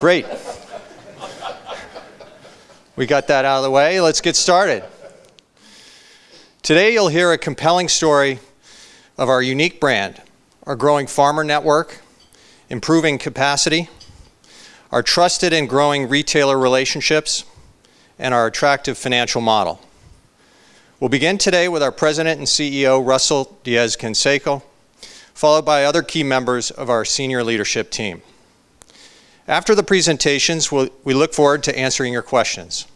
Great. We got that out of the way. Let's get started. Today you'll hear a compelling story of our unique brand, our growing farmer network, improving capacity, our trusted and growing retailer relationships, and our attractive financial model. We'll begin today with our President and CEO, Russell Diez-Canseco, followed by other key members of our senior leadership team. After the presentations, we look forward to answering your questions.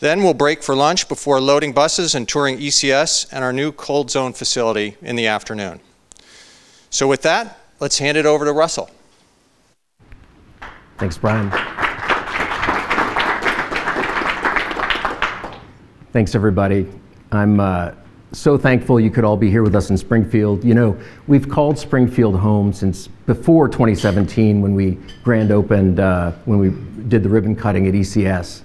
Then we'll break for lunch before loading buses and touring ECS and our new Cold Zone facility in the afternoon. So with that, let's hand it over to Russell. Thanks, Brian. Thanks, everybody. I'm so thankful you could all be here with us in Springfield. You know, we've called Springfield home since before 2017 when we grand opened, when we did the ribbon cutting at ECS,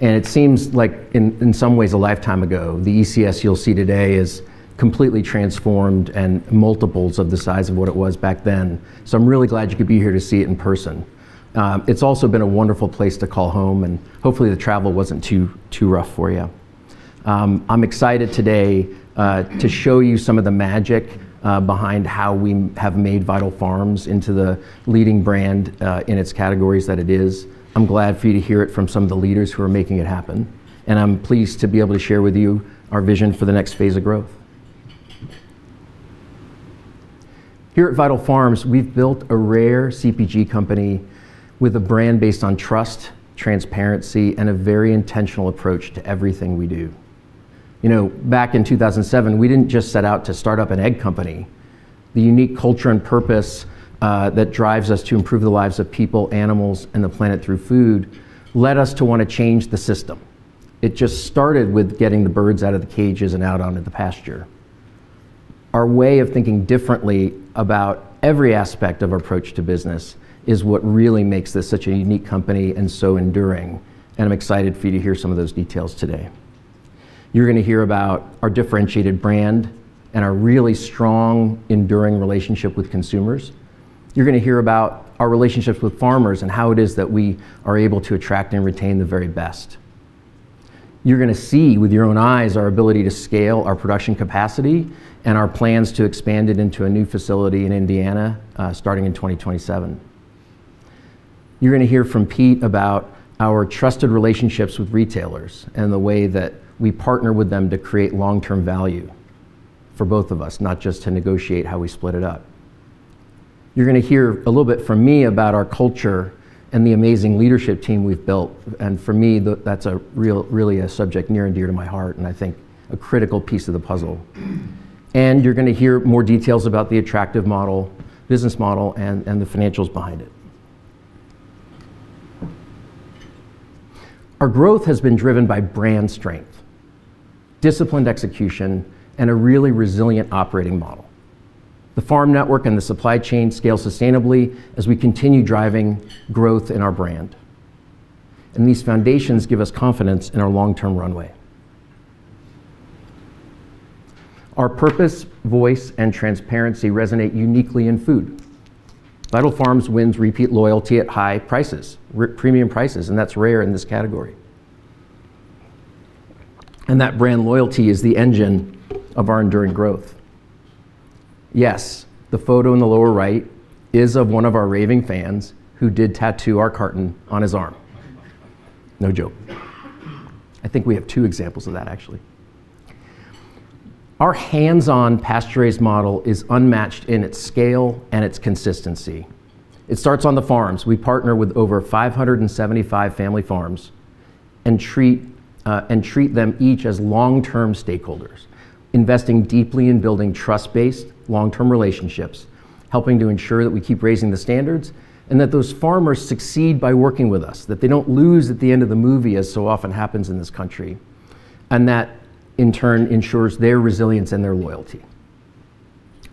and it seems like, in some ways, a lifetime ago. The ECS you'll see today is completely transformed and multiples of the size of what it was back then, so I'm really glad you could be here to see it in person. It's also been a wonderful place to call home, and hopefully the travel wasn't too rough for you. I'm excited today to show you some of the magic behind how we have made Vital Farms into the leading brand in its categories that it is. I'm glad for you to hear it from some of the leaders who are making it happen. I'm pleased to be able to share with you our vision for the next phase of growth. Here at Vital Farms, we've built a rare CPG company with a brand based on trust, transparency, and a very intentional approach to everything we do. You know, back in 2007, we didn't just set out to start up an egg company. The unique culture and purpose that drives us to improve the lives of people, animals, and the planet through food led us to want to change the system. It just started with getting the birds out of the cages and out onto the pasture. Our way of thinking differently about every aspect of our approach to business is what really makes this such a unique company and so enduring. I'm excited for you to hear some of those details today. You're going to hear about our differentiated brand and our really strong, enduring relationship with consumers. You're going to hear about our relationships with farmers and how it is that we are able to attract and retain the very best. You're going to see with your own eyes our ability to scale our production capacity and our plans to expand it into a new facility in Indiana starting in 2027. You're going to hear from Pete about our trusted relationships with retailers and the way that we partner with them to create long-term value for both of us, not just to negotiate how we split it up. You're going to hear a little bit from me about our culture and the amazing leadership team we've built. And for me, that's really a subject near and dear to my heart and I think a critical piece of the puzzle. You're going to hear more details about the attractive model, business model, and the financials behind it. Our growth has been driven by brand strength, disciplined execution, and a really resilient operating model. The farm network and the supply chain scale sustainably as we continue driving growth in our brand. These foundations give us confidence in our long-term runway. Our purpose, voice, and transparency resonate uniquely in food. Vital Farms wins repeat loyalty at high prices, premium prices, and that's rare in this category. That brand loyalty is the engine of our enduring growth. Yes, the photo in the lower right is of one of our raving fans who did tattoo our carton on his arm. No joke. I think we have two examples of that, actually. Our hands-on pasture-raised model is unmatched in its scale and its consistency. It starts on the farms. We partner with over 575 family farms and treat them each as long-term stakeholders, investing deeply in building trust-based long-term relationships, helping to ensure that we keep raising the standards and that those farmers succeed by working with us, that they don't lose at the end of the movie, as so often happens in this country, and that, in turn, ensures their resilience and their loyalty.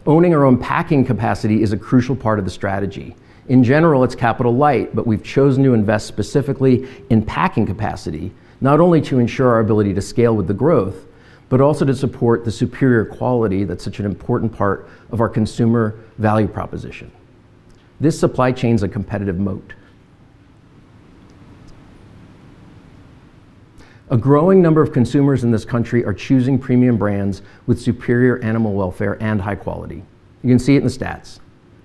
Owning our own packing capacity is a crucial part of the strategy. In general, it's capital light, but we've chosen to invest specifically in packing capacity, not only to ensure our ability to scale with the growth, but also to support the superior quality that's such an important part of our consumer value proposition. This supply chain's a competitive moat. A growing number of consumers in this country are choosing premium brands with superior animal welfare and high quality. You can see it in the stats.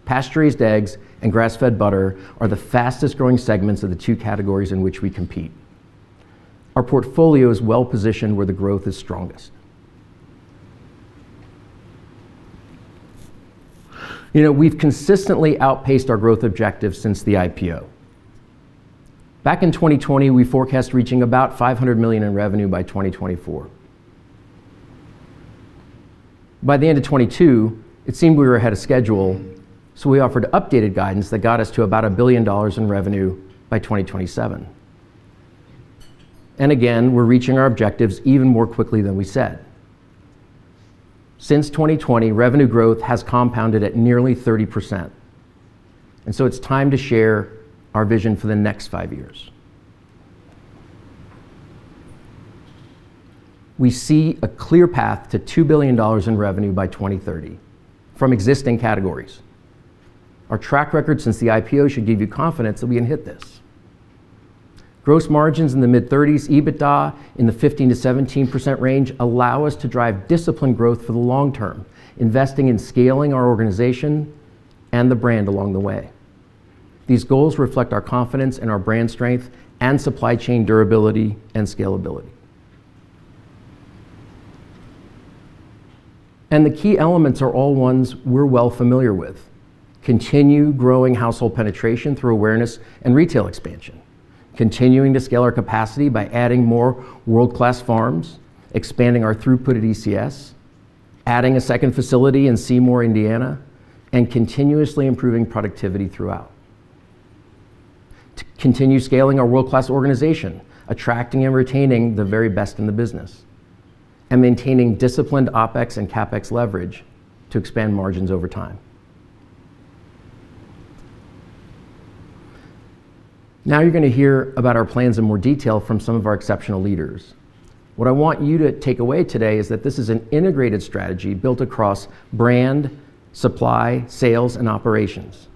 Pasture-raised eggs and grass-fed butter are the fastest-growing segments of the two categories in which we compete. Our portfolio is well-positioned where the growth is strongest. You know, we've consistently outpaced our growth objectives since the IPO. Back in 2020, we forecast reaching about $500 million in revenue by 2024. By the end of 2022, it seemed we were ahead of schedule, so we offered updated guidance that got us to about $1 billion in revenue by 2027. Again, we're reaching our objectives even more quickly than we said. Since 2020, revenue growth has compounded at nearly 30%. It's time to share our vision for the next five years. We see a clear path to $2 billion in revenue by 2030 from existing categories. Our track record since the IPO should give you confidence that we can hit this. Gross margins in the mid-30s, EBITDA in the 15%-17% range allow us to drive disciplined growth for the long term, investing in scaling our organization and the brand along the way. These goals reflect our confidence in our brand strength and supply chain durability and scalability. And the key elements are all ones we're well familiar with: continue growing household penetration through awareness and retail expansion, continuing to scale our capacity by adding more world-class farms, expanding our throughput at ECS, adding a second facility in Seymour, Indiana, and continuously improving productivity throughout, continue scaling our world-class organization, attracting and retaining the very best in the business, and maintaining disciplined OpEx and CapEx leverage to expand margins over time. Now you're going to hear about our plans in more detail from some of our exceptional leaders. What I want you to take away today is that this is an integrated strategy built across brand, supply, sales, and operations.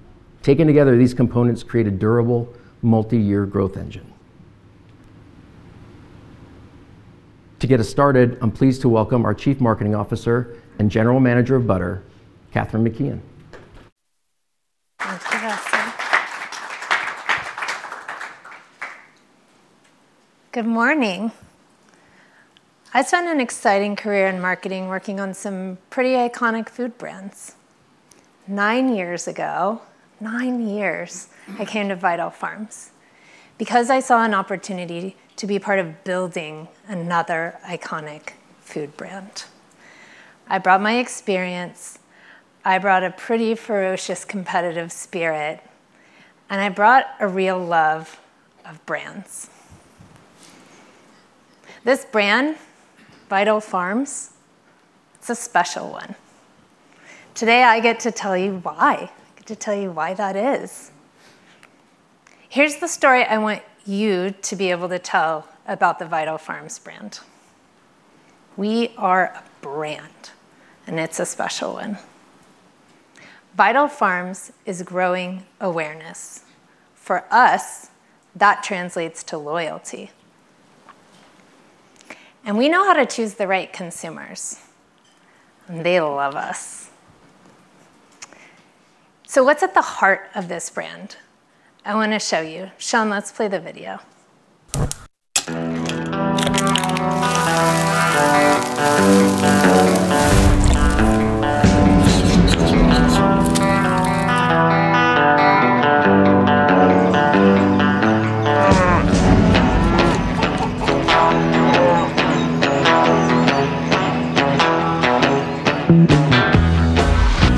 Taken together, these components create a durable multi-year growth engine. To get us started, I'm pleased to welcome our Chief Marketing Officer and General Manager of Butter, Kathryn McKeon. Thanks for having me. Good morning. I spent an exciting career in marketing working on some pretty iconic food brands. Nine years ago, nine years, I came to Vital Farms because I saw an opportunity to be part of building another iconic food brand. I brought my experience, I brought a pretty ferocious competitive spirit, and I brought a real love of brands. This brand, Vital Farms, it's a special one. Today I get to tell you why. I get to tell you why that is. Here's the story I want you to be able to tell about the Vital Farms brand. We are a brand, and it's a special one. Vital Farms is growing awareness. For us, that translates to loyalty. And we know how to choose the right consumers, and they love us. So what's at the heart of this brand? I want to show you. Sean, let's play the video.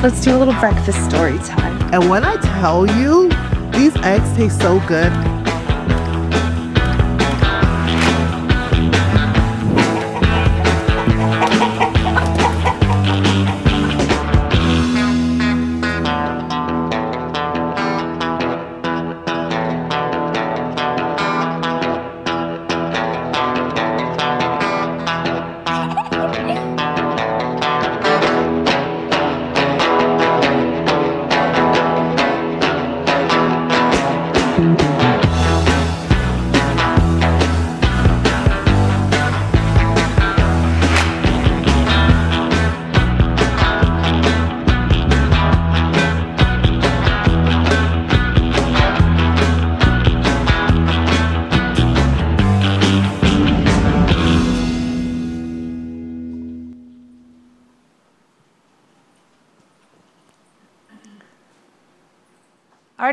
Let's do a little breakfast story time. When I tell you, these eggs taste so good.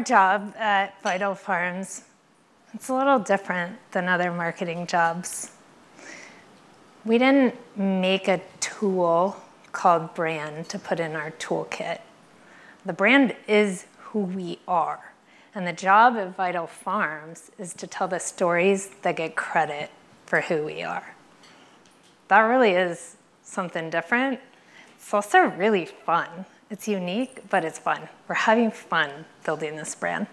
Our job at Vital Farms, it's a little different than other marketing jobs. We didn't make a tool called brand to put in our toolkit. The brand is who we are. And the job of Vital Farms is to tell the stories that get credit for who we are. That really is something different. It's also really fun. It's unique, but it's fun. We're having fun building this brand.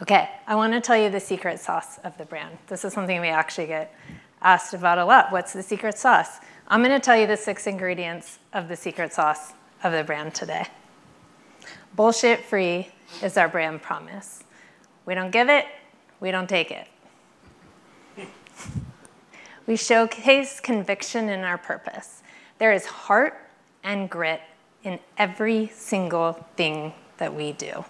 Okay, I want to tell you the secret sauce of the brand. This is something we actually get asked about a lot. What's the secret sauce? I'm going to tell you the six ingredients of the secret sauce of the brand today. Bullshit-free is our brand promise. We don't give it, we don't take it. We showcase conviction in our purpose. There is heart and grit in every single thing that we do,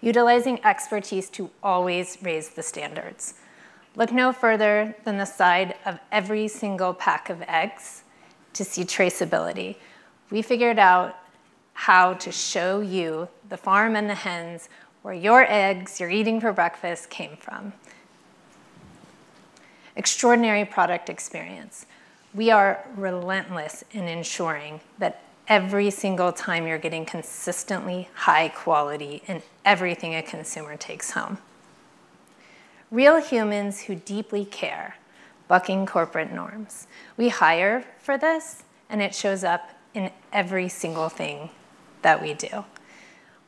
utilizing expertise to always raise the standards. Look no further than the side of every single pack of eggs to see traceability. We figured out how to show you the farm and the hens where your eggs you're eating for breakfast came from. Extraordinary product experience. We are relentless in ensuring that every single time you're getting consistently high quality in everything a consumer takes home. Real humans who deeply care, bucking corporate norms. We hire for this, and it shows up in every single thing that we do.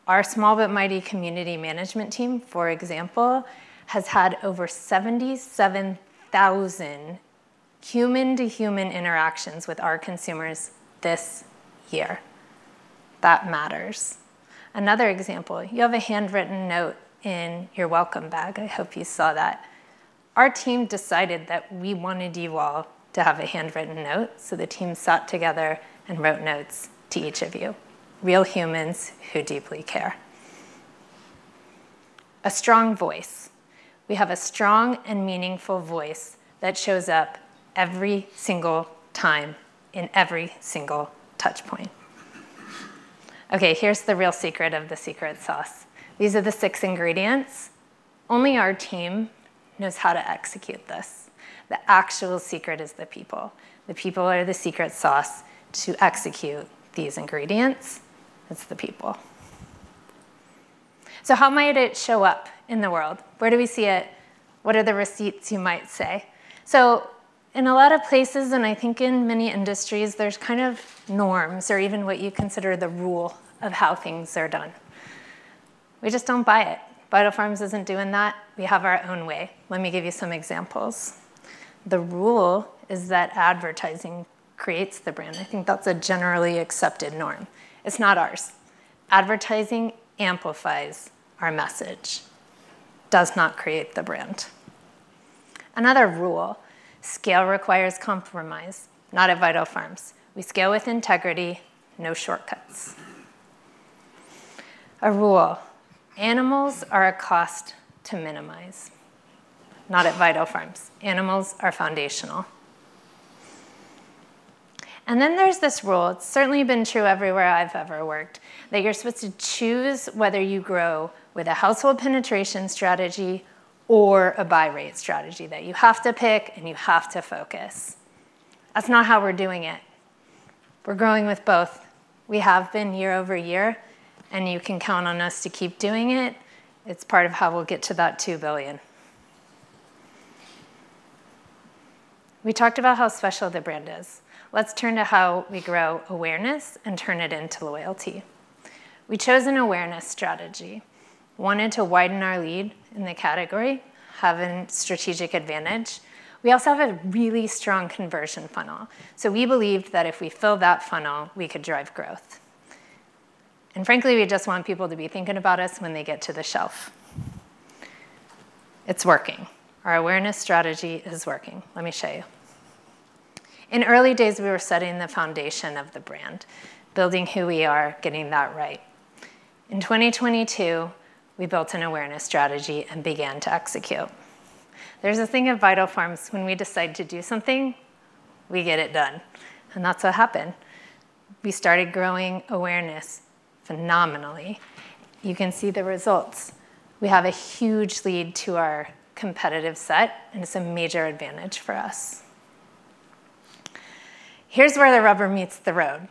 Our small but mighty community management team, for example, has had over 77,000 human-to-human interactions with our consumers this year. That matters. Another example, you have a handwritten note in your welcome bag. I hope you saw that. Our team decided that we wanted you all to have a handwritten note, so the team sat together and wrote notes to each of you. Real humans who deeply care. A strong voice. We have a strong and meaningful voice that shows up every single time in every single touchpoint. Okay, here's the real secret of the secret sauce. These are the six ingredients. Only our team knows how to execute this. The actual secret is the people. The people are the secret sauce to execute these ingredients. It's the people. So how might it show up in the world? Where do we see it? What are the receipts you might say? So in a lot of places, and I think in many industries, there's kind of norms or even what you consider the rule of how things are done. We just don't buy it. Vital Farms isn't doing that. We have our own way. Let me give you some examples. The rule is that advertising creates the brand. I think that's a generally accepted norm. It's not ours. Advertising amplifies our message, does not create the brand. Another rule, scale requires compromise, not at Vital Farms. We scale with integrity, no shortcuts. A rule, animals are a cost to minimize, not at Vital Farms. Animals are foundational. And then there's this rule, it's certainly been true everywhere I've ever worked, that you're supposed to choose whether you grow with a household penetration strategy or a buy rate strategy, that you have to pick and you have to focus. That's not how we're doing it. We're growing with both. We have been year over year, and you can count on us to keep doing it. It's part of how we'll get to that $2 billion. We talked about how special the brand is. Let's turn to how we grow awareness and turn it into loyalty. We chose an awareness strategy, wanted to widen our lead in the category, have a strategic advantage. We also have a really strong conversion funnel, so we believed that if we fill that funnel, we could drive growth. And frankly, we just want people to be thinking about us when they get to the shelf. It's working. Our awareness strategy is working. Let me show you. In early days, we were setting the foundation of the brand, building who we are, getting that right. In 2022, we built an awareness strategy and began to execute. There's a thing at Vital Farms; when we decide to do something, we get it done, and that's what happened. We started growing awareness phenomenally. You can see the results. We have a huge lead to our competitive set, and it's a major advantage for us. Here's where the rubber meets the road.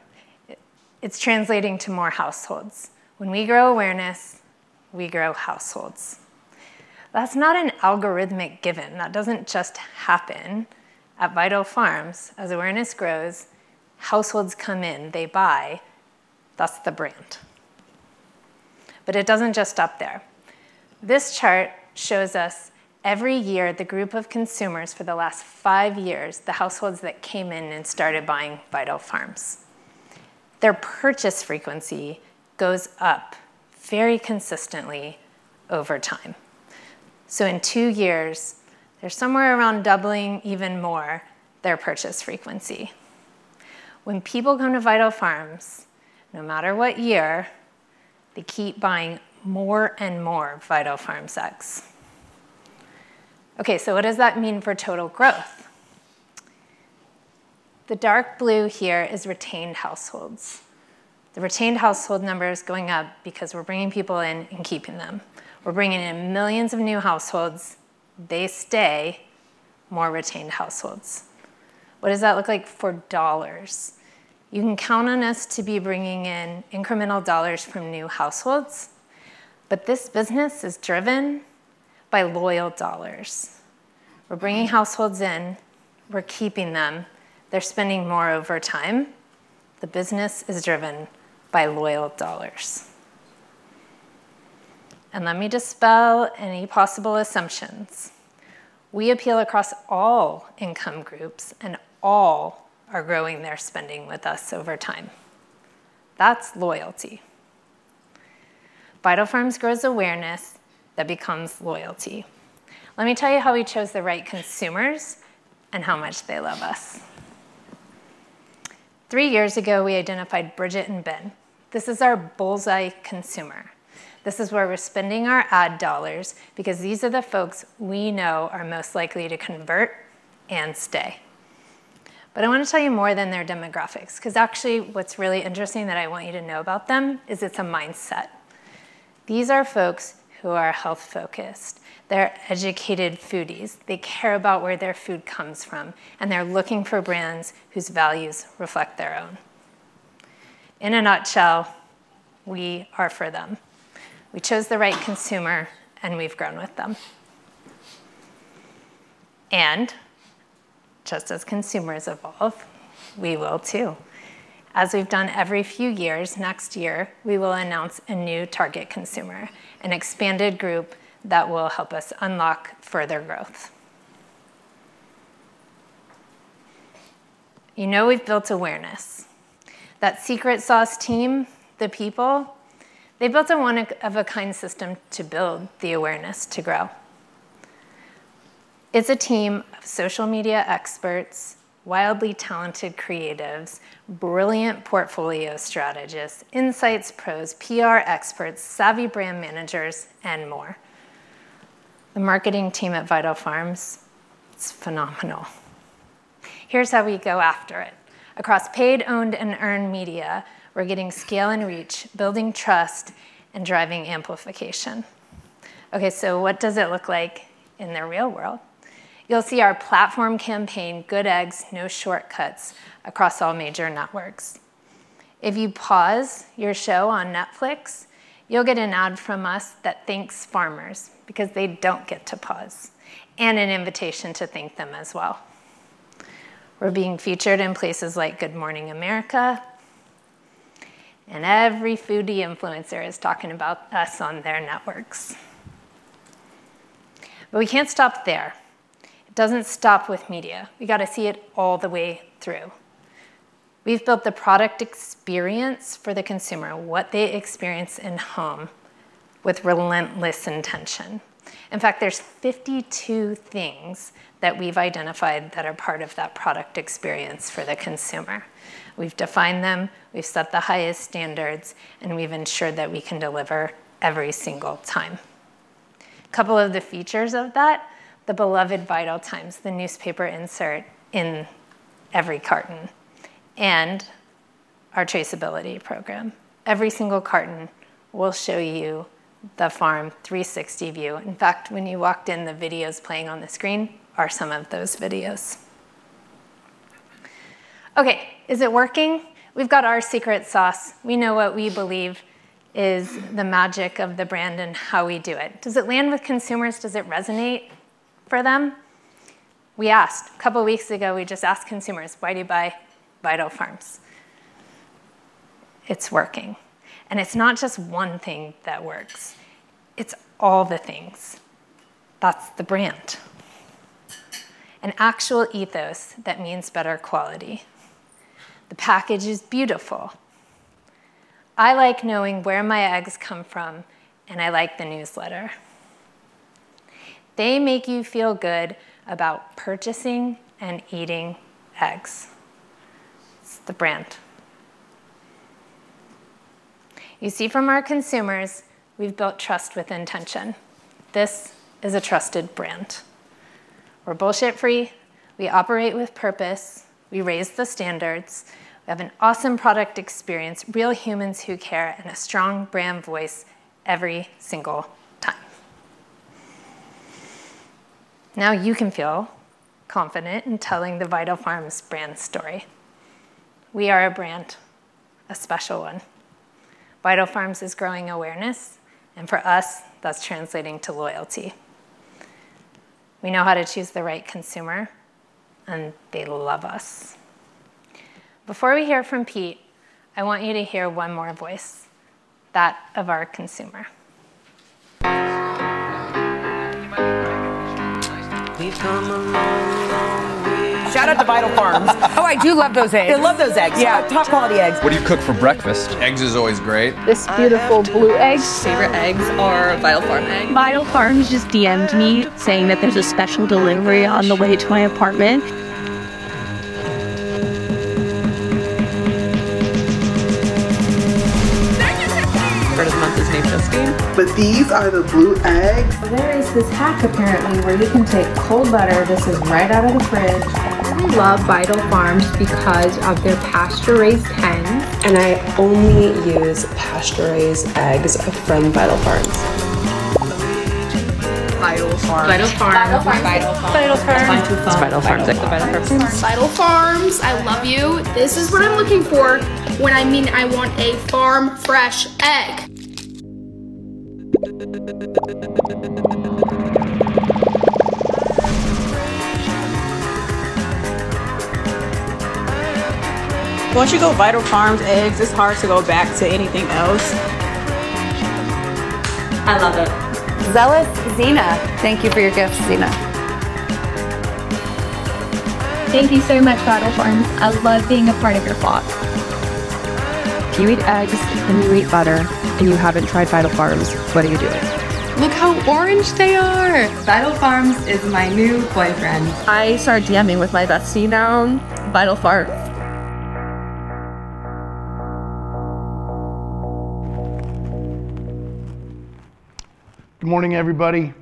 It's translating to more households. When we grow awareness, we grow households. That's not an algorithmic given. That doesn't just happen. At Vital Farms, as awareness grows, households come in, they buy. That's the brand. But it doesn't just stop there. This chart shows us every year the group of consumers for the last five years, the households that came in and started buying Vital Farms. Their purchase frequency goes up very consistently over time. So in two years, they're somewhere around doubling even more their purchase frequency. When people come to Vital Farms, no matter what year, they keep buying more and more Vital Farms eggs. Okay, so what does that mean for total growth? The dark blue here is retained households. The retained household number is going up because we're bringing people in and keeping them. We're bringing in millions of new households. They stay, more retained households. What does that look like for dollars? You can count on us to be bringing in incremental dollars from new households, but this business is driven by loyal dollars. We're bringing households in, we're keeping them, they're spending more over time. The business is driven by loyal dollars. And let me dispel any possible assumptions. We appeal across all income groups, and all are growing their spending with us over time. That's loyalty. Vital Farms grows awareness that becomes loyalty. Let me tell you how we chose the right consumers and how much they love us. Three years ago, we identified Bridget and Ben. This is our bullseye consumer. This is where we're spending our ad dollars because these are the folks we know are most likely to convert and stay. But I want to tell you more than their demographics because actually what's really interesting that I want you to know about them is it's a mindset. These are folks who are health-focused. They're educated foodies. They care about where their food comes from, and they're looking for brands whose values reflect their own. In a nutshell, we are for them. We chose the right consumer, and we've grown with them. And just as consumers evolve, we will too. As we've done every few years, next year, we will announce a new target consumer, an expanded group that will help us unlock further growth. You know we've built awareness. That secret sauce team, the people, they built a one-of-a-kind system to build the awareness to grow. It's a team of social media experts, wildly talented creatives, brilliant portfolio strategists, insights pros, PR experts, savvy brand managers, and more. The marketing team at Vital Farms, it's phenomenal. Here's how we go after it. Across paid, owned, and earned media, we're getting scale and reach, building trust, and driving amplification. Okay, so what does it look like in the real world? You'll see our platform campaign, Good Eggs, no shortcuts across all major networks. If you pause your show on Netflix, you'll get an ad from us that thanks farmers because they don't get to pause, and an invitation to thank them as well. We're being featured in places like Good Morning America, and every foodie influencer is talking about us on their networks. But we can't stop there. It doesn't stop with media. We got to see it all the way through. We've built the product experience for the consumer, what they experience in home with relentless intention. In fact, there's 52 things that we've identified that are part of that product experience for the consumer. We've defined them, we've set the highest standards, and we've ensured that we can deliver every single time. A couple of the features of that, the beloved Vital Times, the newspaper insert in every carton, and our traceability program. Every single carton will show you the farm 360 view. In fact, when you walked in, the videos playing on the screen are some of those videos. Okay, is it working? We've got our secret sauce. We know what we believe is the magic of the brand and how we do it. Does it land with consumers? Does it resonate for them? We asked. A couple of weeks ago, we just asked consumers, why do you buy Vital Farms? It's working. And it's not just one thing that works. It's all the things. That's the brand. An actual ethos that means better quality. The package is beautiful. I like knowing where my eggs come from, and I like the newsletter. They make you feel good about purchasing and eating eggs. It's the brand. You see, from our consumers, we've built trust with intention. This is a trusted brand. We're bullshit-free. We operate with purpose. We raise the standards. We have an awesome product experience, real humans who care, and a strong brand voice every single time. Now you can feel confident in telling the Vital Farms brand story. We are a brand, a special one. Vital Farms is growing awareness, and for us, that's translating to loyalty. We know how to choose the right consumer, and they love us. Before we hear from Pete, I want you to hear one more voice, that of our consumer. We've come a long, long way. Shout out to Vital Farms. Oh, I do love those eggs. They love those eggs. Yeah, top quality eggs. What do you cook for breakfast? Eggs are always great. This beautiful blue egg. Favorite eggs are Vital Farms eggs. Vital Farms just DMed me saying that there's a special delivery on the way to my apartment. Thank you, Christine. Part of the month is May 15th. But these are the blue eggs. There is this hack apparently where you can take cold butter. This is right out of the fridge. I really love Vital Farms because of their pasture-raised hens. And I only use pasture-raised eggs from Vital Farms. Vital Farms. Vital Farms. Vital Farms. Vital Farms. Vital Farms. I love you. This is what I'm looking for when I mean I want a farm-fresh egg. Once you go Vital Farms eggs, it's hard to go back to anything else. I love it. Zella, Zina. Thank you for your gifts, Zina. Thank you so much, Vital Farms. I love being a part of your flock. If you eat eggs and you eat butter and you haven't tried Vital Farms, what are you doing? Look how orange they are. Vital Farms is my new boyfriend. I start DMing with my bestie now, Vital Farms. Good morning, everybody.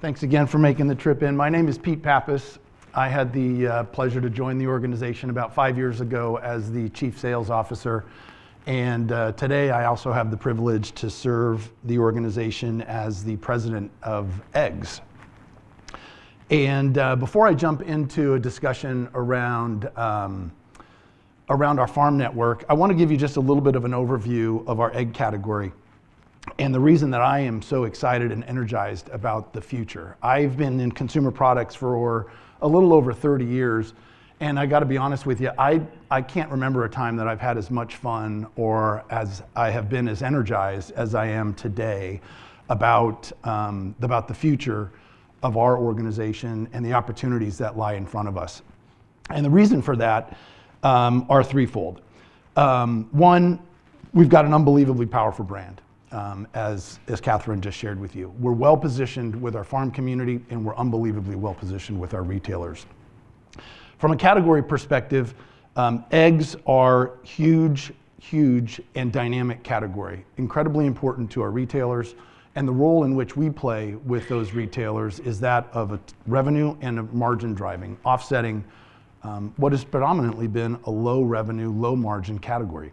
Thanks again for making the trip in. My name is Pete Pappas. I had the pleasure to join the organization about five years ago as the Chief Sales Officer, and today, I also have the privilege to serve the organization as the President of Eggs. Before I jump into a discussion around our farm network, I want to give you just a little bit of an overview of our egg category and the reason that I am so excited and energized about the future. I've been in consumer products for a little over 30 years, and I got to be honest with you, I can't remember a time that I've had as much fun or as I have been as energized as I am today about the future of our organization and the opportunities that lie in front of us. The reason for that is threefold. One, we've got an unbelievably powerful brand, as Kathryn just shared with you. We're well-positioned with our farm community, and we're unbelievably well-positioned with our retailers. From a category perspective, eggs are a huge, huge and dynamic category, incredibly important to our retailers. And the role in which we play with those retailers is that of revenue and margin driving, offsetting what has predominantly been a low-revenue, low-margin category.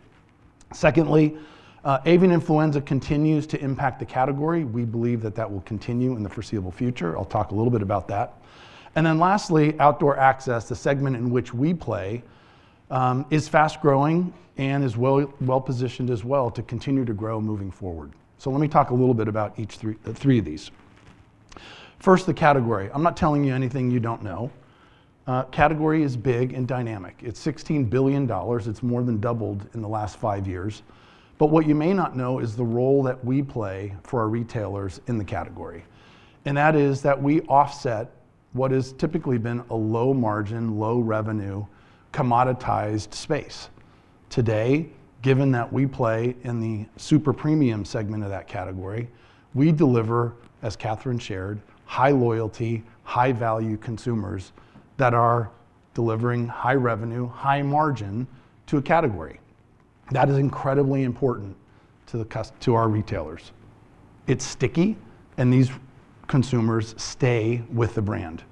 Secondly, avian influenza continues to impact the category. We believe that that will continue in the foreseeable future. I'll talk a little bit about that. And then lastly, outdoor access, the segment in which we play, is fast-growing and is well-positioned as well to continue to grow moving forward. So let me talk a little bit about three of these. First, the category. I'm not telling you anything you don't know. Category is big and dynamic. It's $16 billion. It's more than doubled in the last five years. But what you may not know is the role that we play for our retailers in the category. And that is that we offset what has typically been a low-margin, low-revenue, commoditized space. Today, given that we play in the super premium segment of that category, we deliver, as Kathryn shared, high-loyalty, high-value consumers that are delivering high revenue, high margin to a category. That is incredibly important to our retailers. It's sticky, and these consumers stay with the brand.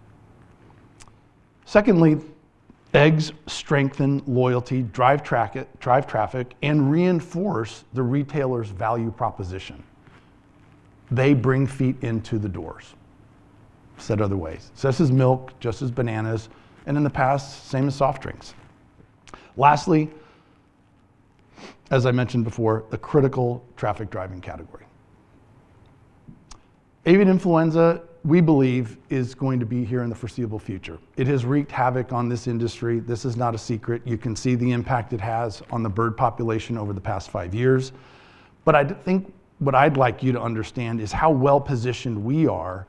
Secondly, eggs strengthen loyalty, drive traffic, and reinforce the retailer's value proposition. They bring feet into the doors, said other ways. Just as milk, just as bananas, and in the past, same as soft drinks. Lastly, as I mentioned before, the critical traffic driving category. Avian influenza, we believe, is going to be here in the foreseeable future. It has wreaked havoc on this industry. This is not a secret. You can see the impact it has on the bird population over the past five years. But I think what I'd like you to understand is how well-positioned we are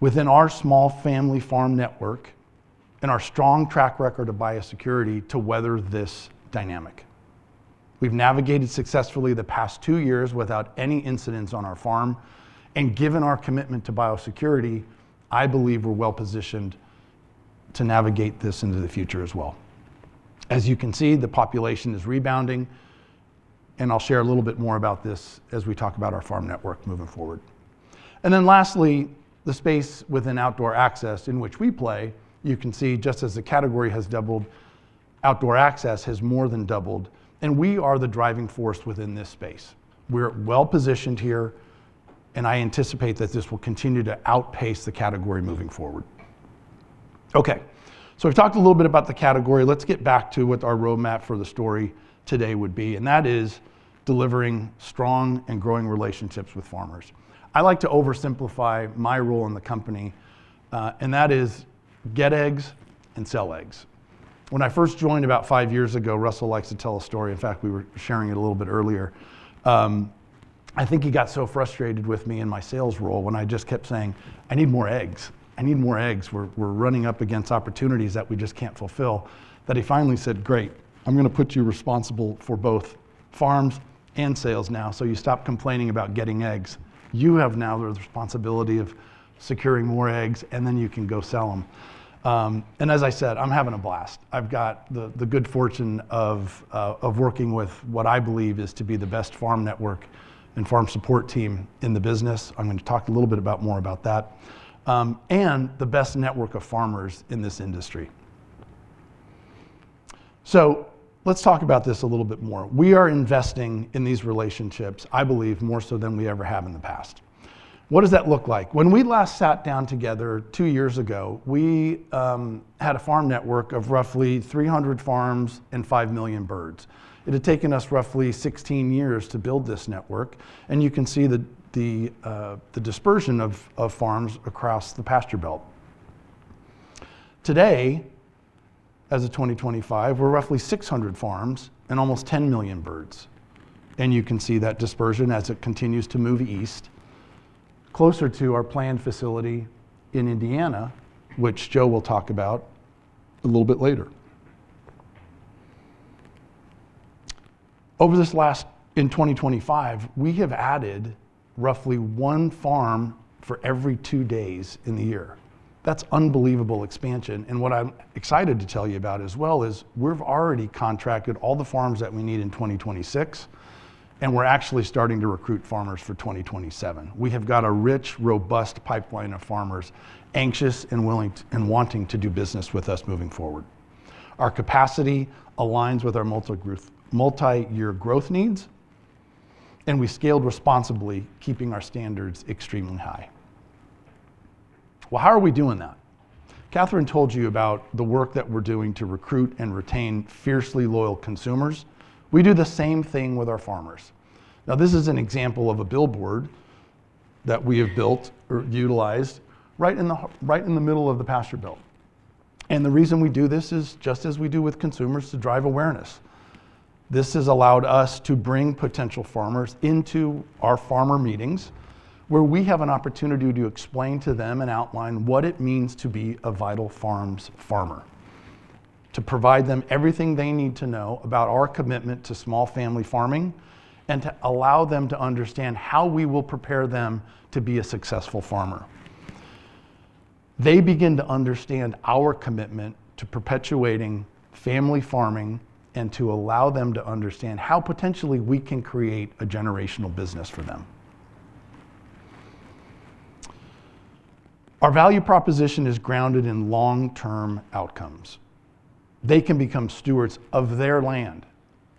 within our small family farm network and our strong track record of biosecurity to weather this dynamic. We've navigated successfully the past two years without any incidents on our farm, and given our commitment to biosecurity, I believe we're well-positioned to navigate this into the future as well. As you can see, the population is rebounding, and I'll share a little bit more about this as we talk about our farm network moving forward, and then lastly, the space within outdoor access in which we play. You can see just as the category has doubled, outdoor access has more than doubled, and we are the driving force within this space. We're well-positioned here, and I anticipate that this will continue to outpace the category moving forward. Okay, so we've talked a little bit about the category. Let's get back to what our roadmap for the story today would be, and that is delivering strong and growing relationships with farmers. I like to oversimplify my role in the company, and that is get eggs and sell eggs. When I first joined about five years ago, Russell likes to tell a story. In fact, we were sharing it a little bit earlier. I think he got so frustrated with me in my sales role when I just kept saying, "I need more eggs. I need more eggs. We're running up against opportunities that we just can't fulfill," that he finally said, "Great. I'm going to put you responsible for both farms and sales now, so you stop complaining about getting eggs. You have now the responsibility of securing more eggs, and then you can go sell them." And as I said, I'm having a blast. I've got the good fortune of working with what I believe is to be the best farm network and farm support team in the business. I'm going to talk a little bit more about that and the best network of farmers in this industry. So let's talk about this a little bit more. We are investing in these relationships, I believe, more so than we ever have in the past. What does that look like? When we last sat down together two years ago, we had a farm network of roughly 300 farms and 5 million birds. It had taken us roughly 16 years to build this network, and you can see the dispersion of farms across the Pasture Belt. Today, as of 2025, we're roughly 600 farms and almost 10 million birds. You can see that dispersion as it continues to move east, closer to our planned facility in Indiana, which Joe will talk about a little bit later. Over the last year in 2025, we have added roughly one farm for every two days in the year. That's unbelievable expansion. What I'm excited to tell you about as well is we've already contracted all the farms that we need in 2026, and we're actually starting to recruit farmers for 2027. We have got a rich, robust pipeline of farmers anxious and willing and wanting to do business with us moving forward. Our capacity aligns with our multi-year growth needs, and we scaled responsibly, keeping our standards extremely high. How are we doing that? Kathryn told you about the work that we're doing to recruit and retain fiercely loyal consumers. We do the same thing with our farmers. Now, this is an example of a billboard that we have built or utilized right in the middle of the Pasture Belt, and the reason we do this is just as we do with consumers to drive awareness. This has allowed us to bring potential farmers into our farmer meetings where we have an opportunity to explain to them and outline what it means to be a Vital Farms farmer, to provide them everything they need to know about our commitment to small family farming and to allow them to understand how we will prepare them to be a successful farmer. They begin to understand our commitment to perpetuating family farming and to allow them to understand how potentially we can create a generational business for them. Our value proposition is grounded in long-term outcomes. They can become stewards of their land.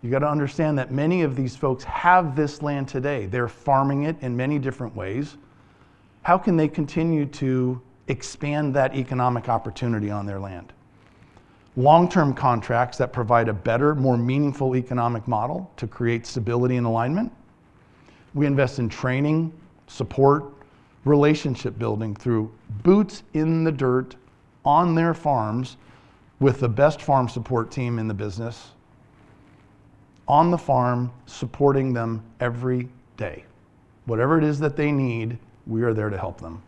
You got to understand that many of these folks have this land today. They're farming it in many different ways. How can they continue to expand that economic opportunity on their land? Long-term contracts that provide a better, more meaningful economic model to create stability and alignment. We invest in training, support, relationship building through boots in the dirt on their farms with the best farm support team in the business on the farm, supporting them every day. Whatever it is that they need, we are there to help them.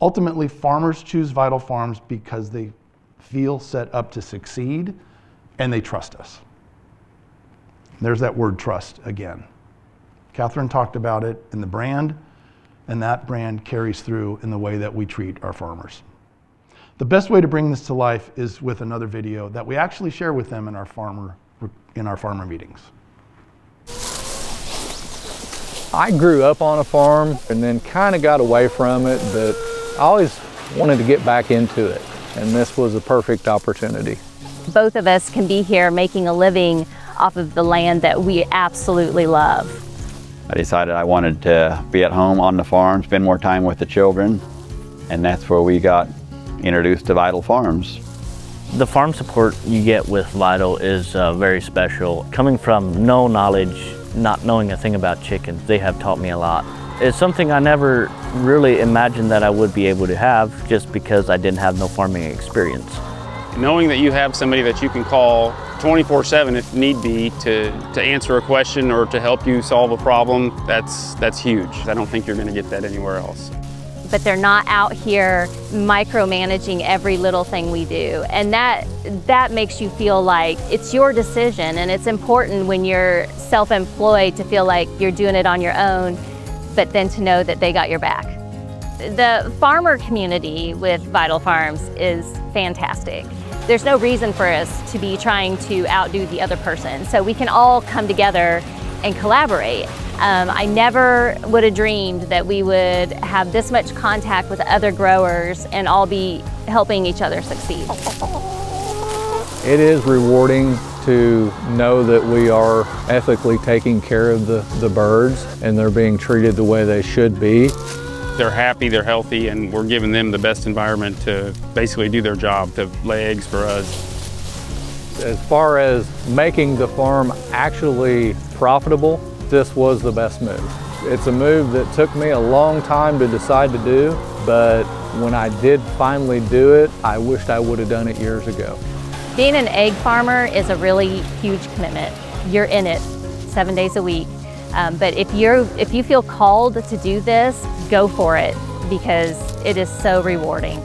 Ultimately, farmers choose Vital Farms because they feel set up to succeed, and they trust us. There's that word trust again. Kathryn talked about it in the brand, and that brand carries through in the way that we treat our farmers. The best way to bring this to life is with another video that we actually share with them in our farmer meetings. I grew up on a farm and then kind of got away from it, but I always wanted to get back into it, and this was a perfect opportunity. Both of us can be here making a living off of the land that we absolutely love. I decided I wanted to be at home on the farm, spend more time with the children, and that's where we got introduced to Vital Farms. The farm support you get with Vital is very special. Coming from no knowledge, not knowing a thing about chickens, they have taught me a lot. It's something I never really imagined that I would be able to have just because I didn't have no farming experience. Knowing that you have somebody that you can call 24/7 if need be to answer a question or to help you solve a problem, that's huge. I don't think you're going to get that anywhere else. But they're not out here micromanaging every little thing we do. And that makes you feel like it's your decision, and it's important when you're self-employed to feel like you're doing it on your own, but then to know that they got your back. The farmer community with Vital Farms is fantastic. There's no reason for us to be trying to outdo the other person. So we can all come together and collaborate. I never would have dreamed that we would have this much contact with other growers and all be helping each other succeed. It is rewarding to know that we are ethically taking care of the birds, and they're being treated the way they should be. They're happy, they're healthy, and we're giving them the best environment to basically do their job, to lay eggs for us. As far as making the farm actually profitable, this was the best move. It's a move that took me a long time to decide to do, but when I did finally do it, I wished I would have done it years ago. Being an egg farmer is a really huge commitment. You're in it seven days a week. But if you feel called to do this, go for it because it is so rewarding.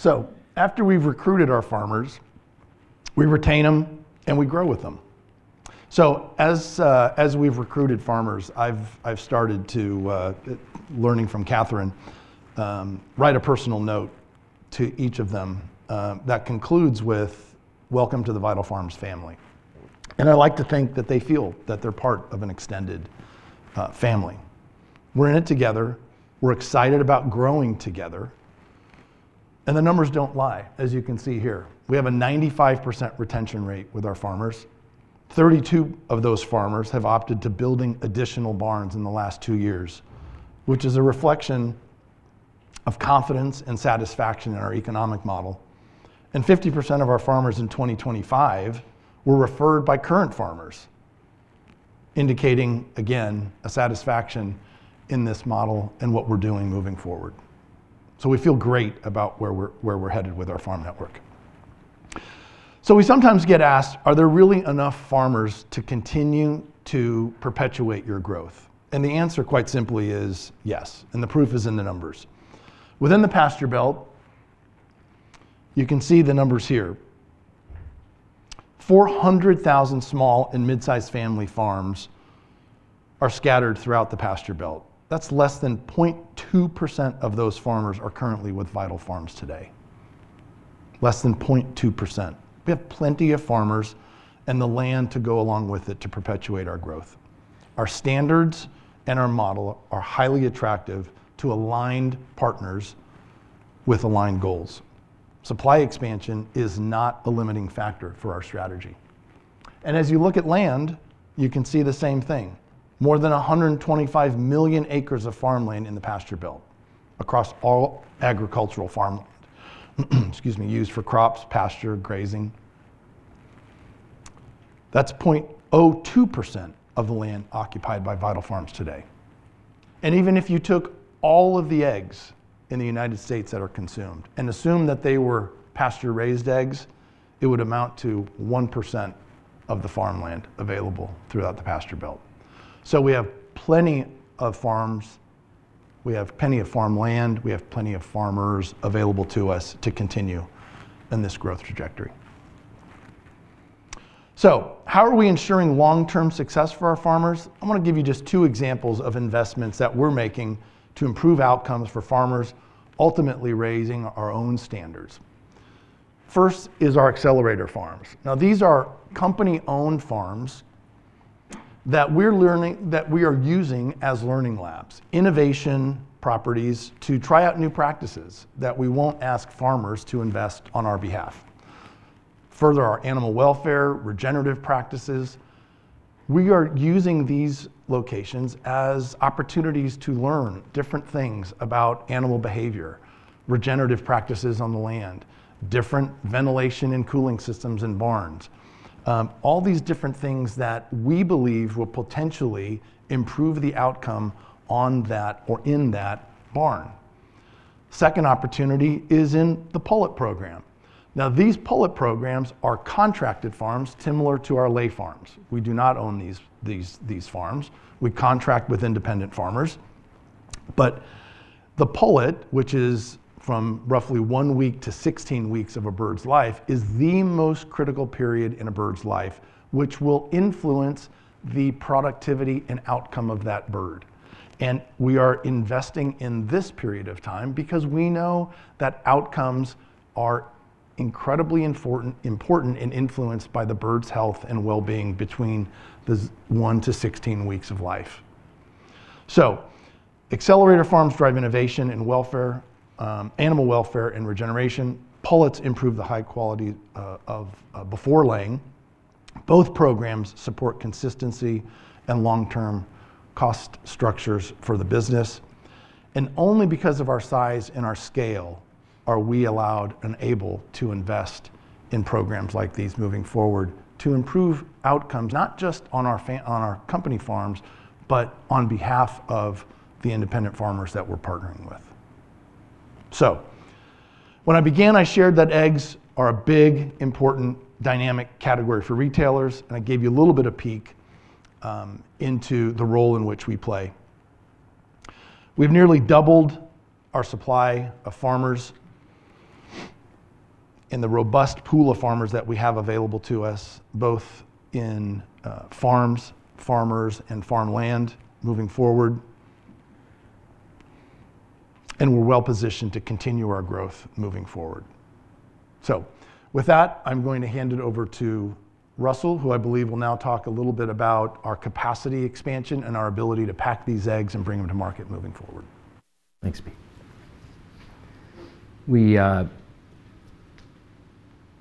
So after we've recruited our farmers, we retain them and we grow with them. So as we've recruited farmers, I've started to, learning from Kathryn, write a personal note to each of them that concludes with, "Welcome to the Vital Farms family." And I like to think that they feel that they're part of an extended family. We're in it together. We're excited about growing together. And the numbers don't lie, as you can see here. We have a 95% retention rate with our farmers. 32 of those farmers have opted to build additional barns in the last two years, which is a reflection of confidence and satisfaction in our economic model. And 50% of our farmers in 2025 were referred by current farmers, indicating, again, a satisfaction in this model and what we're doing moving forward. So we feel great about where we're headed with our farm network. So we sometimes get asked, "Are there really enough farmers to continue to perpetuate your growth?" And the answer, quite simply, is yes. And the proof is in the numbers. Within the Pasture Belt, you can see the numbers here. 400,000 small and mid-sized family farms are scattered throughout the Pasture Belt. That's less than 0.2% of those farmers are currently with Vital Farms today. Less than 0.2%. We have plenty of farmers and the land to go along with it to perpetuate our growth. Our standards and our model are highly attractive to aligned partners with aligned goals. Supply expansion is not a limiting factor for our strategy. And as you look at land, you can see the same thing. More than 125 million acres of farmland in the Pasture Belt across all agricultural farmland, excuse me, used for crops, pasture, grazing. That's 0.02% of the land occupied by Vital Farms today. Even if you took all of the eggs in the United States that are consumed and assumed that they were pasture-raised eggs, it would amount to 1% of the farmland available throughout the Pasture Belt. We have plenty of farms. We have plenty of farmland. We have plenty of farmers available to us to continue in this growth trajectory. How are we ensuring long-term success for our farmers? I want to give you just two examples of investments that we're making to improve outcomes for farmers, ultimately raising our own standards. First is our Accelerator Farms. Now, these are company-owned farms that we are using as learning labs, innovation properties to try out new practices that we won't ask farmers to invest on our behalf. Further, our animal welfare, regenerative practices. We are using these locations as opportunities to learn different things about animal behavior, regenerative practices on the land, different ventilation and cooling systems in barns, all these different things that we believe will potentially improve the outcome on that or in that barn. Second opportunity is in the pullet program. Now, these pullet programs are contracted farms similar to our lay farms. We do not own these farms. We contract with independent farmers. But the pullet, which is from roughly one week to 16 weeks of a bird's life, is the most critical period in a bird's life, which will influence the productivity and outcome of that bird. And we are investing in this period of time because we know that outcomes are incredibly important and influenced by the bird's health and well-being between the one to 16 weeks of life. Accelerator Farms drive innovation and welfare, animal welfare and regeneration. Pullets improve the high quality of before laying. Both programs support consistency and long-term cost structures for the business. Only because of our size and our scale are we allowed and able to invest in programs like these moving forward to improve outcomes, not just on our company farms, but on behalf of the independent farmers that we're partnering with. When I began, I shared that eggs are a big, important dynamic category for retailers, and I gave you a little bit of peek into the role in which we play. We've nearly doubled our supply of farmers and the robust pool of farmers that we have available to us, both in farms, farmers, and farmland moving forward. We're well positioned to continue our growth moving forward. So with that, I'm going to hand it over to Russell, who I believe will now talk a little bit about our capacity expansion and our ability to pack these eggs and bring them to market moving forward. Thanks, Pete.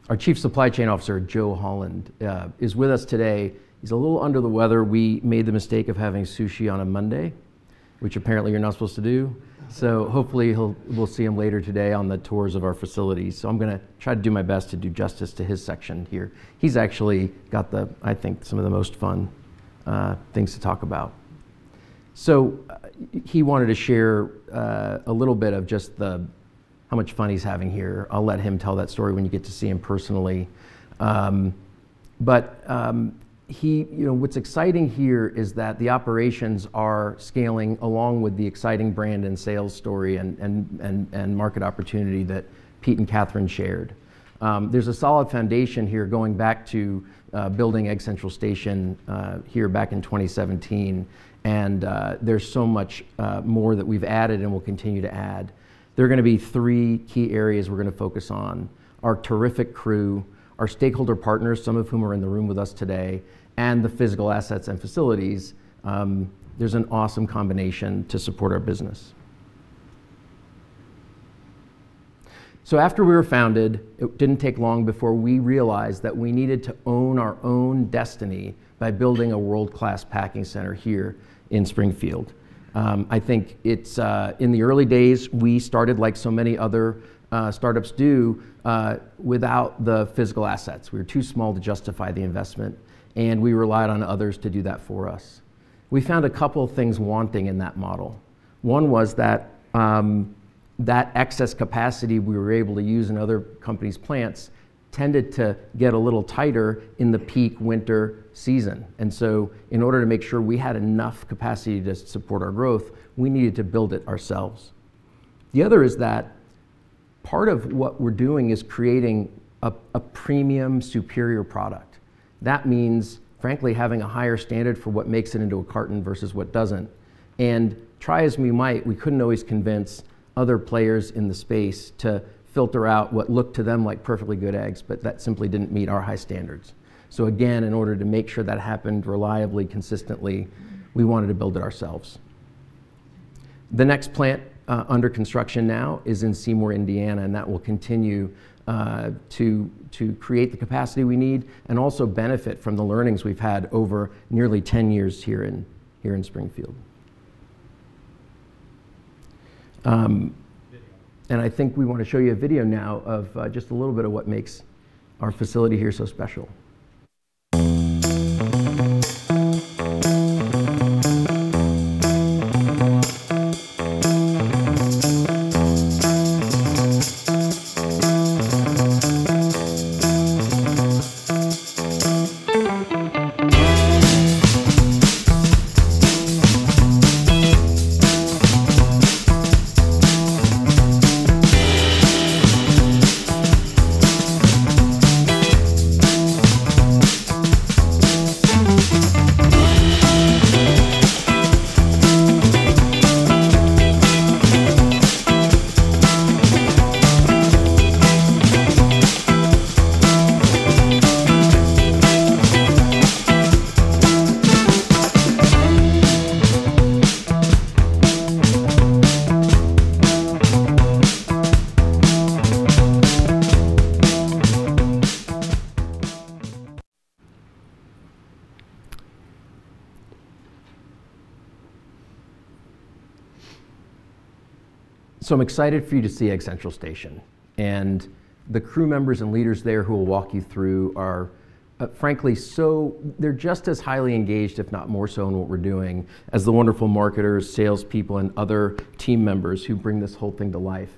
Our Chief Supply Chain Officer, Joe Holland, is with us today. He's a little under the weather. We made the mistake of having sushi on a Monday, which apparently you're not supposed to do. So hopefully we'll see him later today on the tours of our facilities. So I'm going to try to do my best to do justice to his section here. He's actually got the, I think, some of the most fun things to talk about. So he wanted to share a little bit of just how much fun he's having here. I'll let him tell that story when you get to see him personally. But what's exciting here is that the operations are scaling along with the exciting brand and sales story and market opportunity that Pete and Kathryn shared. There's a solid foundation here going back to building Egg Central Station here back in 2017. And there's so much more that we've added and will continue to add. There are going to be three key areas we're going to focus on: our terrific crew, our stakeholder partners, some of whom are in the room with us today, and the physical assets and facilities. There's an awesome combination to support our business. So after we were founded, it didn't take long before we realized that we needed to own our own destiny by building a world-class packing center here in Springfield. I think in the early days, we started like so many other startups do without the physical assets. We were too small to justify the investment, and we relied on others to do that for us. We found a couple of things wanting in that model. One was that that excess capacity we were able to use in other companies' plants tended to get a little tighter in the peak winter season. And so in order to make sure we had enough capacity to support our growth, we needed to build it ourselves. The other is that part of what we're doing is creating a premium superior product. That means, frankly, having a higher standard for what makes it into a carton versus what doesn't. And try as we might, we couldn't always convince other players in the space to filter out what looked to them like perfectly good eggs, but that simply didn't meet our high standards. So again, in order to make sure that happened reliably, consistently, we wanted to build it ourselves. The next plant under construction now is in Seymour, Indiana, and that will continue to create the capacity we need and also benefit from the learnings we've had over nearly 10 years here in Springfield. And I think we want to show you a video now of just a little bit of what makes our facility here so special. So I'm excited for you to see Egg Central Station. And the crew members and leaders there who will walk you through are, frankly, so they're just as highly engaged, if not more so in what we're doing, as the wonderful marketers, salespeople, and other team members who bring this whole thing to life.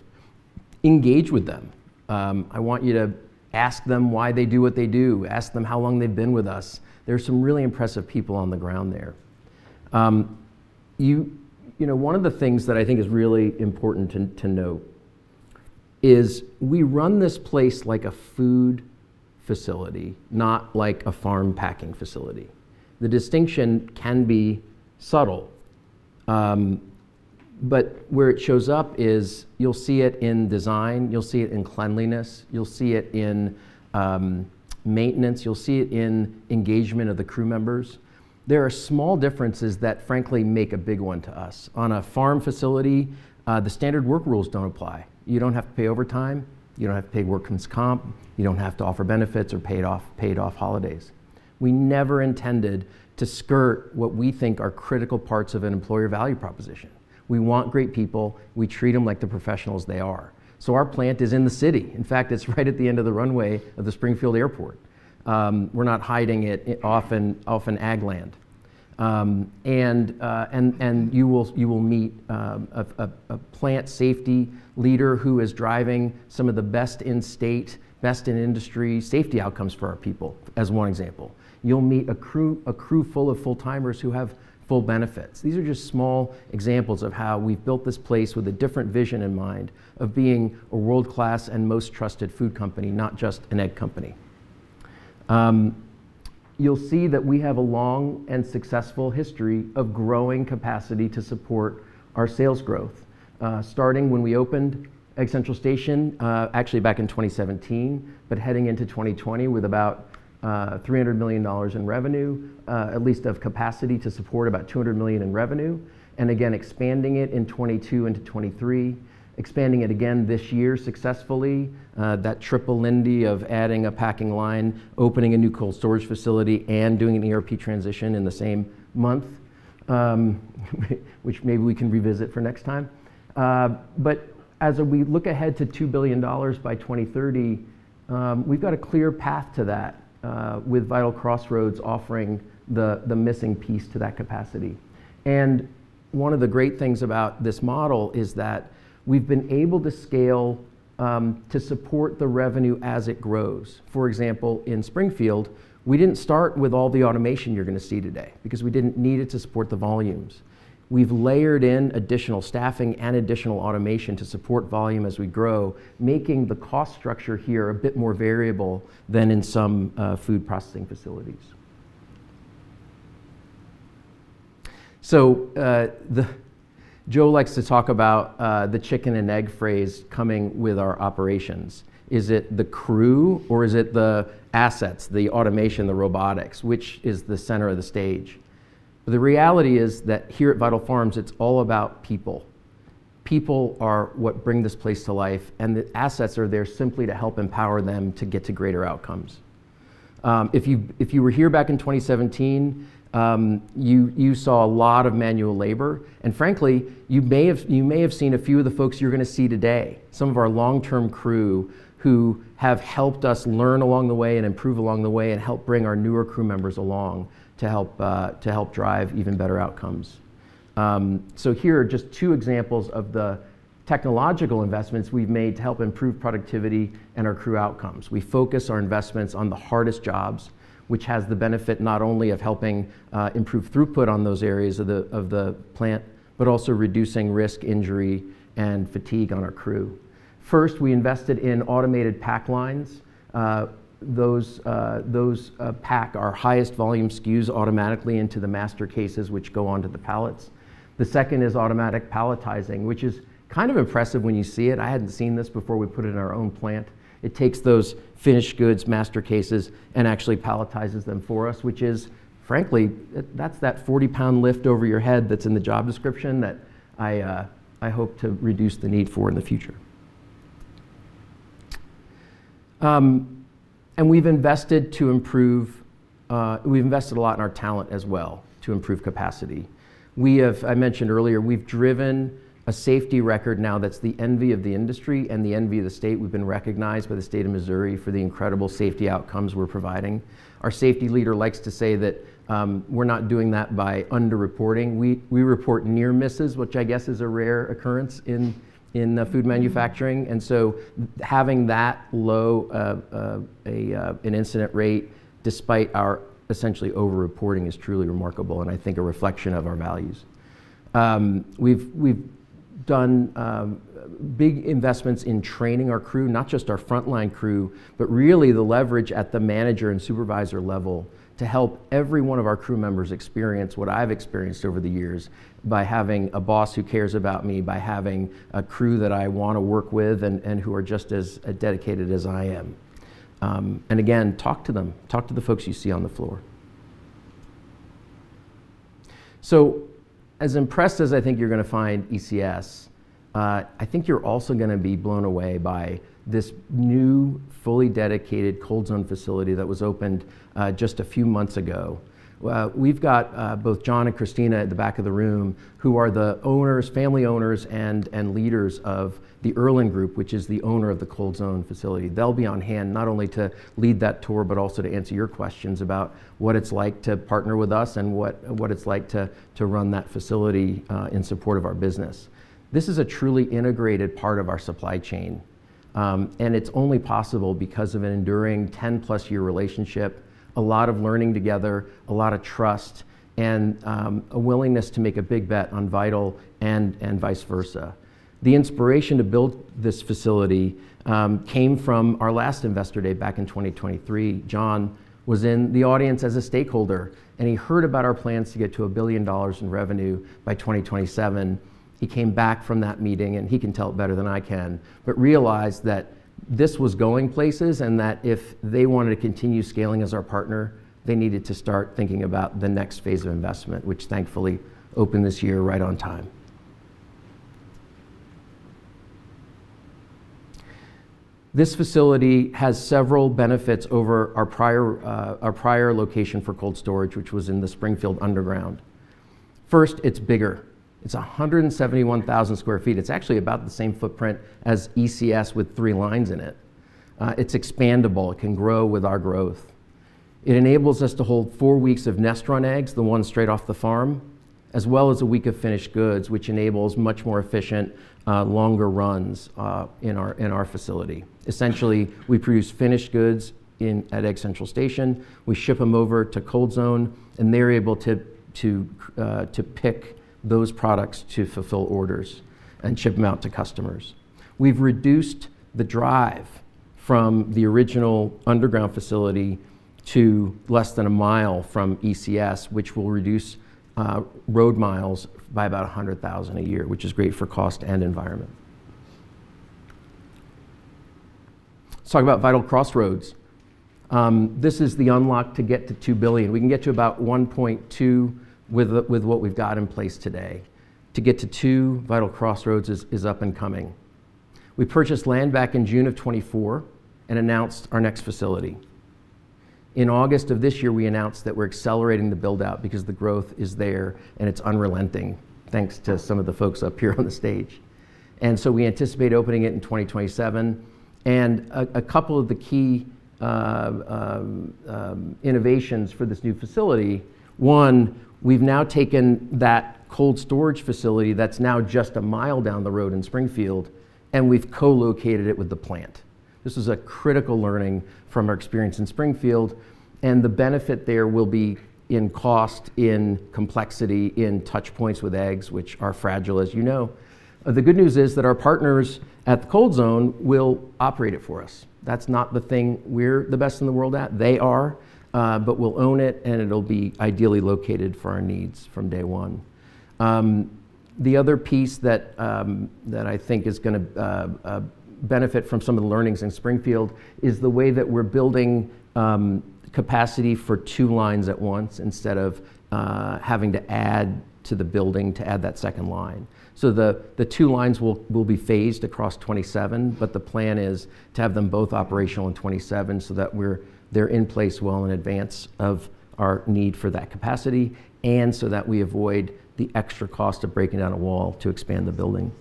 Engage with them. I want you to ask them why they do what they do. Ask them how long they've been with us. There are some really impressive people on the ground there. One of the things that I think is really important to note is we run this place like a food facility, not like a farm packing facility. The distinction can be subtle, but where it shows up is you'll see it in design. You'll see it in cleanliness. You'll see it in maintenance. You'll see it in engagement of the crew members. There are small differences that, frankly, make a big one to us. On a farm facility, the standard work rules don't apply. You don't have to pay overtime. You don't have to pay workman's comp. You don't have to offer benefits or paid-off holidays. We never intended to skirt what we think are critical parts of an employer value proposition. We want great people. We treat them like the professionals they are. Our plant is in the city. In fact, it's right at the end of the runway of the Springfield Airport. We're not hiding it off an ag land. You will meet a plant safety leader who is driving some of the best in-state, best-in-industry safety outcomes for our people, as one example. You'll meet a crew full of full-timers who have full benefits. These are just small examples of how we've built this place with a different vision in mind of being a world-class and most trusted food company, not just an egg company. You'll see that we have a long and successful history of growing capacity to support our sales growth, starting when we opened Egg Central Station, actually back in 2017, but heading into 2020 with about $300 million in revenue, at least of capacity to support about $200 million in revenue, and again, expanding it in 2022 into 2023, expanding it again this year successfully, that triple lindy of adding a packing line, opening a new cold storage facility, and doing an ERP transition in the same month, which maybe we can revisit for next time, but as we look ahead to $2 billion by 2030, we've got a clear path to that with Vital Crossroads offering the missing piece to that capacity. And one of the great things about this model is that we've been able to scale to support the revenue as it grows. For example, in Springfield, we didn't start with all the automation you're going to see today because we didn't need it to support the volumes. We've layered in additional staffing and additional automation to support volume as we grow, making the cost structure here a bit more variable than in some food processing facilities. So Joe likes to talk about the chicken and egg phrase coming with our operations. Is it the crew, or is it the assets, the automation, the robotics, which is the center of the stage? The reality is that here at Vital Farms, it's all about people. People are what bring this place to life, and the assets are there simply to help empower them to get to greater outcomes. If you were here back in 2017, you saw a lot of manual labor. And frankly, you may have seen a few of the folks you're going to see today, some of our long-term crew who have helped us learn along the way and improve along the way and help bring our newer crew members along to help drive even better outcomes. So here are just two examples of the technological investments we've made to help improve productivity and our crew outcomes. We focus our investments on the hardest jobs, which has the benefit not only of helping improve throughput on those areas of the plant, but also reducing risk, injury, and fatigue on our crew. First, we invested in automated pack lines. Those pack our highest volume SKUs automatically into the master cases, which go onto the pallets. The second is automatic palletizing, which is kind of impressive when you see it. I hadn't seen this before we put it in our own plant. It takes those finished goods, master cases, and actually palletizes them for us, which is, frankly, that's that 40-pound lift over your head that's in the job description that I hope to reduce the need for in the future. And we've invested to improve. We've invested a lot in our talent as well to improve capacity. I mentioned earlier, we've driven a safety record now that's the envy of the industry and the envy of the state. We've been recognized by the state of Missouri for the incredible safety outcomes we're providing. Our safety leader likes to say that we're not doing that by underreporting. We report near misses, which I guess is a rare occurrence in food manufacturing. And so having that low incident rate despite our essentially overreporting is truly remarkable and I think a reflection of our values. We've done big investments in training our crew, not just our frontline crew, but really the leverage at the manager and supervisor level to help every one of our crew members experience what I've experienced over the years by having a boss who cares about me, by having a crew that I want to work with and who are just as dedicated as I am. And again, talk to them. Talk to the folks you see on the floor. So as impressed as I think you're going to find ECS, I think you're also going to be blown away by this new fully dedicated Cold Zone facility that was opened just a few months ago. We've got both John and Christina at the back of the room who are the owners, family owners, and leaders of The Erlen Group, which is the owner of the Cold Zone facility. They'll be on hand not only to lead that tour, but also to answer your questions about what it's like to partner with us and what it's like to run that facility in support of our business. This is a truly integrated part of our supply chain, and it's only possible because of an enduring 10-plus year relationship, a lot of learning together, a lot of trust, and a willingness to make a big bet on Vital and vice versa. The inspiration to build this facility came from our last investor day back in 2023. John was in the audience as a stakeholder, and he heard about our plans to get to $1 billion in revenue by 2027. He came back from that meeting, and he can tell it better than I can, but realized that this was going places and that if they wanted to continue scaling as our partner, they needed to start thinking about the next phase of investment, which thankfully opened this year right on time. This facility has several benefits over our prior location for cold storage, which was in the Springfield Underground. First, it's bigger. It's 171,000 sq ft. It's actually about the same footprint as ECS with three lines in it. It's expandable. It can grow with our growth. It enables us to hold four weeks of nest run eggs, the ones straight off the farm, as well as a week of finished goods, which enables much more efficient, longer runs in our facility. Essentially, we produce finished goods at Egg Central Station. We ship them over to Cold Zone, and they're able to pick those products to fulfill orders and ship them out to customers. We've reduced the drive from the original underground facility to less than a mile from ECS, which will reduce road miles by about 100,000 a year, which is great for cost and environment. Let's talk about Vital Crossroads. This is the unlock to get to 2 billion. We can get to about 1.2 with what we've got in place today. To get to 2 Vital Crossroads is up and coming. We purchased land back in June of 2024 and announced our next facility. In August of this year, we announced that we're accelerating the build-out because the growth is there and it's unrelenting, thanks to some of the folks up here on the stage. And so we anticipate opening it in 2027. And a couple of the key innovations for this new facility: one, we've now taken that cold storage facility that's now just a mile down the road in Springfield, and we've co-located it with the plant. This is a critical learning from our experience in Springfield, and the benefit there will be in cost, in complexity, in touch points with eggs, which are fragile, as you know. The good news is that our partners at the Cold Zone will operate it for us. That's not the thing we're the best in the world at. They are, but we'll own it, and it'll be ideally located for our needs from day one. The other piece that I think is going to benefit from some of the learnings in Springfield is the way that we're building capacity for two lines at once instead of having to add to the building to add that second line. So the two lines will be phased across 2027, but the plan is to have them both operational in 2027 so that they're in place well in advance of our need for that capacity and so that we avoid the extra cost of breaking down a wall to expand the building.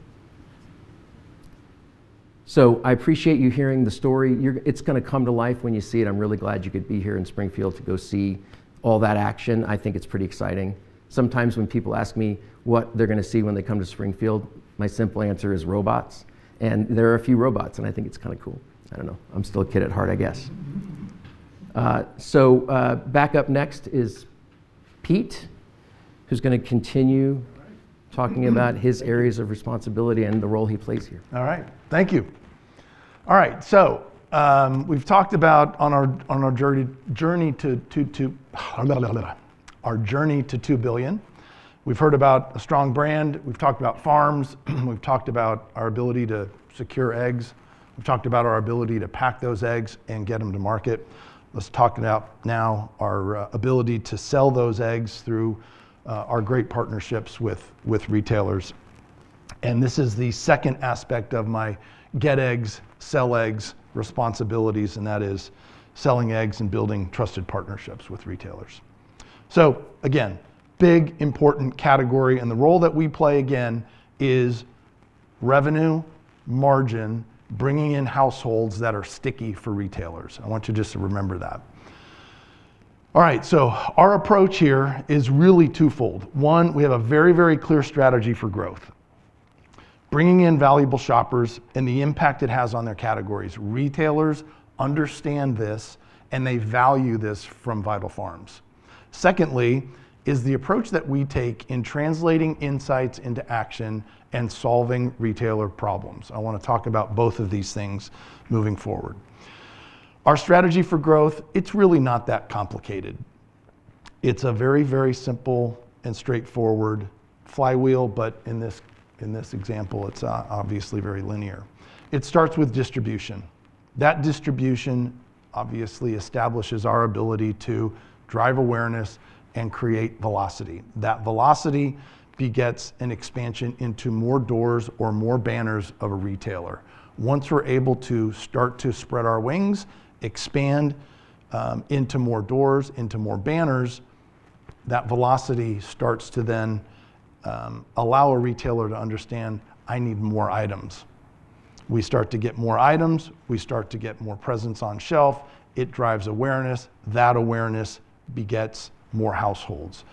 So I appreciate you hearing the story. It's going to come to life when you see it. I'm really glad you could be here in Springfield to go see all that action. I think it's pretty exciting. Sometimes when people ask me what they're going to see when they come to Springfield, my simple answer is robots. There are a few robots, and I think it's kind of cool. I don't know. I'm still a kid at heart, I guess. Back up next is Pete, who's going to continue talking about his areas of responsibility and the role he plays here. All right. Thank you. All right. So we've talked about on our journey to $2 billion. We've heard about a strong brand. We've talked about farms. We've talked about our ability to secure eggs. We've talked about our ability to pack those eggs and get them to market. Let's talk now about our ability to sell those eggs through our great partnerships with retailers, and this is the second aspect of my get eggs, sell eggs responsibilities, and that is selling eggs and building trusted partnerships with retailers. So again, big, important category, and the role that we play, again, is revenue, margin, bringing in households that are sticky for retailers. I want you just to remember that. All right. So our approach here is really twofold. One, we have a very, very clear strategy for growth, bringing in valuable shoppers and the impact it has on their categories. Retailers understand this, and they value this from Vital Farms. Secondly, is the approach that we take in translating insights into action and solving retailer problems. I want to talk about both of these things moving forward. Our strategy for growth, it's really not that complicated. It's a very, very simple and straightforward flywheel, but in this example, it's obviously very linear. It starts with distribution. That distribution obviously establishes our ability to drive awareness and create velocity. That velocity begets an expansion into more doors or more banners of a retailer. Once we're able to start to spread our wings, expand into more doors, into more banners, that velocity starts to then allow a retailer to understand, "I need more items." We start to get more items. We start to get more presence on shelf. It drives awareness. That awareness begets more households.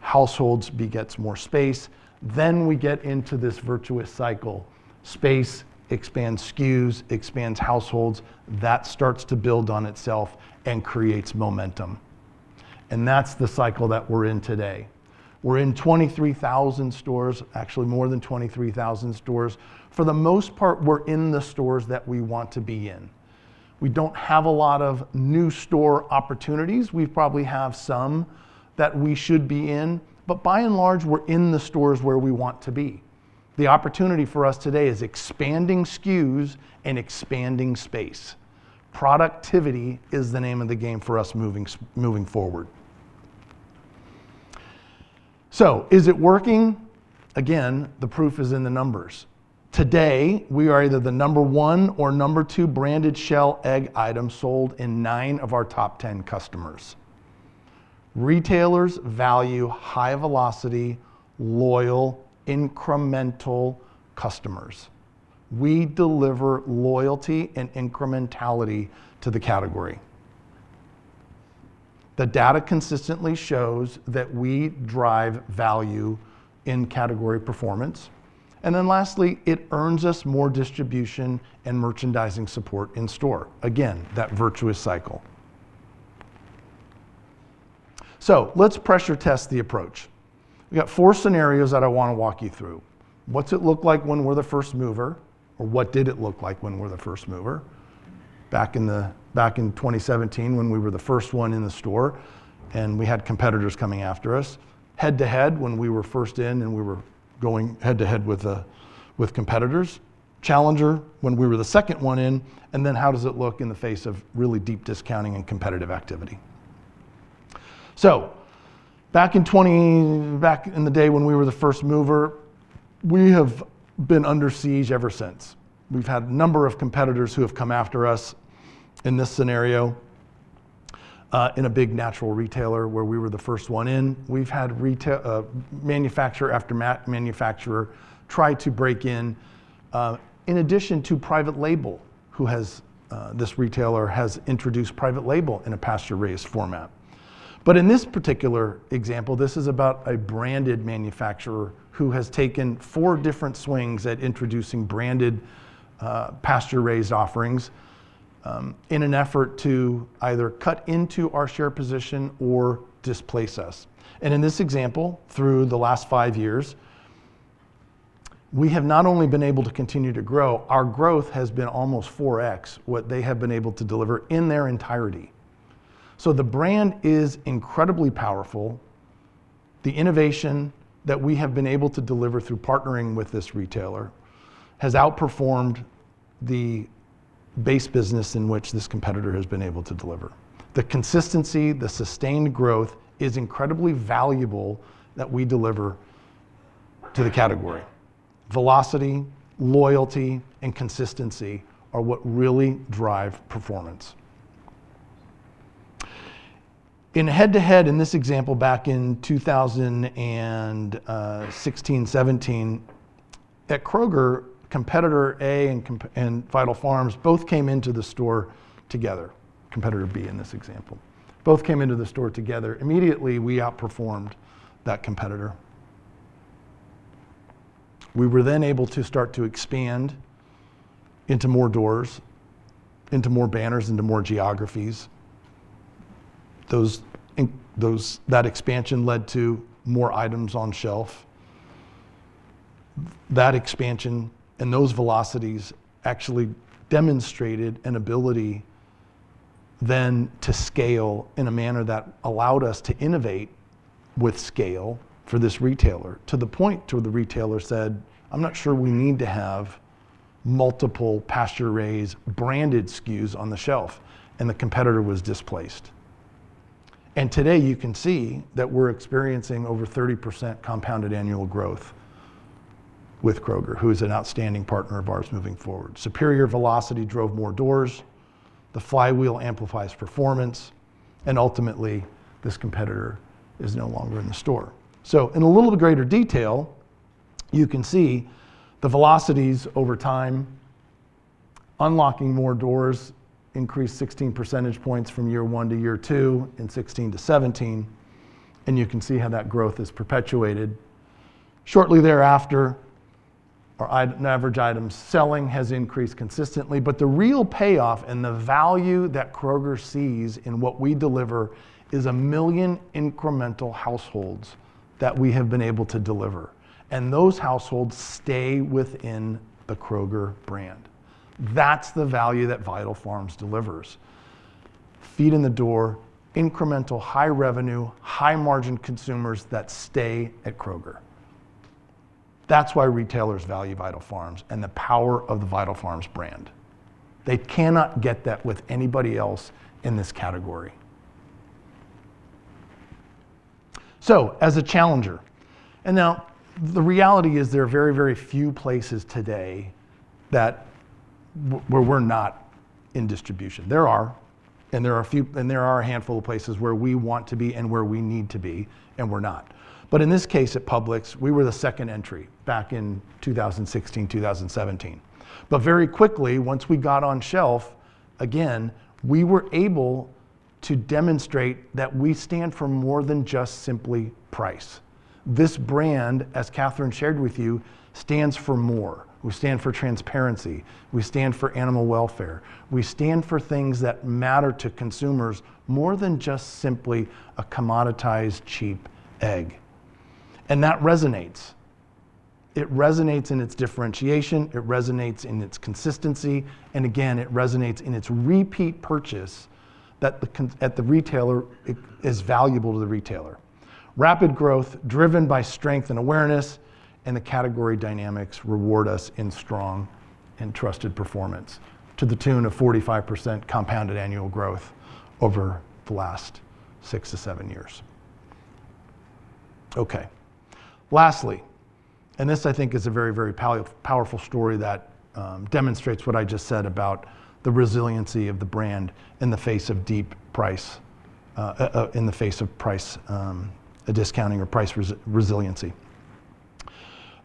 Households begets more space. Then we get into this virtuous cycle. Space expands SKUs, expands households. That starts to build on itself and creates momentum. And that's the cycle that we're in today. We're in 23,000 stores, actually more than 23,000 stores. For the most part, we're in the stores that we want to be in. We don't have a lot of new store opportunities. We probably have some that we should be in, but by and large, we're in the stores where we want to be. The opportunity for us today is expanding SKUs and expanding space. Productivity is the name of the game for us moving forward. So is it working? Again, the proof is in the numbers. Today, we are either the number one or number two branded shell egg item sold in nine of our top 10 customers. Retailers value high velocity, loyal, incremental customers. We deliver loyalty and incrementality to the category. The data consistently shows that we drive value in category performance. And then lastly, it earns us more distribution and merchandising support in store. Again, that virtuous cycle. So let's pressure test the approach. We got four scenarios that I want to walk you through. What's it look like when we're the first mover, or what did it look like when we're the first mover? Back in 2017, when we were the first one in the store and we had competitors coming after us. Head to head when we were first in and we were going head to head with competitors. Challenger when we were the second one in. And then how does it look in the face of really deep discounting and competitive activity? So back in the day when we were the first mover, we have been under siege ever since. We've had a number of competitors who have come after us in this scenario in a big natural retailer where we were the first one in. We've had manufacturer after manufacturer try to break in, in addition to private label, which this retailer has introduced private label in a pasture-raised format. But in this particular example, this is about a branded manufacturer who has taken four different swings at introducing branded pasture-raised offerings in an effort to either cut into our share position or displace us. And in this example, through the last five years, we have not only been able to continue to grow, our growth has been almost 4x what they have been able to deliver in their entirety. So the brand is incredibly powerful. The innovation that we have been able to deliver through partnering with this retailer has outperformed the base business in which this competitor has been able to deliver. The consistency, the sustained growth is incredibly valuable that we deliver to the category. Velocity, loyalty, and consistency are what really drive performance. In head to head in this example back in 2016, 2017, at Kroger, competitor A and Vital Farms both came into the store together. Competitor B in this example. Both came into the store together. Immediately, we outperformed that competitor. We were then able to start to expand into more doors, into more banners, into more geographies. That expansion led to more items on shelf. That expansion and those velocities actually demonstrated an ability then to scale in a manner that allowed us to innovate with scale for this retailer to the point where the retailer said, "I'm not sure we need to have multiple pasture-raised branded SKUs on the shelf," and the competitor was displaced, and today, you can see that we're experiencing over 30% compounded annual growth with Kroger, who is an outstanding partner of ours moving forward. Superior velocity drove more doors. The flywheel amplifies performance, and ultimately, this competitor is no longer in the store, so in a little bit greater detail, you can see the velocities over time unlocking more doors increased 16 percentage points from year one to year two in 2016 to 2017, and you can see how that growth is perpetuated. Shortly thereafter, our average item selling has increased consistently. But the real payoff and the value that Kroger sees in what we deliver is a million incremental households that we have been able to deliver. And those households stay within the Kroger brand. That's the value that Vital Farms delivers. Feet in the door, incremental high revenue, high margin consumers that stay at Kroger. That's why retailers value Vital Farms and the power of the Vital Farms brand. They cannot get that with anybody else in this category. So as a challenger, and now the reality is there are very, very few places today where we're not in distribution. There are, and there are a handful of places where we want to be and where we need to be, and we're not. But in this case at Publix, we were the second entry back in 2016, 2017. But very quickly, once we got on shelf, again, we were able to demonstrate that we stand for more than just simply price. This brand, as Kathryn shared with you, stands for more. We stand for transparency. We stand for animal welfare. We stand for things that matter to consumers more than just simply a commoditized cheap egg. And that resonates. It resonates in its differentiation. It resonates in its consistency. And again, it resonates in its repeat purchase that the retailer is valuable to the retailer. Rapid growth driven by strength and awareness and the category dynamics reward us in strong and trusted performance to the tune of 45% compounded annual growth over the last six-to-seven years. Okay. Lastly, and this I think is a very, very powerful story that demonstrates what I just said about the resiliency of the brand in the face of deep price, in the face of price discounting or price resiliency.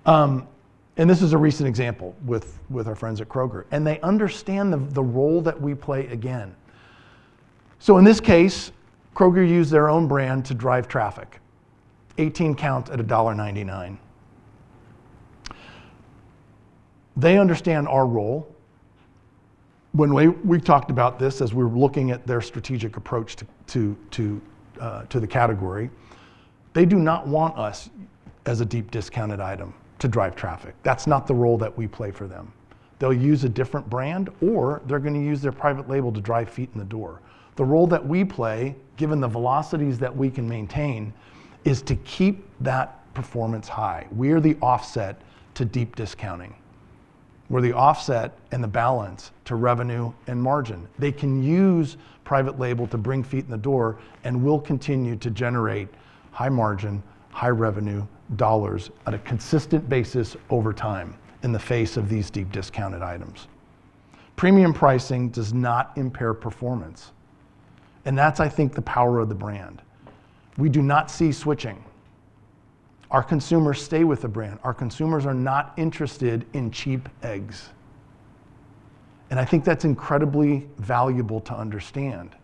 And this is a recent example with our friends at Kroger. And they understand the role that we play, again. So in this case, Kroger used their own brand to drive traffic, 18 counts at $1.99. They understand our role. When we talked about this as we were looking at their strategic approach to the category, they do not want us as a deep discounted item to drive traffic. That's not the role that we play for them. They'll use a different brand, or they're going to use their private label to drive feet in the door. The role that we play, given the velocities that we can maintain, is to keep that performance high. We are the offset to deep discounting. We're the offset and the balance to revenue and margin. They can use private label to bring feet in the door and will continue to generate high margin, high revenue dollars on a consistent basis over time in the face of these deep discounted items. Premium pricing does not impair performance. And that's, I think, the power of the brand. We do not see switching. Our consumers stay with the brand. Our consumers are not interested in cheap eggs. And I think that's incredibly valuable to understand.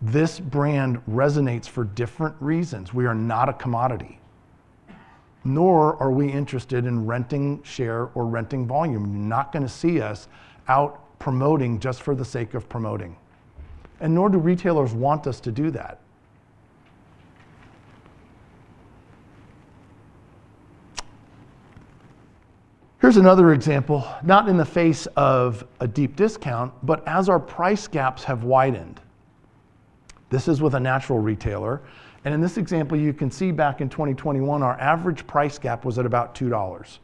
This brand resonates for different reasons. We are not a commodity, nor are we interested in renting share or renting volume. You're not going to see us out promoting just for the sake of promoting. And nor do retailers want us to do that. Here's another example, not in the face of a deep discount, but as our price gaps have widened. This is with a natural retailer. And in this example, you can see back in 2021, our average price gap was at about $2.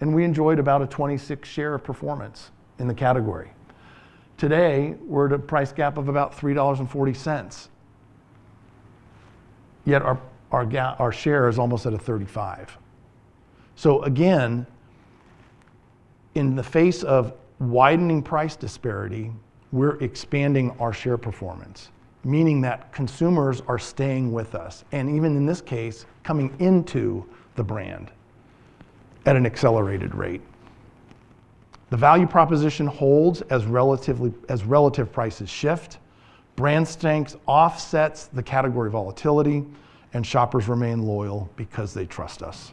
And we enjoyed about a 26% share performance in the category. Today, we're at a price gap of about $3.40. Yet our share is almost at a 35%. So again, in the face of widening price disparity, we're expanding our share performance, meaning that consumers are staying with us. And even in this case, coming into the brand at an accelerated rate. The value proposition holds as relative prices shift. Brand strength offsets the category volatility, and shoppers remain loyal because they trust us.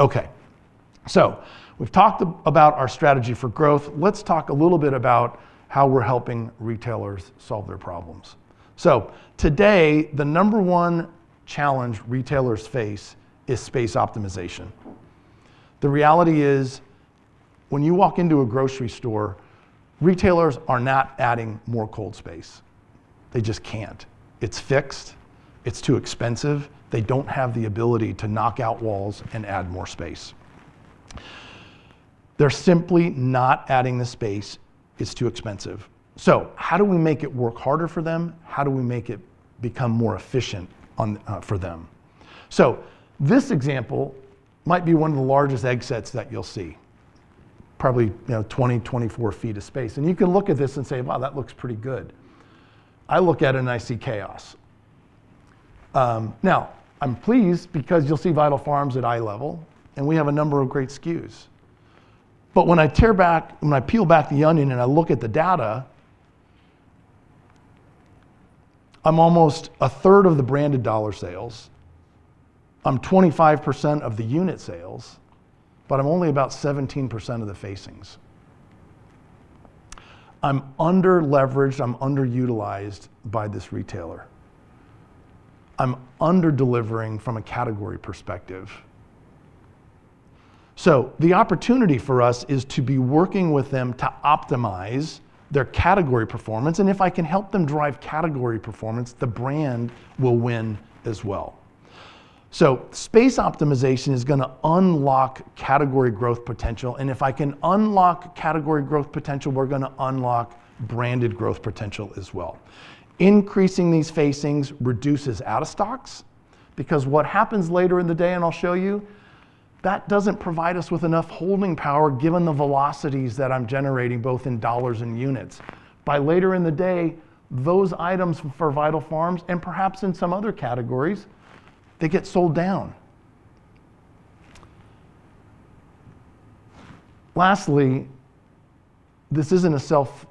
Okay. So we've talked about our strategy for growth. Let's talk a little bit about how we're helping retailers solve their problems. So today, the number one challenge retailers face is space optimization. The reality is when you walk into a grocery store, retailers are not adding more cold space. They just can't. It's fixed. It's too expensive. They don't have the ability to knock out walls and add more space. They're simply not adding the space. It's too expensive. So how do we make it work harder for them? How do we make it become more efficient for them? So this example might be one of the largest egg sets that you'll see. Probably 20-24 feet of space. And you can look at this and say, "Wow, that looks pretty good." I look at it and I see chaos. Now, I'm pleased because you'll see Vital Farms at eye level, and we have a number of great SKUs. But when I peel back the onion and I look at the data, I'm almost a third of the branded dollar sales. I'm 25% of the unit sales, but I'm only about 17% of the facings. I'm under-leveraged. I'm under-utilized by this retailer. I'm under-delivering from a category perspective. So the opportunity for us is to be working with them to optimize their category performance. And if I can help them drive category performance, the brand will win as well. So space optimization is going to unlock category growth potential. And if I can unlock category growth potential, we're going to unlock branded growth potential as well. Increasing these facings reduces out-of-stocks because what happens later in the day, and I'll show you, that doesn't provide us with enough holding power given the velocities that I'm generating both in dollars and units. By later in the day, those items for Vital Farms and perhaps in some other categories, they get sold down. Lastly, this isn't a self,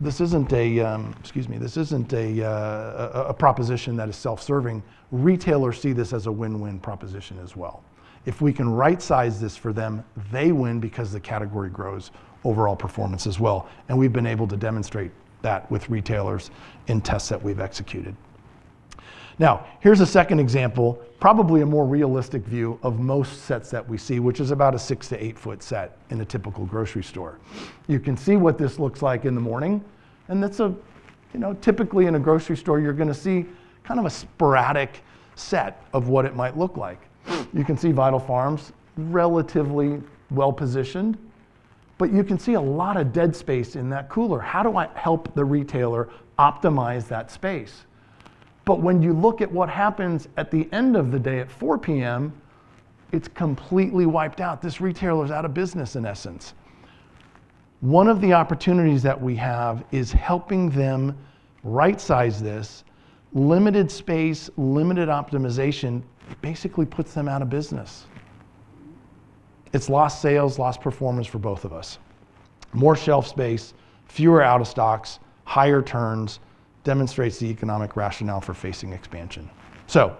this isn't a. Excuse me, this isn't a proposition that is self-serving. Retailers see this as a win-win proposition as well. If we can right-size this for them, they win because the category grows overall performance as well, and we've been able to demonstrate that with retailers in tests that we've executed. Now, here's a second example, probably a more realistic view of most sets that we see, which is about a six- to eight-foot set in a typical grocery store. You can see what this looks like in the morning. And that's typically in a grocery store. You're going to see kind of a sporadic set of what it might look like. You can see Vital Farms relatively well-positioned, but you can see a lot of dead space in that cooler. How do I help the retailer optimize that space? But when you look at what happens at the end of the day at 4:00 P.M., it's completely wiped out. This retailer is out of business in essence. One of the opportunities that we have is helping them right-size this. Limited space, limited optimization basically puts them out of business. It's lost sales, lost performance for both of us. More shelf space, fewer out-of-stocks, higher turns demonstrates the economic rationale for facing expansion. So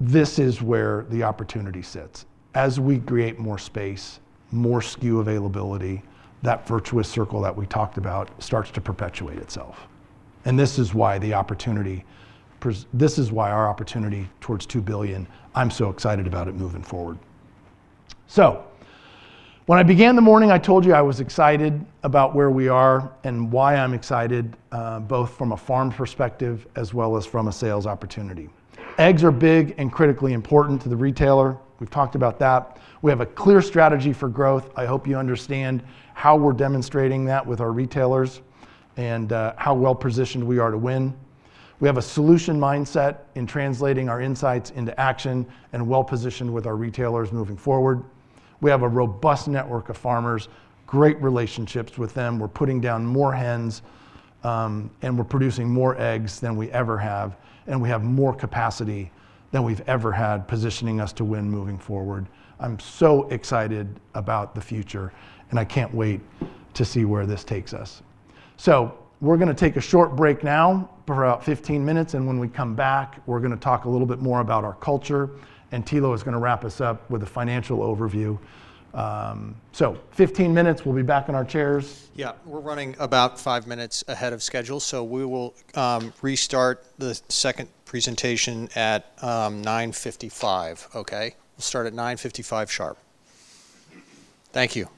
this is where the opportunity sits. As we create more space, more SKU availability, that virtuous circle that we talked about starts to perpetuate itself. And this is why the opportunity. This is why our opportunity toward $2 billion. I'm so excited about it moving forward. So when I began the morning, I told you I was excited about where we are and why I'm excited both from a farm perspective as well as from a sales opportunity. Eggs are big and critically important to the retailer. We've talked about that. We have a clear strategy for growth. I hope you understand how we're demonstrating that with our retailers and how well-positioned we are to win. We have a solution mindset in translating our insights into action and well-positioned with our retailers moving forward. We have a robust network of farmers, great relationships with them. We're putting down more hens, and we're producing more eggs than we ever have. And we have more capacity than we've ever had, positioning us to win moving forward. I'm so excited about the future, and I can't wait to see where this takes us. So we're going to take a short break now for about 15 minutes. And when we come back, we're going to talk a little bit more about our culture. And Thilo is going to wrap us up with a financial overview. So 15 minutes. We'll be back in our chairs. Yeah. We're running about five minutes ahead of schedule. So we will restart the second presentation at 9:55 A.M., okay? We'll start at 9:55 A.M. sharp. Thank you.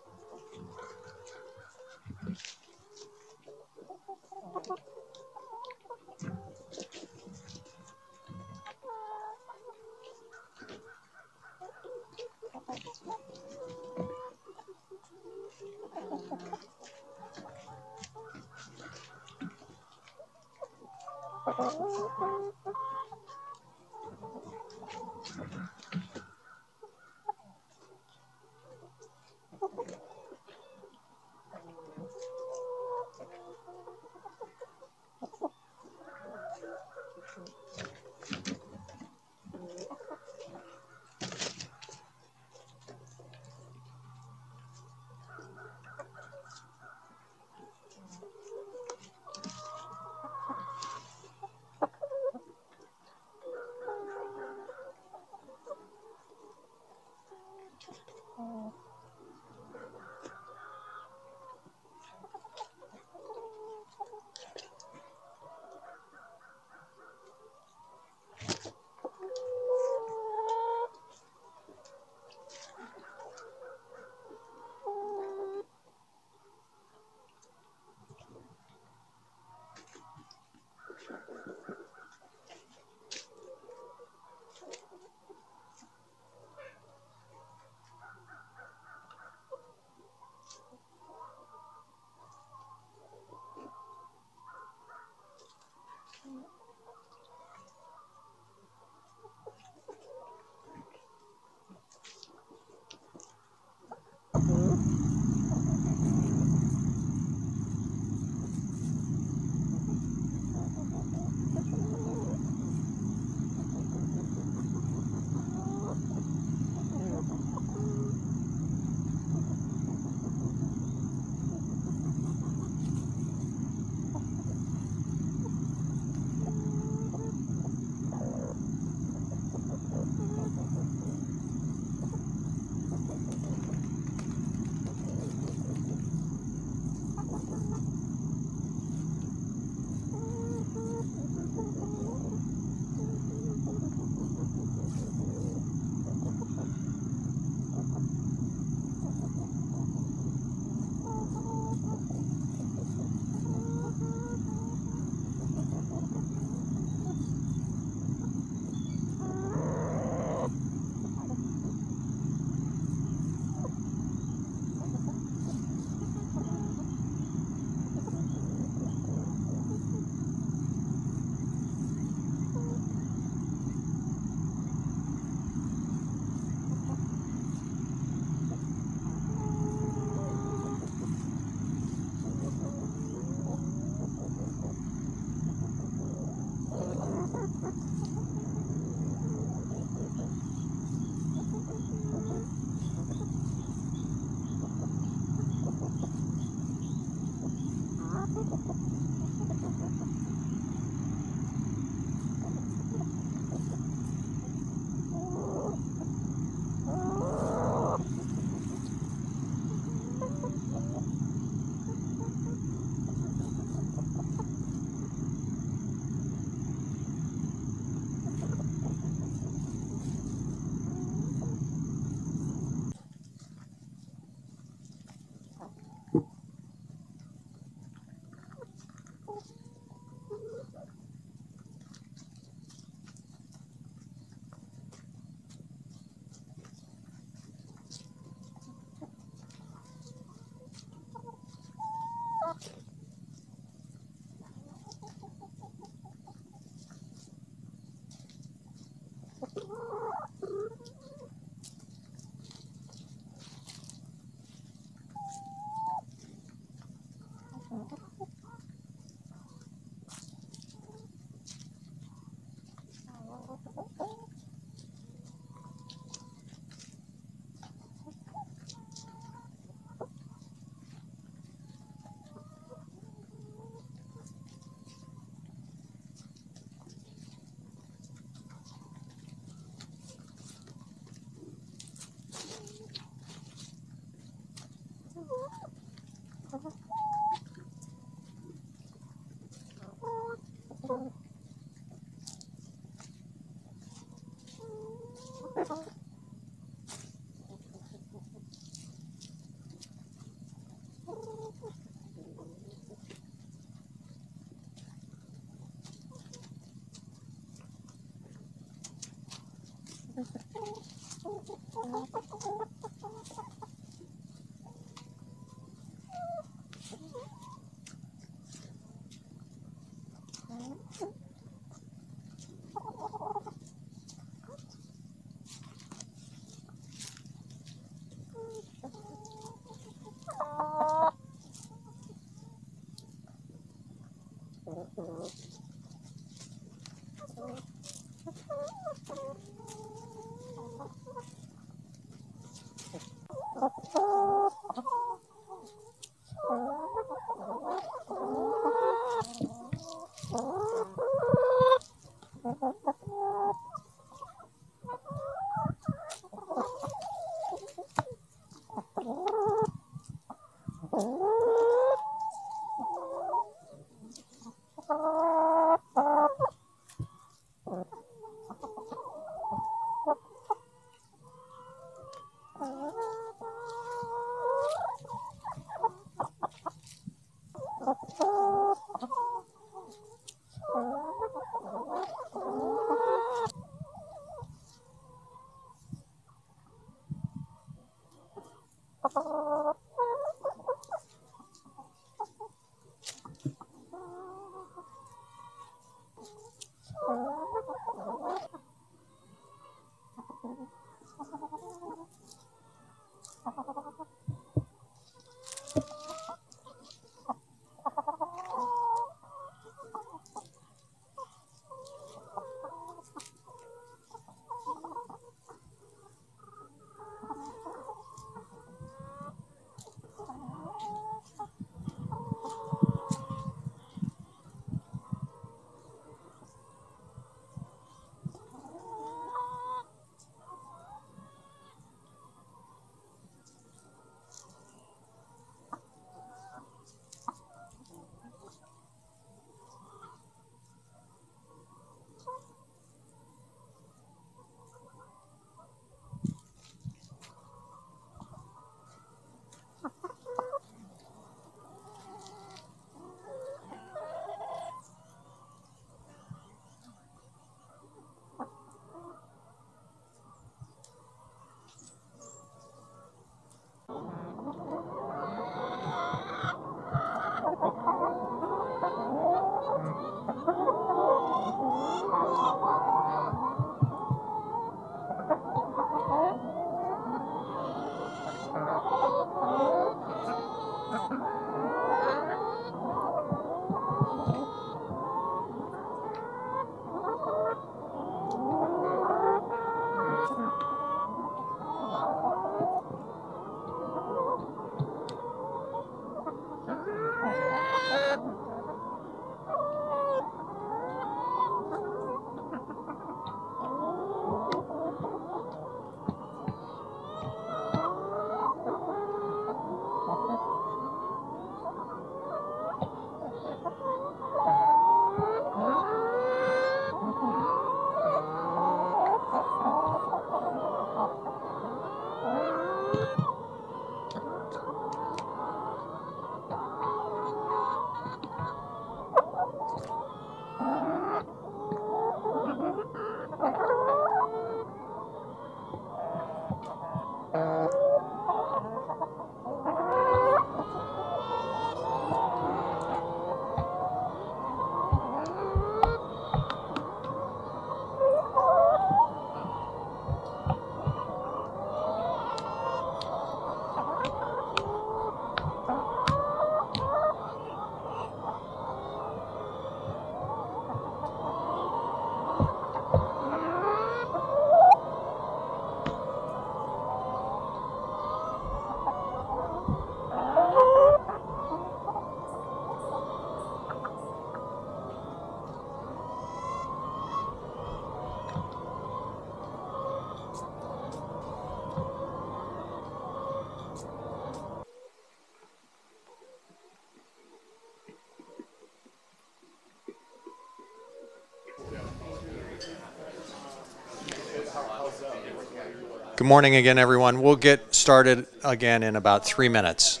Good morning again, everyone. We'll get started again in about three minutes.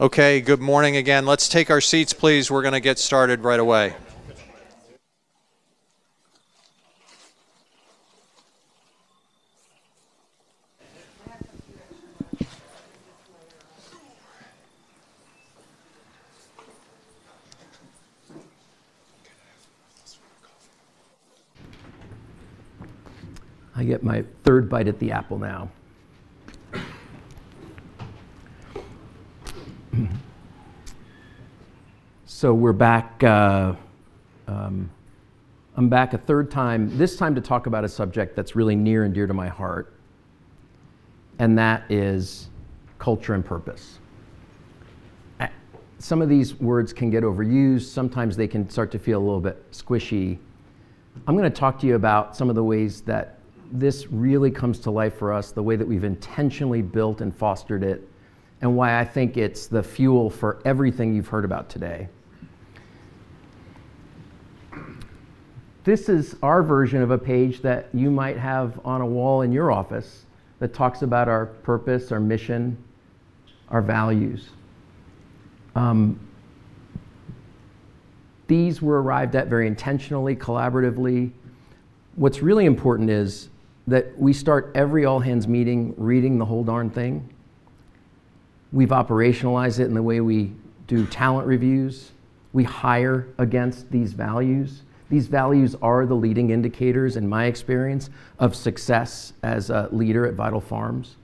Okay. Good morning again. Let's take our seats, please. We're going to get started right away. Okay. I have to move this with the coffee. I get my third bite at the apple now. So we're back. I'm back a third time, this time to talk about a subject that's really near and dear to my heart, and that is culture and purpose. Some of these words can get overused. Sometimes they can start to feel a little bit squishy. I'm going to talk to you about some of the ways that this really comes to life for us, the way that we've intentionally built and fostered it, and why I think it's the fuel for everything you've heard about today. This is our version of a page that you might have on a wall in your office that talks about our purpose, our mission, our values. These were arrived at very intentionally, collaboratively. What's really important is that we start every all-hands meeting reading the whole darn thing. We've operationalized it in the way we do talent reviews. We hire against these values. These values are the leading indicators, in my experience, of success as a leader at Vital Farms.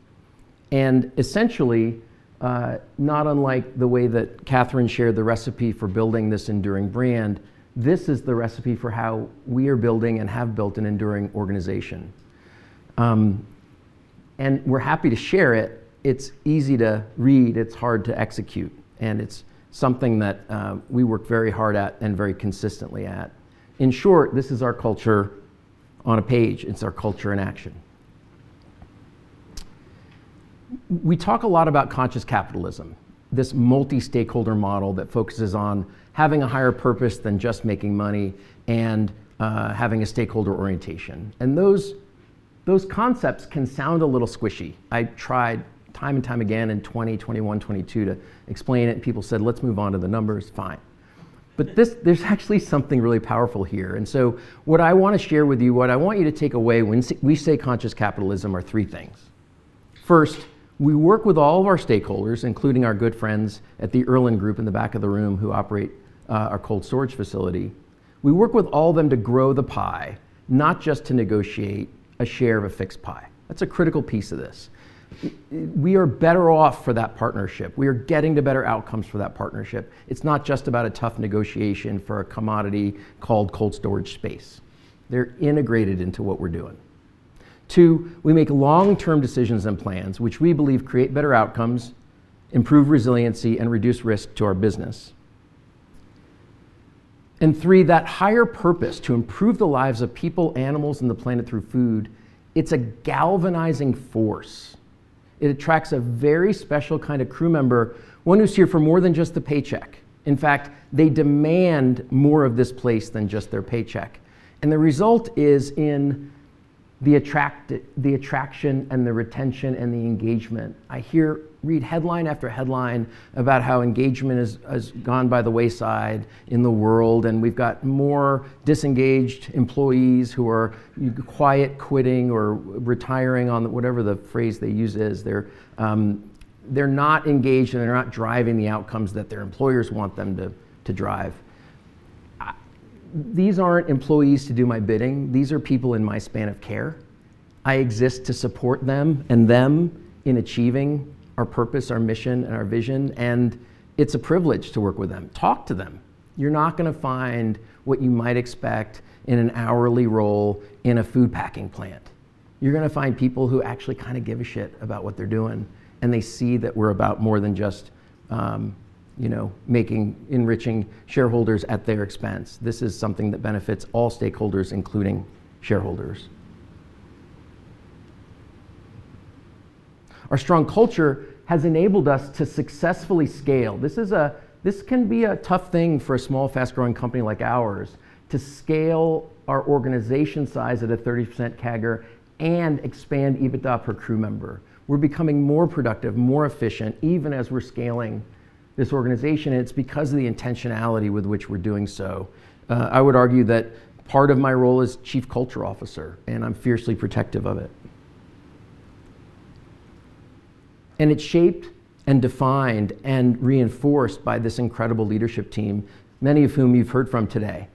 And essentially, not unlike the way that Kathryn shared the recipe for building this enduring brand, this is the recipe for how we are building and have built an enduring organization. And we're happy to share it. It's easy to read. It's hard to execute. And it's something that we work very hard at and very consistently at. In short, this is our culture on a page. It's our culture in action. We talk a lot about conscious capitalism, this multi-stakeholder model that focuses on having a higher purpose than just making money and having a stakeholder orientation. And those concepts can sound a little squishy. I tried time and time again in 2020, 2021, 2022 to explain it, and people said, "Let's move on to the numbers." Fine. But there's actually something really powerful here. And so what I want to share with you, what I want you to take away when we say conscious capitalism are three things. First, we work with all of our stakeholders, including our good friends at The Erlen Group in the back of the room who operate our cold storage facility. We work with all of them to grow the pie, not just to negotiate a share of a fixed pie. That's a critical piece of this. We are better off for that partnership. We are getting to better outcomes for that partnership. It's not just about a tough negotiation for a commodity called cold storage space. They're integrated into what we're doing. Two, we make long-term decisions and plans, which we believe create better outcomes, improve resiliency, and reduce risk to our business. And three, that higher purpose to improve the lives of people, animals, and the planet through food, it's a galvanizing force. It attracts a very special kind of crew member, one who's here for more than just the paycheck. In fact, they demand more of this place than just their paycheck. And the result is in the attraction and the retention and the engagement. I read headline after headline about how engagement has gone by the wayside in the world, and we've got more disengaged employees who are quiet quitting, or retiring on whatever the phrase they use is. They're not engaged, and they're not driving the outcomes that their employers want them to drive. These aren't employees to do my bidding. These are people in my span of care. I exist to support them and them in achieving our purpose, our mission, and our vision. And it's a privilege to work with them. Talk to them. You're not going to find what you might expect in an hourly role in a food packing plant. You're going to find people who actually kind of give a shit about what they're doing, and they see that we're about more than just enriching shareholders at their expense. This is something that benefits all stakeholders, including shareholders. Our strong culture has enabled us to successfully scale. This can be a tough thing for a small, fast-growing company like ours to scale our organization size at a 30% CAGR and expand EBITDA per crew member. We're becoming more productive, more efficient, even as we're scaling this organization. And it's because of the intentionality with which we're doing so. I would argue that part of my role is Chief Culture Officer, and I'm fiercely protective of it. And it's shaped and defined and reinforced by this incredible leadership team, many of whom you've heard from today.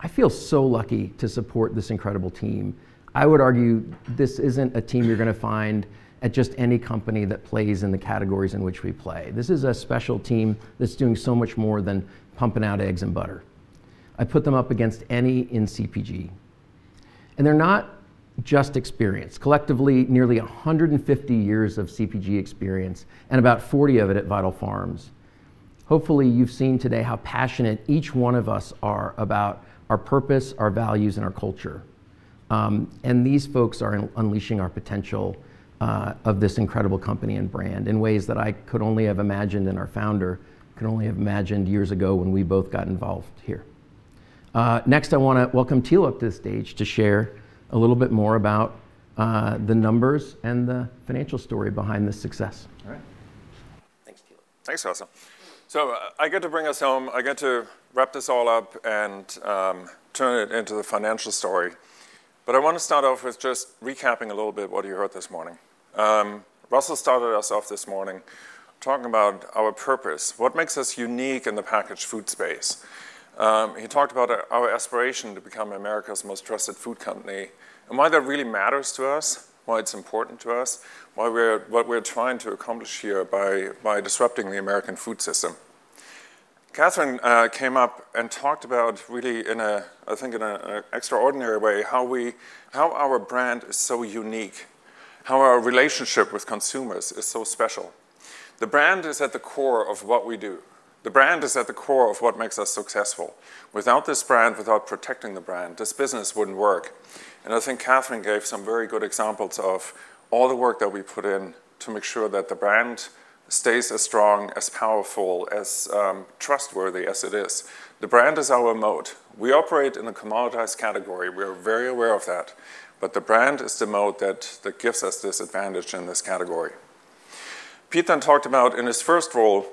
I feel so lucky to support this incredible team. I would argue this isn't a team you're going to find at just any company that plays in the categories in which we play. This is a special team that's doing so much more than pumping out eggs and butter. I put them up against any in CPG, and they're not just experienced. Collectively, nearly 150 years of CPG experience and about 40 of it at Vital Farms. Hopefully, you've seen today how passionate each one of us are about our purpose, our values, and our culture. These folks are unleashing our potential of this incredible company and brand in ways that I could only have imagined and our founder could only have imagined years ago when we both got involved here. Next, I want to welcome Thilo up to the stage to share a little bit more about the numbers and the financial story behind this success. All right. Thanks, Thilo. Thanks, Russell. So I get to bring us home. I get to wrap this all up and turn it into the financial story. But I want to start off with just recapping a little bit of what you heard this morning. Russell started us off this morning talking about our purpose, what makes us unique in the packaged food space. He talked about our aspiration to become America's most trusted food company and why that really matters to us, why it's important to us, what we're trying to accomplish here by disrupting the American food system. Kathryn came up and talked about really, I think, in an extraordinary way, how our brand is so unique, how our relationship with consumers is so special. The brand is at the core of what we do. The brand is at the core of what makes us successful. Without this brand, without protecting the brand, this business wouldn't work, and I think Kathryn gave some very good examples of all the work that we put in to make sure that the brand stays as strong, as powerful, as trustworthy as it is. The brand is our moat. We operate in a commoditized category. We are very aware of that, but the brand is the moat that gives us this advantage in this category, Pete then talked about, in his first role,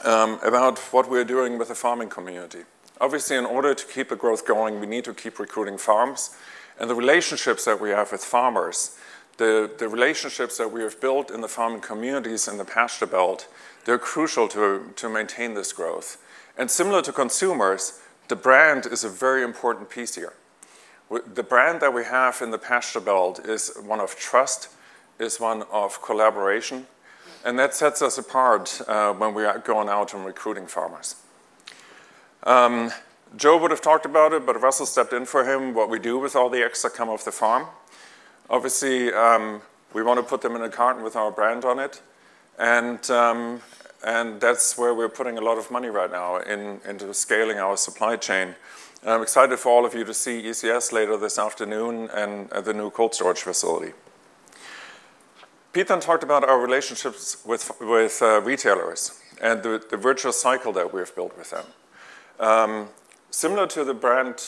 about what we are doing with the farming community. Obviously, in order to keep the growth going, we need to keep recruiting farms, and the relationships that we have with farmers, the relationships that we have built in the farming communities and the Pasture Belt, they're crucial to maintain this growth, and similar to consumers, the brand is a very important piece here. The brand that we have in the Pasture Belt is one of trust, is one of collaboration. And that sets us apart when we are going out and recruiting farmers. Joe would have talked about it, but Russell stepped in for him. What we do with all the eggs that come off the farm, obviously, we want to put them in a carton with our brand on it. And that's where we're putting a lot of money right now into scaling our supply chain. And I'm excited for all of you to see ECS later this afternoon and the new cold storage facility. Pete then talked about our relationships with retailers and the virtuous cycle that we have built with them. Similar to the brand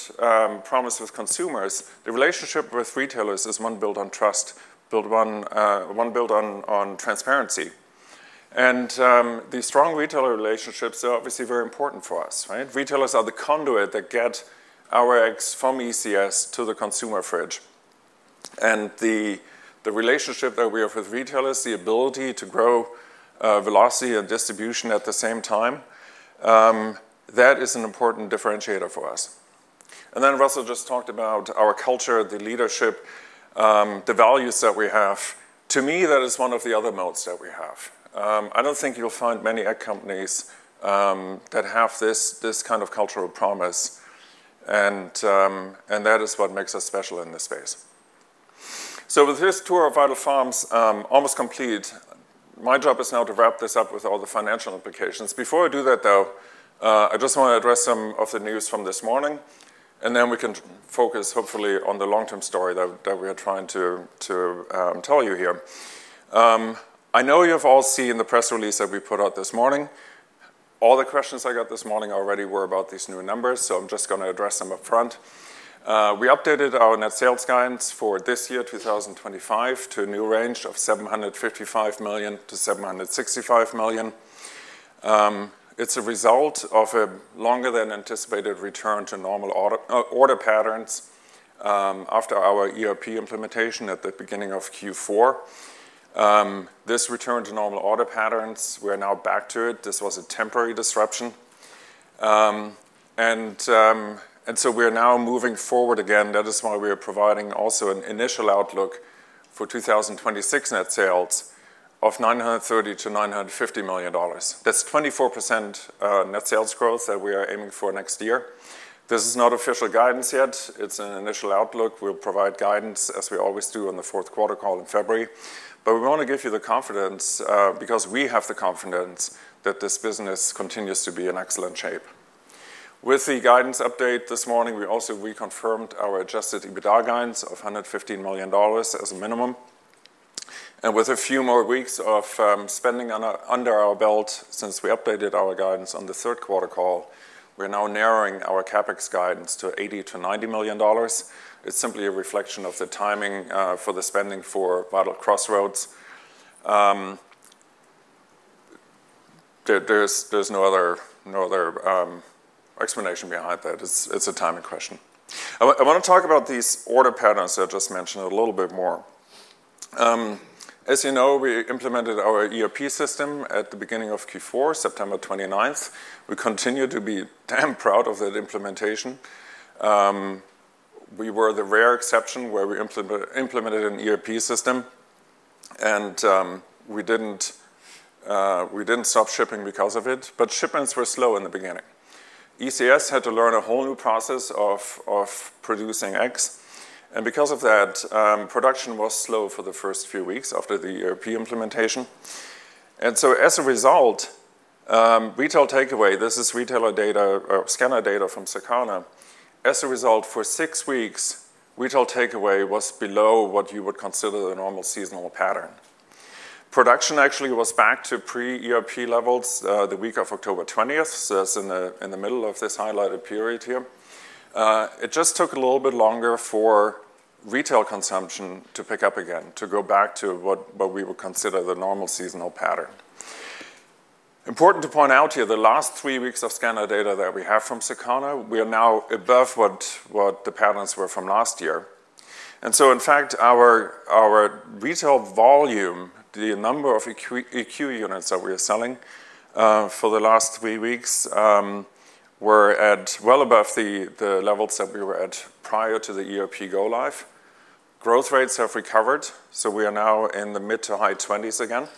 promise with consumers, the relationship with retailers is one built on trust, one built on transparency. And these strong retailer relationships are obviously very important for us. Retailers are the conduit that get our eggs from ECS to the consumer fridge. And the relationship that we have with retailers, the ability to grow velocity and distribution at the same time, that is an important differentiator for us. And then Russell just talked about our culture, the leadership, the values that we have. To me, that is one of the other moats that we have. I don't think you'll find many egg companies that have this kind of cultural promise. And that is what makes us special in this space. So with this tour of Vital Farms almost complete, my job is now to wrap this up with all the financial implications. Before I do that, though, I just want to address some of the news from this morning. Then we can focus, hopefully, on the long-term story that we are trying to tell you here. I know you've all seen the press release that we put out this morning. All the questions I got this morning already were about these new numbers. So I'm just going to address them upfront. We updated our net sales guidance for this year, 2025, to a new range of $755 million-$765 million. It's a result of a longer-than-anticipated return to normal order patterns after our ERP implementation at the beginning of Q4. This return to normal order patterns, we're now back to it. This was a temporary disruption. So we're now moving forward again. That is why we are providing also an initial outlook for 2026 net sales of $930 million-$950 million. That's 24% net sales growth that we are aiming for next year. This is not official guidance yet. It's an initial outlook. We'll provide guidance, as we always do, on the fourth quarter call in February. But we want to give you the confidence because we have the confidence that this business continues to be in excellent shape. With the guidance update this morning, we also reconfirmed our Adjusted EBITDA guidance of $115 million as a minimum. And with a few more weeks of spending under our belt since we updated our guidance on the third quarter call, we're now narrowing our CapEx guidance to $80-$90 million. It's simply a reflection of the timing for the spending for Vital Crossroads. There's no other explanation behind that. It's a timing question. I want to talk about these order patterns I just mentioned a little bit more. As you know, we implemented our ERP system at the beginning of Q4, September 29th. We continue to be damn proud of that implementation. We were the rare exception where we implemented an ERP system, and we didn't stop shipping because of it, but shipments were slow in the beginning. ECS had to learn a whole new process of producing eggs, and because of that, production was slow for the first few weeks after the ERP implementation, and so as a result, retail takeaway (this is retailer data or scanner data from Circana) was below what you would consider the normal seasonal pattern for six weeks. Production actually was back to pre-ERP levels the week of October 20th, so that's in the middle of this highlighted period here. It just took a little bit longer for retail consumption to pick up again, to go back to what we would consider the normal seasonal pattern. Important to point out here, the last three weeks of scanner data that we have from Circana; we are now above what the patterns were from last year, and so, in fact, our retail volume, the number of EQ units that we are selling for the last three weeks, we're at well above the levels that we were at prior to the ERP go-live. Growth rates have recovered, so we are now in the mid- to high 20s again,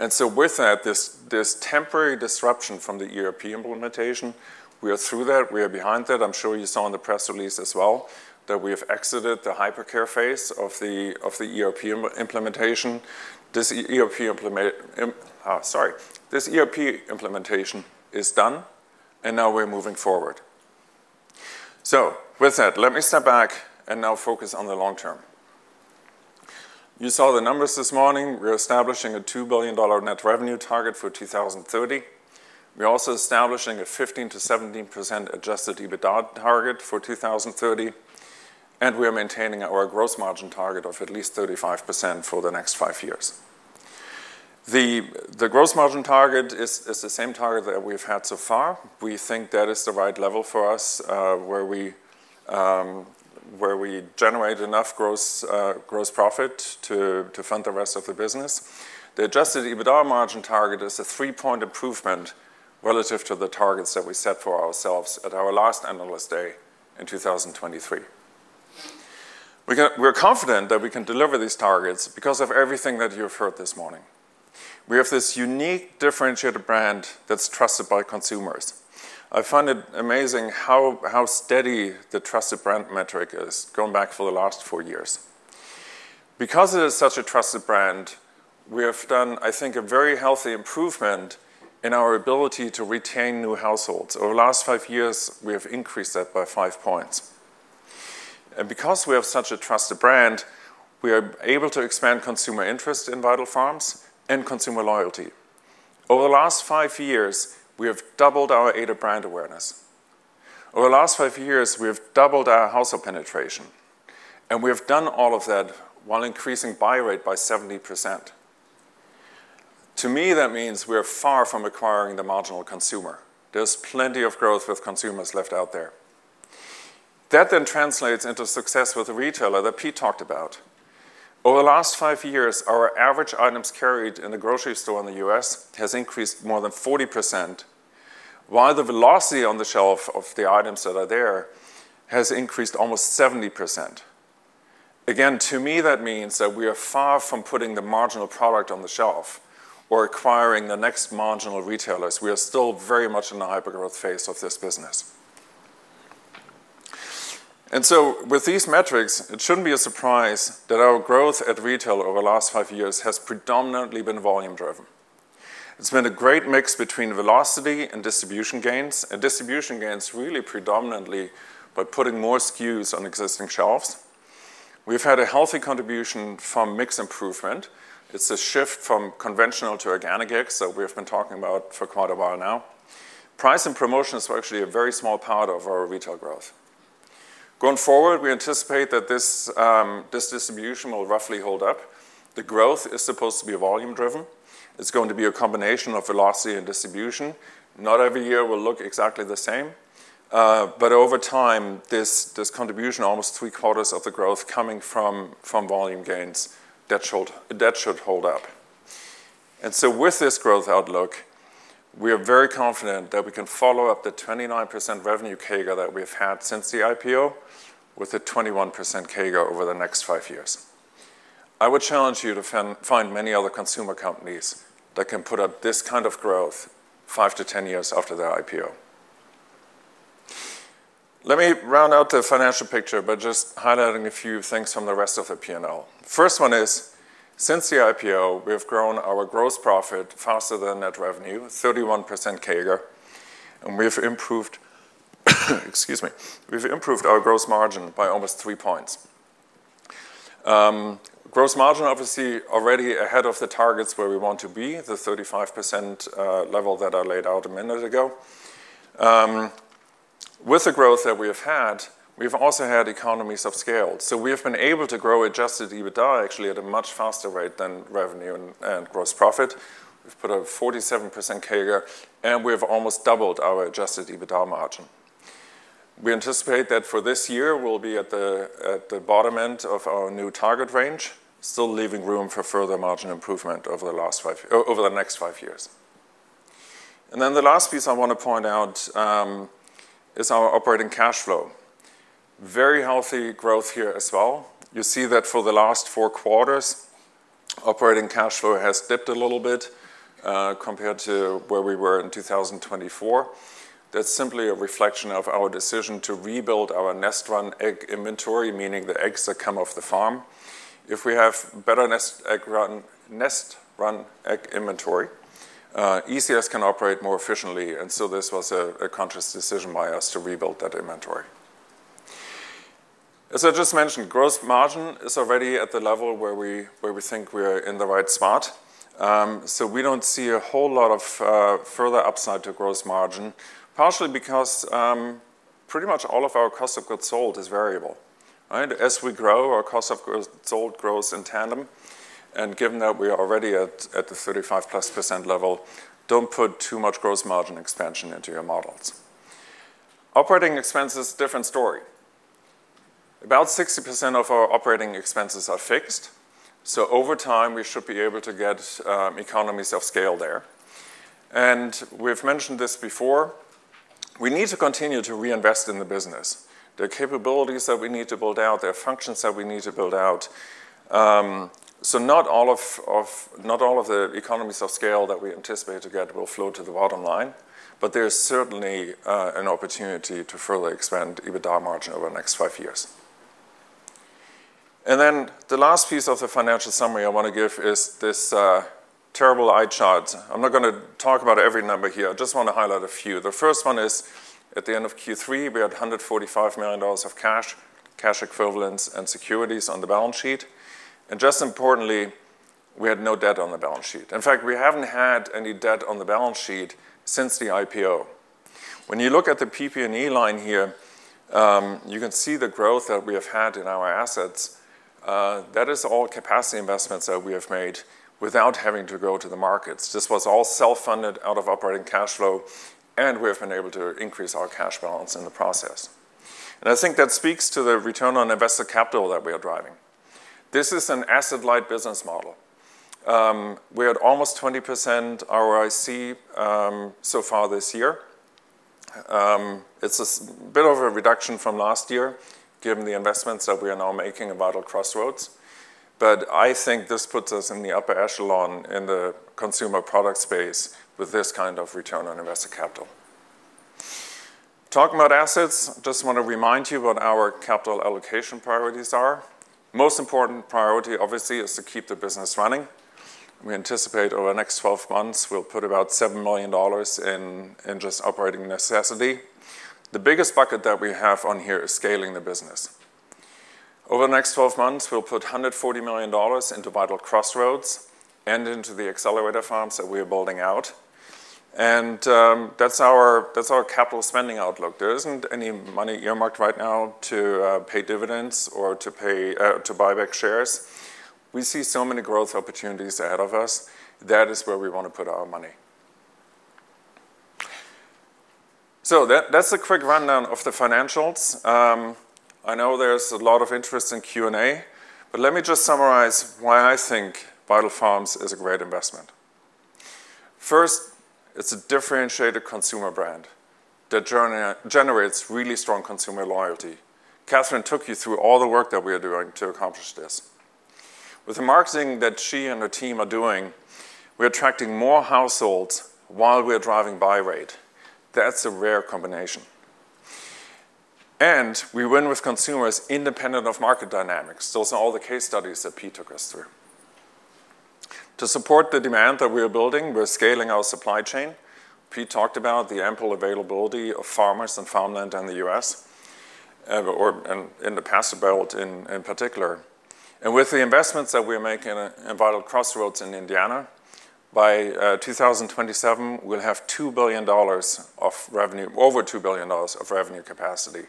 and so with that, this temporary disruption from the ERP implementation, we are through that. We are behind that. I'm sure you saw in the press release as well that we have exited the hypercare phase of the ERP implementation. This ERP implementation is done. And now we're moving forward. So with that, let me step back and now focus on the long term. You saw the numbers this morning. We're establishing a $2 billion net revenue target for 2030. We're also establishing a 15%-17% Adjusted EBITDA target for 2030. And we are maintaining our gross margin target of at least 35% for the next five years. The gross margin target is the same target that we've had so far. We think that is the right level for us where we generate enough gross profit to fund the rest of the business. The Adjusted EBITDA margin target is a three-point improvement relative to the targets that we set for ourselves at our last analyst day in 2023. We're confident that we can deliver these targets because of everything that you've heard this morning. We have this unique differentiated brand that's trusted by consumers. I find it amazing how steady the trusted brand metric is going back for the last four years. Because it is such a trusted brand, we have done, I think, a very healthy improvement in our ability to retain new households. Over the last five years, we have increased that by five points, and because we have such a trusted brand, we are able to expand consumer interest in Vital Farms and consumer loyalty. Over the last five years, we have doubled our ADA brand awareness. Over the last five years, we have doubled our household penetration, and we have done all of that while increasing buy rate by 70%. To me, that means we are far from acquiring the marginal consumer. There's plenty of growth with consumers left out there. That then translates into success with the retailer that Pete talked about. Over the last five years, our average items carried in the grocery store in the U.S. has increased more than 40%, while the velocity on the shelf of the items that are there has increased almost 70%. Again, to me, that means that we are far from putting the marginal product on the shelf or acquiring the next marginal retailers. We are still very much in the hypergrowth phase of this business, and so with these metrics, it shouldn't be a surprise that our growth at retail over the last five years has predominantly been volume-driven. It's been a great mix between velocity and distribution gains, and distribution gains really predominantly by putting more SKUs on existing shelves. We've had a healthy contribution from mix improvement. It's a shift from conventional to organic eggs that we have been talking about for quite a while now. Price and promotions were actually a very small part of our retail growth. Going forward, we anticipate that this distribution will roughly hold up. The growth is supposed to be volume-driven. It's going to be a combination of velocity and distribution. Not every year will look exactly the same. But over time, this contribution, almost three quarters of the growth coming from volume gains, that should hold up. And so with this growth outlook, we are very confident that we can follow up the 29% revenue CAGR that we have had since the IPO with a 21% CAGR over the next five years. I would challenge you to find many other consumer companies that can put up this kind of growth five to ten years after their IPO. Let me round out the financial picture by just highlighting a few things from the rest of the P&L. First one is, since the IPO, we have grown our gross profit faster than net revenue, 31% CAGR, and we've improved our gross margin by almost three points. Gross margin, obviously, already ahead of the targets where we want to be, the 35% level that I laid out a minute ago. With the growth that we have had, we've also had economies of scale, so we have been able to grow Adjusted EBITDA, actually, at a much faster rate than revenue and gross profit. We've put a 47% CAGR, and we have almost doubled our Adjusted EBITDA margin. We anticipate that for this year, we'll be at the bottom end of our new target range, still leaving room for further margin improvement over the next five years. And then the last piece I want to point out is our operating cash flow. Very healthy growth here as well. You see that for the last four quarters, operating cash flow has dipped a little bit compared to where we were in 2024. That's simply a reflection of our decision to rebuild our nest run egg inventory, meaning the eggs that come off the farm. If we have better nest run egg inventory, ECS can operate more efficiently. And so this was a conscious decision by us to rebuild that inventory. As I just mentioned, gross margin is already at the level where we think we are in the right spot. So we don't see a whole lot of further upside to gross margin, partially because pretty much all of our cost of goods sold is variable. As we grow, our cost of goods sold grows in tandem. And given that we are already at the 35-plus% level, don't put too much gross margin expansion into your models. Operating expenses, different story. About 60% of our operating expenses are fixed. So over time, we should be able to get economies of scale there. And we've mentioned this before. We need to continue to reinvest in the business, the capabilities that we need to build out, the functions that we need to build out. So not all of the economies of scale that we anticipate to get will flow to the bottom line. But there's certainly an opportunity to further expand EBITDA margin over the next five years. And then the last piece of the financial summary I want to give is this terrible eye chart. I'm not going to talk about every number here. I just want to highlight a few. The first one is, at the end of Q3, we had $145 million of cash, cash equivalents, and securities on the balance sheet. And just importantly, we had no debt on the balance sheet. In fact, we haven't had any debt on the balance sheet since the IPO. When you look at the PP&E line here, you can see the growth that we have had in our assets. That is all capacity investments that we have made without having to go to the markets. This was all self-funded out of operating cash flow. And we have been able to increase our cash balance in the process. And I think that speaks to the return on investor capital that we are driving. This is an asset-light business model. We had almost 20% ROIC so far this year. It's a bit of a reduction from last year, given the investments that we are now making in Vital Crossroads. But I think this puts us in the upper echelon in the consumer product space with this kind of return on invested capital. Talking about assets, I just want to remind you what our capital allocation priorities are. Most important priority, obviously, is to keep the business running. We anticipate over the next 12 months, we'll put about $7 million in just operating necessity. The biggest bucket that we have on here is scaling the business. Over the next 12 months, we'll put $140 million into Vital Crossroads and into the accelerator farms that we are building out. And that's our capital spending outlook. There isn't any money earmarked right now to pay dividends or to buy back shares. We see so many growth opportunities ahead of us. That is where we want to put our money. So that's a quick rundown of the financials. I know there's a lot of interest in Q&A. But let me just summarize why I think Vital Farms is a great investment. First, it's a differentiated consumer brand that generates really strong consumer loyalty. Kathryn took you through all the work that we are doing to accomplish this. With the marketing that she and her team are doing, we're attracting more households while we are driving buy rate. That's a rare combination, and we win with consumers independent of market dynamics. Those are all the case studies that Pete took us through. To support the demand that we are building, we're scaling our supply chain. Pete talked about the ample availability of farmers and farmland in the US, in the Pasture Belt in particular. With the investments that we are making in Vital Crossroads in Indiana, by 2027, we'll have $2 billion of revenue, over $2 billion of revenue capacity.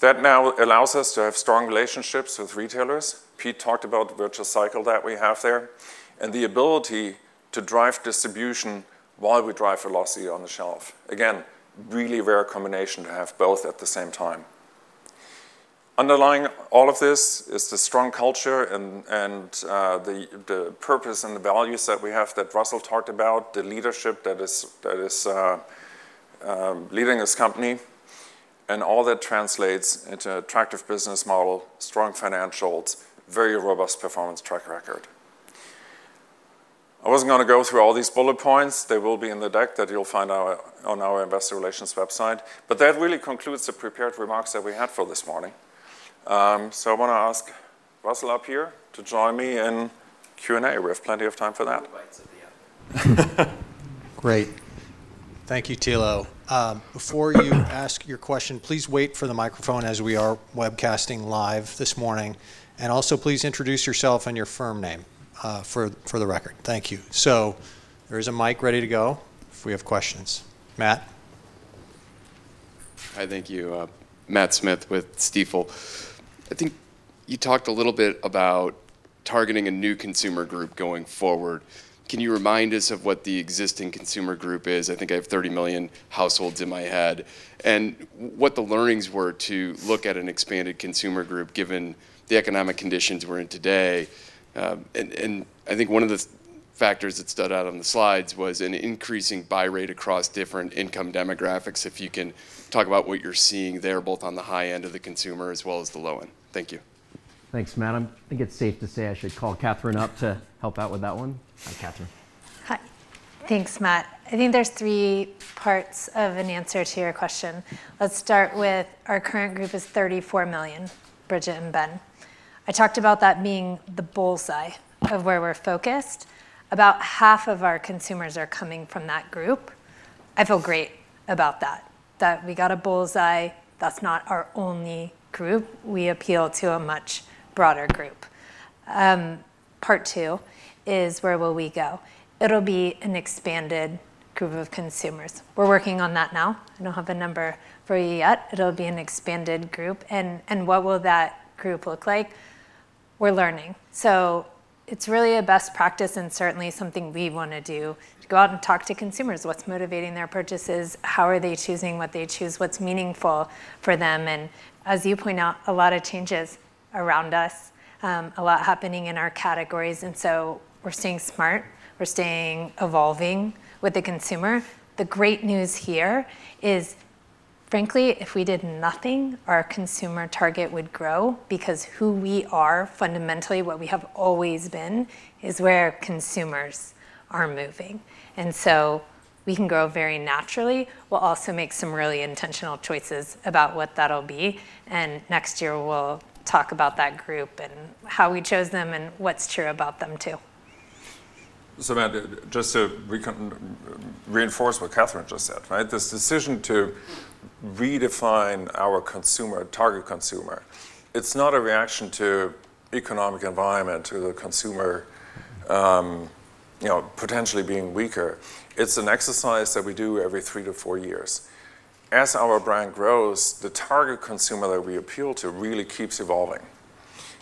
That now allows us to have strong relationships with retailers. Pete talked about the virtuous cycle that we have there and the ability to drive distribution while we drive velocity on the shelf. Again, really rare combination to have both at the same time. Underlying all of this is the strong culture and the purpose and the values that we have that Russell talked about, the leadership that is leading this company, and all that translates into an attractive business model, strong financials, very robust performance track record. I wasn't going to go through all these bullet points. They will be in the deck that you'll find on our investor relations website. But that really concludes the prepared remarks that we had for this morning. So I want` to ask Russell up here to join me in Q&A. We have plenty of time for that. Great. Thank you, Thilo. Before you ask your question, please wait for the microphone as we are webcasting live this morning. And also, please introduce yourself and your firm name for the record. Thank you. So there is a mic ready to go if we have questions. Matt. Hi, thank you. Matt Smith with Stifel. I think you talked a little bit about targeting a new consumer group going forward. Can you remind us of what the existing consumer group is? I think I have 30 million households in my head. And what the learnings were to look at an expanded consumer group given the economic conditions we're in today. And I think one of the factors that stood out on the slides was an increasing buy rate across different income demographics. If you can talk about what you're seeing there, both on the high end of the consumer as well as the low end. Thank you. Thanks, Matt. I think it's safe to say I should call Kathryn up to help out with that one. Hi, Kathryn. Hi. Thanks, Matt. I think there's three parts of an answer to your question. Let's start with our current group is 34 million, Bridget and Ben. I talked about that being the bullseye of where we're focused. About half of our consumers are coming from that group. I feel great about that, that we got a bullseye. That's not our only group. We appeal to a much broader group. Part two is where will we go? It'll be an expanded group of consumers. We're working on that now. I don't have a number for you yet. It'll be an expanded group. And what will that group look like? We're learning. So it's really a best practice and certainly something we want to do to go out and talk to consumers. What's motivating their purchases? How are they choosing what they choose? What's meaningful for them? And as you point out, a lot of changes around us, a lot happening in our categories. And so we're staying smart. We're staying evolving with the consumer. The great news here is, frankly, if we did nothing, our consumer target would grow because who we are, fundamentally, what we have always been, is where consumers are moving. And so we can grow very naturally. We'll also make some really intentional choices about what that'll be. And next year, we'll talk about that group and how we chose them and what's true about them too. So just to reinforce what Kathryn just said, this decision to redefine our target consumer, it's not a reaction to the economic environment or the consumer potentially being weaker. It's an exercise that we do every three to four years. As our brand grows, the target consumer that we appeal to really keeps evolving.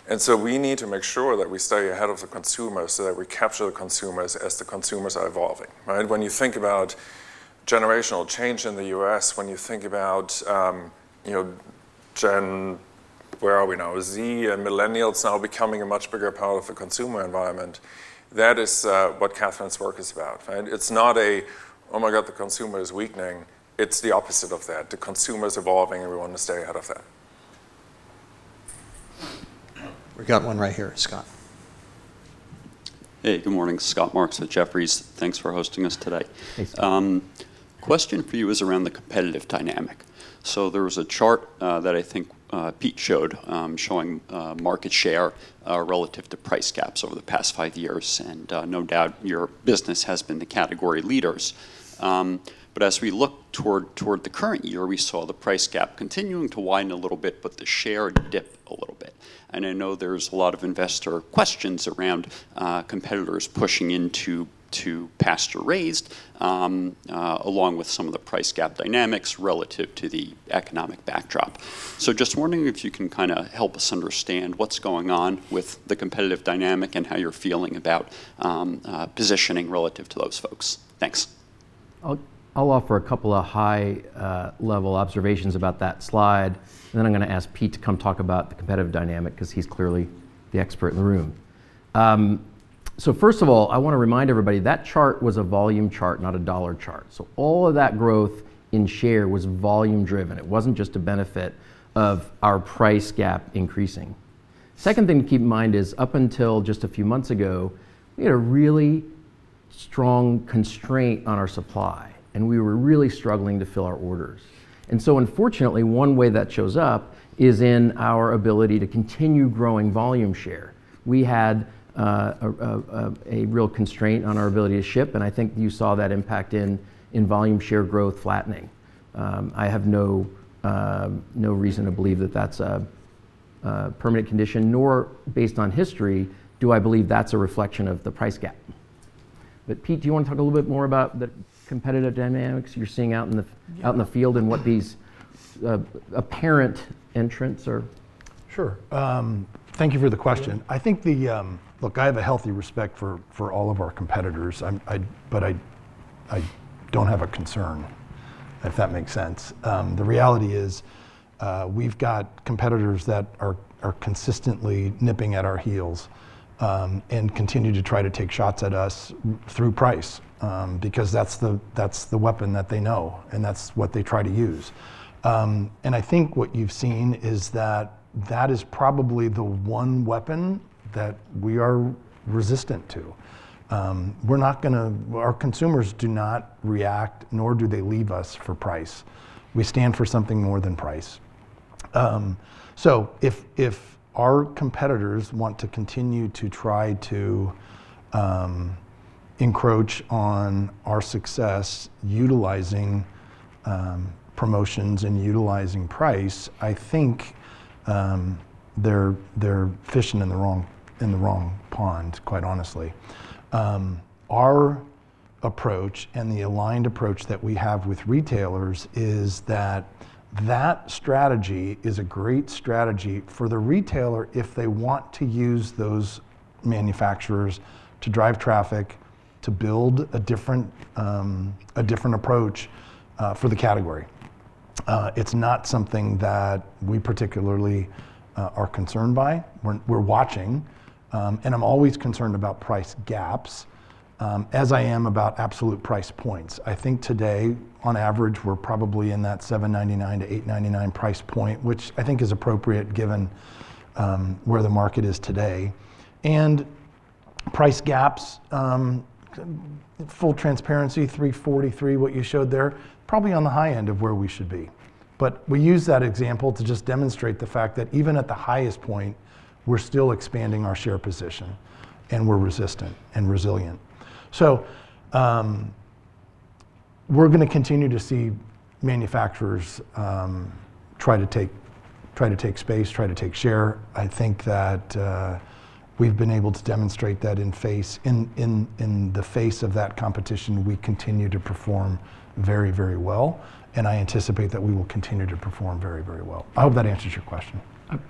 And so we need to make sure that we stay ahead of the consumer so that we capture the consumers as the consumers are evolving. When you think about generational change in the U.S., when you think about where are we now, Z and millennials now becoming a much bigger part of the consumer environment, that is what Kathryn's work is about. It's not a, oh my god, the consumer is weakening. It's the opposite of that. The consumer is evolving, and we want to stay ahead of that. We've got one right here, Scott. Hey, good morning. Scott Marks at Jefferies. Thanks for hosting us today. Thanks. Question for you is around the competitive dynamic. So there was a chart that I think Pete showed showing market share relative to price gaps over the past five years. And no doubt your business has been the category leaders. But as we look toward the current year, we saw the price gap continuing to widen a little bit, but the share dipped a little bit. And I know there's a lot of investor questions around competitors pushing into pasture raised, along with some of the price gap dynamics relative to the economic backdrop. So just wondering if you can kind of help us understand what's going on with the competitive dynamic and how you're feeling about positioning relative to those folks. Thanks. I'll offer a couple of high-level observations about that slide, and then I'm going to ask Pete to come talk about the competitive dynamic because he's clearly the expert in the room, so first of all, I want to remind everybody that chart was a volume chart, not a dollar chart, so all of that growth in share was volume-driven. It wasn't just a benefit of our price gap increasing. Second thing to keep in mind is up until just a few months ago, we had a really strong constraint on our supply, and we were really struggling to fill our orders, and so unfortunately, one way that shows up is in our ability to continue growing volume share. We had a real constraint on our ability to ship, and I think you saw that impact in volume share growth flattening. I have no reason to believe that that's a permanent condition. Nor based on history, do I believe that's a reflection of the price gap. But Pete, do you want to talk a little bit more about the competitive dynamics you're seeing out in the field and what these apparent entrants are? Sure. Thank you for the question. I think, look, I have a healthy respect for all of our competitors. But I don't have a concern, if that makes sense. The reality is we've got competitors that are consistently nipping at our heels and continue to try to take shots at us through price because that's the weapon that they know. And that's what they try to use. And I think what you've seen is that that is probably the one weapon that we are resistant to. Our consumers do not react, nor do they leave us for price. We stand for something more than price. So if our competitors want to continue to try to encroach on our success utilizing promotions and utilizing price, I think they're fishing in the wrong pond, quite honestly. Our approach and the aligned approach that we have with retailers is that that strategy is a great strategy for the retailer if they want to use those manufacturers to drive traffic, to build a different approach for the category. It's not something that we particularly are concerned by. We're watching. And I'm always concerned about price gaps, as I am about absolute price points. I think today, on average, we're probably in that $7.99-$8.99 price point, which I think is appropriate given where the market is today. And price gaps, full transparency, $3.43, what you showed there, probably on the high end of where we should be. But we use that example to just demonstrate the fact that even at the highest point, we're still expanding our share position. And we're resistant and resilient. So we're going to continue to see manufacturers try to take space, try to take share. I think that we've been able to demonstrate that in the face of that competition, we continue to perform very, very well. And I anticipate that we will continue to perform very, very well. I hope that answers your question.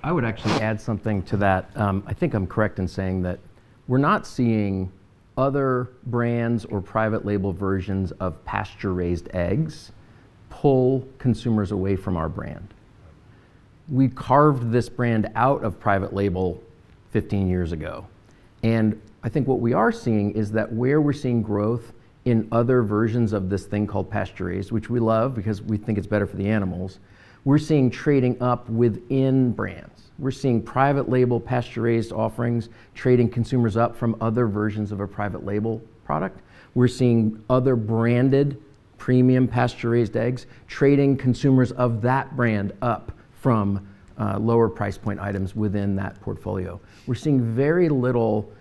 I would actually add something to that. I think I'm correct in saying that we're not seeing other brands or private label versions of pasture raised eggs pull consumers away from our brand. We carved this brand out of private label 15 years ago, and I think what we are seeing is that where we're seeing growth in other versions of this thing called pasture raised, which we love because we think it's better for the animals, we're seeing trading up within brands. We're seeing private label pasture raised offerings trading consumers up from other versions of a private label product. We're seeing other branded premium pasture raised eggs trading consumers of that brand up from lower price point items within that portfolio. We're seeing very little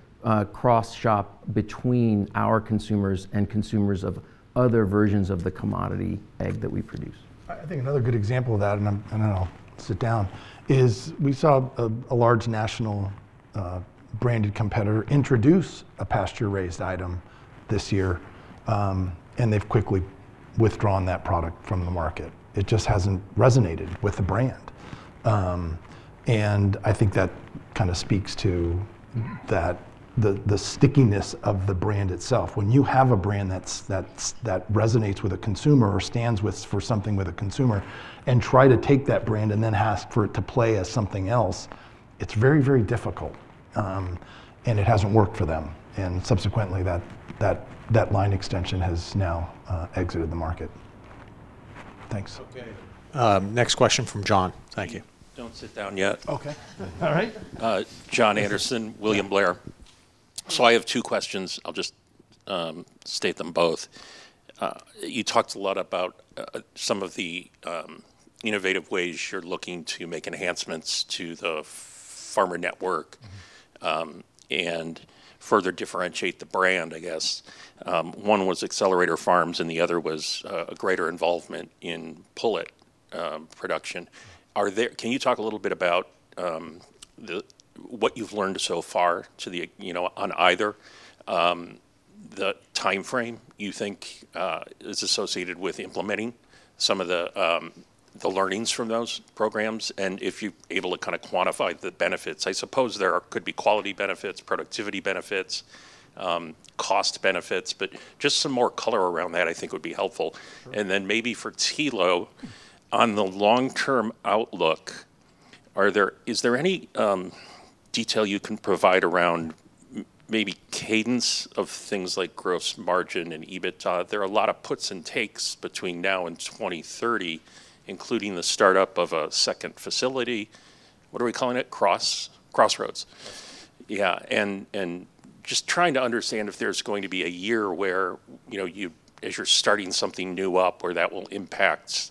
cross shop between our consumers and consumers of other versions of the commodity egg that we produce. I think another good example of that, and then I'll sit down, is we saw a large national branded competitor introduce a pasture-raised item this year. And they've quickly withdrawn that product from the market. It just hasn't resonated with the brand. And I think that kind of speaks to the stickiness of the brand itself. When you have a brand that resonates with a consumer or stands for something with a consumer and try to take that brand and then ask for it to play as something else, it's very, very difficult. And it hasn't worked for them. And subsequently, that line extension has now exited the market. Thanks. Next question from John. Thank you. Don't sit down yet. OK. All right. Jon Andersen, William Blair. So I have two questions. I'll just state them both. You talked a lot about some of the innovative ways you're looking to make enhancements to the farmer network and further differentiate the brand, I guess. One was accelerator farms, and the other was a greater involvement in pullet production. Can you talk a little bit about what you've learned so far on either? The time frame you think is associated with implementing some of the learnings from those programs, and if you're able to kind of quantify the benefits. I suppose there could be quality benefits, productivity benefits, cost benefits. But just some more color around that, I think, would be helpful. And then maybe for Thilo, on the long-term outlook, is there any detail you can provide around maybe cadence of things like gross margin and EBITDA? There are a lot of puts and takes between now and 2030, including the startup of a second facility. What are we calling it? Crossroads. Yeah. And just trying to understand if there's going to be a year where, as you're starting something new up, where that will impact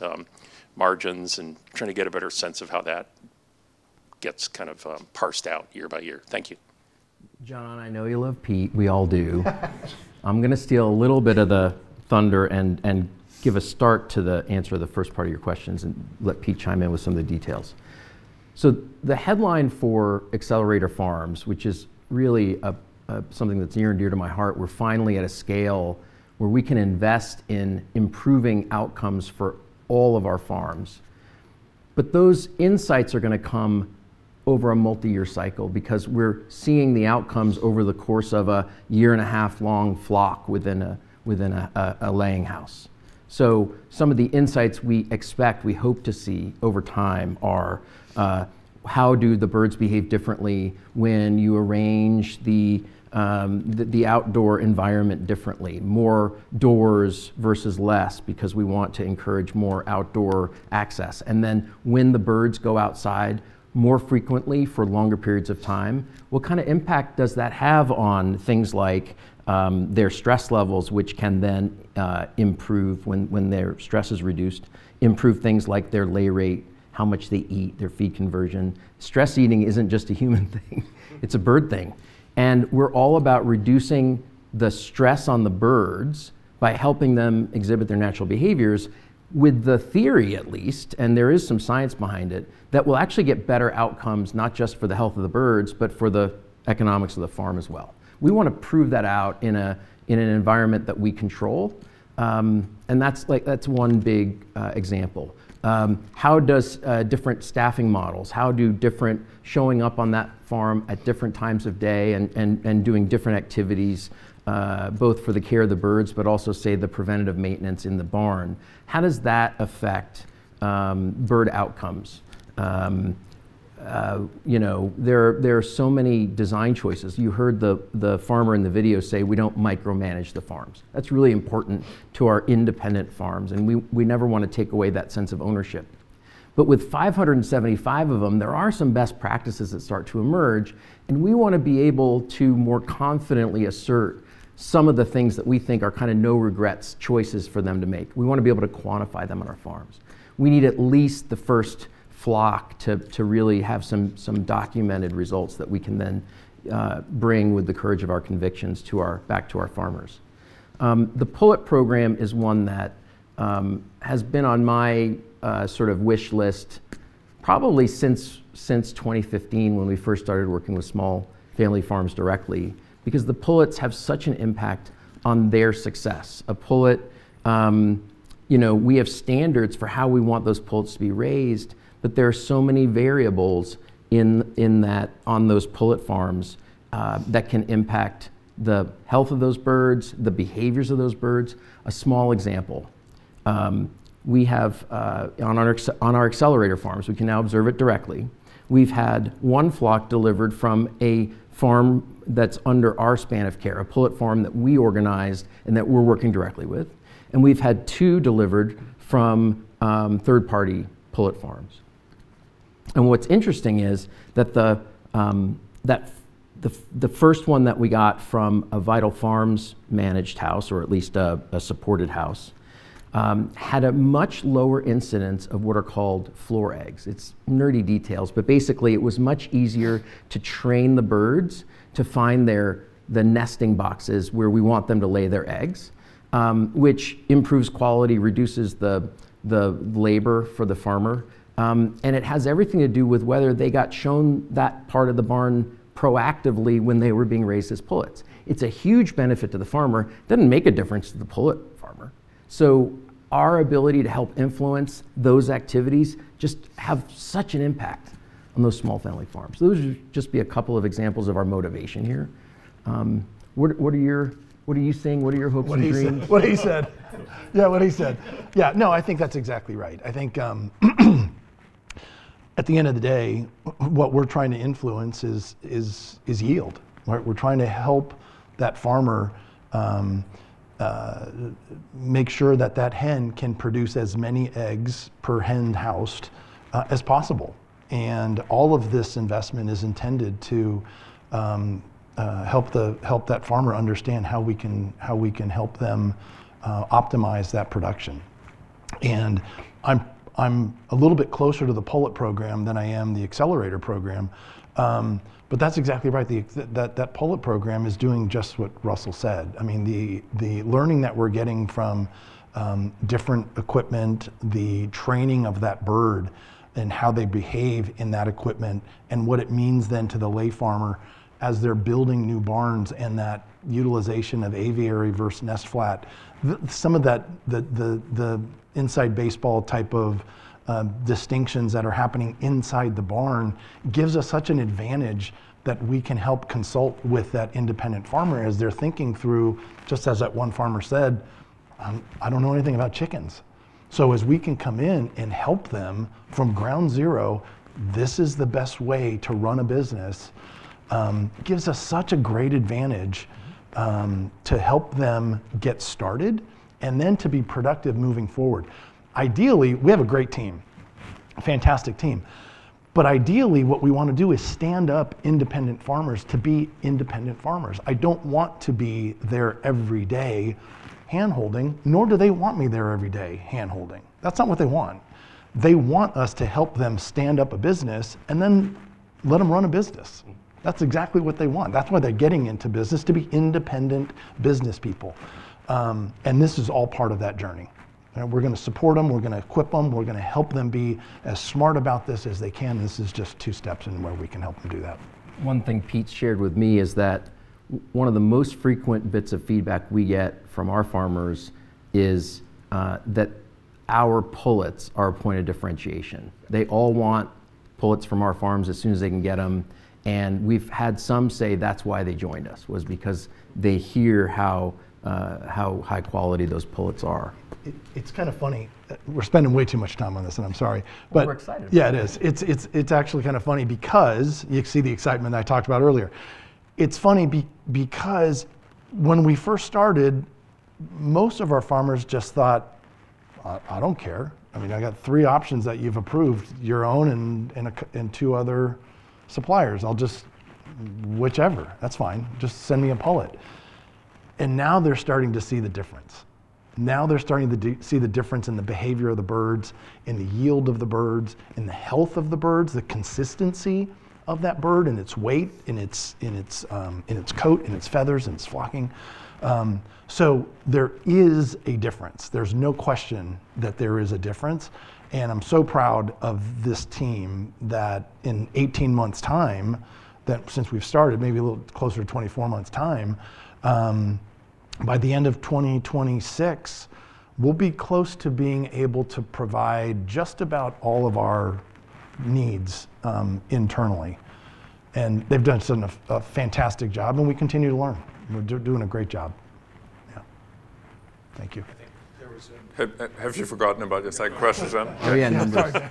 margins and trying to get a better sense of how that gets kind of parsed out year by year. Thank you. Jon, I know you love Pete. We all do. I'm going to steal a little bit of the thunder and give a start to the answer to the first part of your questions and let Pete chime in with some of the details. So the headline for accelerator farms, which is really something that's near and dear to my heart, we're finally at a scale where we can invest in improving outcomes for all of our farms. But those insights are going to come over a multi-year cycle because we're seeing the outcomes over the course of a year and a half long flock within a laying house. So some of the insights we expect, we hope to see over time are how do the birds behave differently when you arrange the outdoor environment differently, more doors versus less because we want to encourage more outdoor access. And then when the birds go outside more frequently for longer periods of time, what kind of impact does that have on things like their stress levels, which can then improve when their stress is reduced, improve things like their lay rate, how much they eat, their feed conversion? Stress eating isn't just a human thing. It's a bird thing. And we're all about reducing the stress on the birds by helping them exhibit their natural behaviors with the theory, at least, and there is some science behind it, that will actually get better outcomes not just for the health of the birds, but for the economics of the farm as well. We want to prove that out in an environment that we control. And that's one big example. How do different staffing models, how do different showing up on that farm at different times of day and doing different activities, both for the care of the birds, but also, say, the preventative maintenance in the barn, how does that affect bird outcomes? There are so many design choices. You heard the farmer in the video say we don't micromanage the farms. That's really important to our independent farms. And we never want to take away that sense of ownership. But with 575 of them, there are some best practices that start to emerge. And we want to be able to more confidently assert some of the things that we think are kind of no regrets choices for them to make. We want to be able to quantify them on our farms. We need at least the first flock to really have some documented results that we can then bring with the courage of our convictions back to our farmers. The pullet program is one that has been on my sort of wish list probably since 2015 when we first started working with small family farms directly because the pullets have such an impact on their success. A pullet, we have standards for how we want those pullets to be raised. But there are so many variables on those pullet farms that can impact the health of those birds, the behaviors of those birds. A small example. On our accelerator farms, we can now observe it directly. We've had one flock delivered from a farm that's under our span of care, a pullet farm that we organize and that we're working directly with, and we've had two delivered from third-party pullet farms. What's interesting is that the first one that we got from a Vital Farms managed house, or at least a supported house, had a much lower incidence of what are called floor eggs. It's nerdy details. Basically, it was much easier to train the birds to find the nesting boxes where we want them to lay their eggs, which improves quality, reduces the labor for the farmer. It has everything to do with whether they got shown that part of the barn proactively when they were being raised as pullets. It's a huge benefit to the farmer. It doesn't make a difference to the pullet farmer. Our ability to help influence those activities just has such an impact on those small family farms. Those would just be a couple of examples of our motivation here. What are you seeing? What are your hopes and dreams? What he said. Yeah, what he said. Yeah. No, I think that's exactly right. I think at the end of the day, what we're trying to influence is yield. We're trying to help that farmer make sure that that hen can produce as many eggs per hen housed as possible. And all of this investment is intended to help that farmer understand how we can help them optimize that production. And I'm a little bit closer to the pullet program than I am the accelerator program. But that's exactly right. That pullet program is doing just what Russell said. I mean, the learning that we're getting from different equipment, the training of that bird and how they behave in that equipment, and what it means then to the lay farmer as they're building new barns and that utilization of aviary versus nest flat, some of the inside baseball type of distinctions that are happening inside the barn gives us such an advantage that we can help consult with that independent farmer as they're thinking through, just as that one farmer said, "I don't know anything about chickens," so as we can come in and help them from ground zero, this is the best way to run a business, gives us such a great advantage to help them get started and then to be productive moving forward. Ideally, we have a great team, a fantastic team. But ideally, what we want to do is stand up independent farmers to be independent farmers. I don't want to be there every day hand-holding, nor do they want me there every day hand-holding. That's not what they want. They want us to help them stand up a business and then let them run a business. That's exactly what they want. That's why they're getting into business, to be independent business people. And this is all part of that journey. We're going to support them. We're going to equip them. We're going to help them be as smart about this as they can. This is just two steps in where we can help them do that. One thing Pete shared with me is that one of the most frequent bits of feedback we get from our farmers is that our pullets are a point of differentiation. They all want pullets from our farms as soon as they can get them, and we've had some say that's why they joined us was because they hear how high quality those pullets are. It's kind of funny. We're spending way too much time on this, and I'm sorry. We're excited. Yeah, it is. It's actually kind of funny because you see the excitement that I talked about earlier. It's funny because when we first started, most of our farmers just thought, I don't care. I mean, I got three options that you've approved, your own and two other suppliers. Whichever. That's fine. Just send me a pullet. And now they're starting to see the difference. Now they're starting to see the difference in the behavior of the birds, in the yield of the birds, in the health of the birds, the consistency of that bird in its weight, in its coat, in its feathers, in its flocking. So there is a difference. There's no question that there is a difference. And I'm so proud of this team that in 18 months' time, since we've started, maybe a little closer to 24 months' time, by the end of 2026, we'll be close to being able to provide just about all of our needs internally. And they've done such a fantastic job. And we continue to learn. We're doing a great job. Yeah. Thank you. Have you forgotten about your second question, John? Yeah.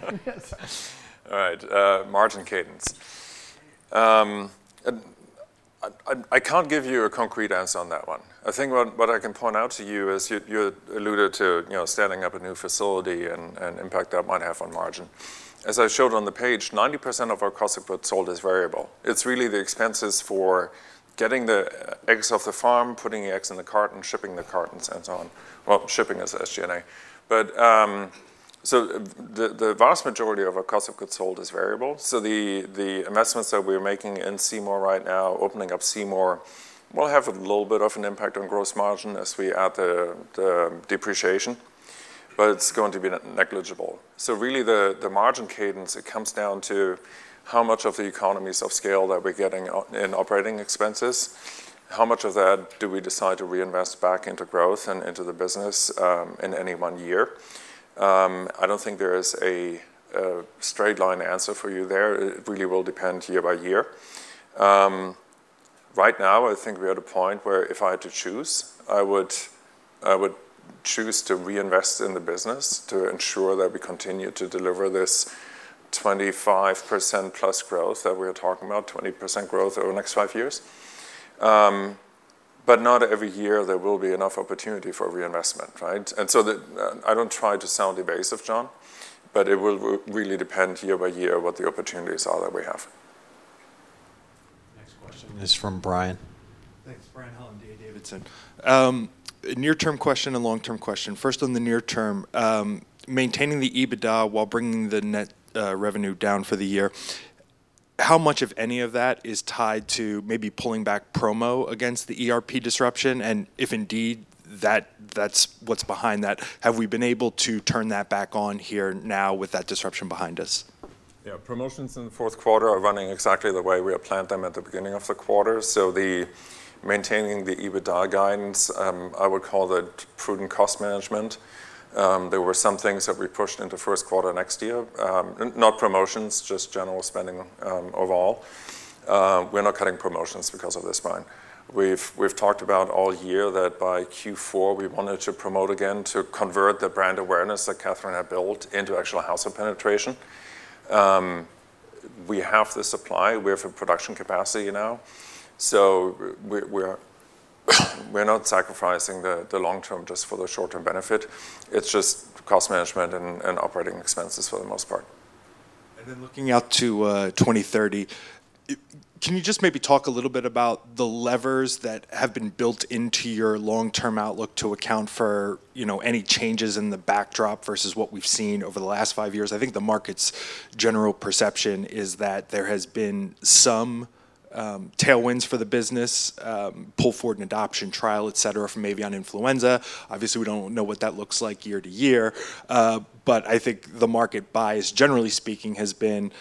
All right. Margin cadence. I can't give you a concrete answer on that one. I think what I can point out to you is you alluded to standing up a new facility and the impact that might have on margin. As I showed on the page, 90% of our cost of goods sold is variable. It's really the expenses for getting the eggs off the farm, putting the eggs in the carton, shipping the cartons, and so on. Well, shipping is SG&A. So the vast majority of our cost of goods sold is variable. So the investments that we're making in Seymour right now, opening up Seymour, will have a little bit of an impact on gross margin as we add the depreciation. But it's going to be negligible. So really, the margin cadence, it comes down to how much of the economies of scale that we're getting in operating expenses, how much of that do we decide to reinvest back into growth and into the business in any one year. I don't think there is a straight line answer for you there. It really will depend year by year. Right now, I think we're at a point where if I had to choose, I would choose to reinvest in the business to ensure that we continue to deliver this 25% plus growth that we're talking about, 20% growth over the next five years. But not every year there will be enough opportunity for reinvestment, right? And so I don't try to sound evasive, John, but it will really depend year by year what the opportunities are that we have. Next question is from Brian. Thanks, Brian Holland, D.A. Davidson. Near-term question and long-term question. First on the near term, maintaining the EBITDA while bringing the net revenue down for the year, how much, if any, of that is tied to maybe pulling back promo against the ERP disruption? And if indeed that's what's behind that, have we been able to turn that back on here now with that disruption behind us? Yeah. Promotions in the fourth quarter are running exactly the way we had planned them at the beginning of the quarter. So maintaining the EBITDA guidance, I would call that prudent cost management. There were some things that we pushed into first quarter next year, not promotions, just general spending overall. We're not cutting promotions because of this, Brian. We've talked about all year that by Q4 we wanted to promote again to convert the brand awareness that Kathryn had built into actual household penetration. We have the supply. We have a production capacity now. So we're not sacrificing the long term just for the short term benefit. It's just cost management and operating expenses for the most part. Looking out to 2030, can you just maybe talk a little bit about the levers that have been built into your long-term outlook to account for any changes in the backdrop versus what we've seen over the last five years? I think the market's general perception is that there has been some tailwinds for the business, pull forward and adoption trial, et cetera, for maybe on influenza. Obviously, we don't know what that looks like year to year. But I think the market bias, generally speaking, has been,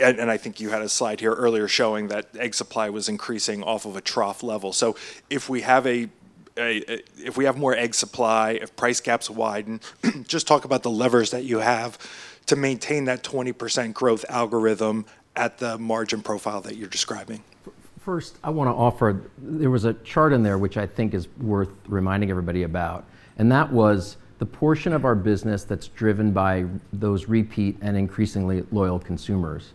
and I think you had a slide here earlier showing that egg supply was increasing off of a trough level. So if we have more egg supply, if price caps widen, just talk about the levers that you have to maintain that 20% growth algorithm at the margin profile that you're describing. First, I want to offer. There was a chart in there, which I think is worth reminding everybody about. That was the portion of our business that's driven by those repeat and increasingly loyal consumers.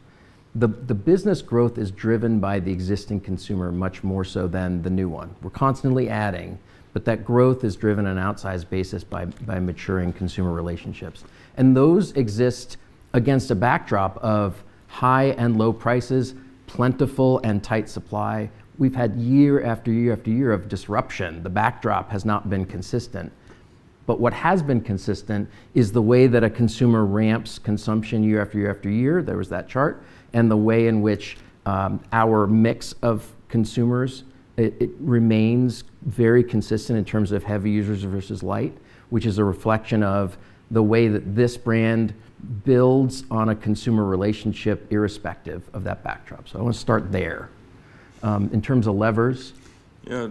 The business growth is driven by the existing consumer much more so than the new one. We're constantly adding. That growth is driven on an outsized basis by maturing consumer relationships. Those exist against a backdrop of high and low prices, plentiful and tight supply. We've had year after year after year of disruption. The backdrop has not been consistent. What has been consistent is the way that a consumer ramps consumption year after year after year. There was that chart. The way in which our mix of consumers remains very consistent in terms of heavy users versus light, which is a reflection of the way that this brand builds on a consumer relationship irrespective of that backdrop. So I want to start there. In terms of levers. Yeah.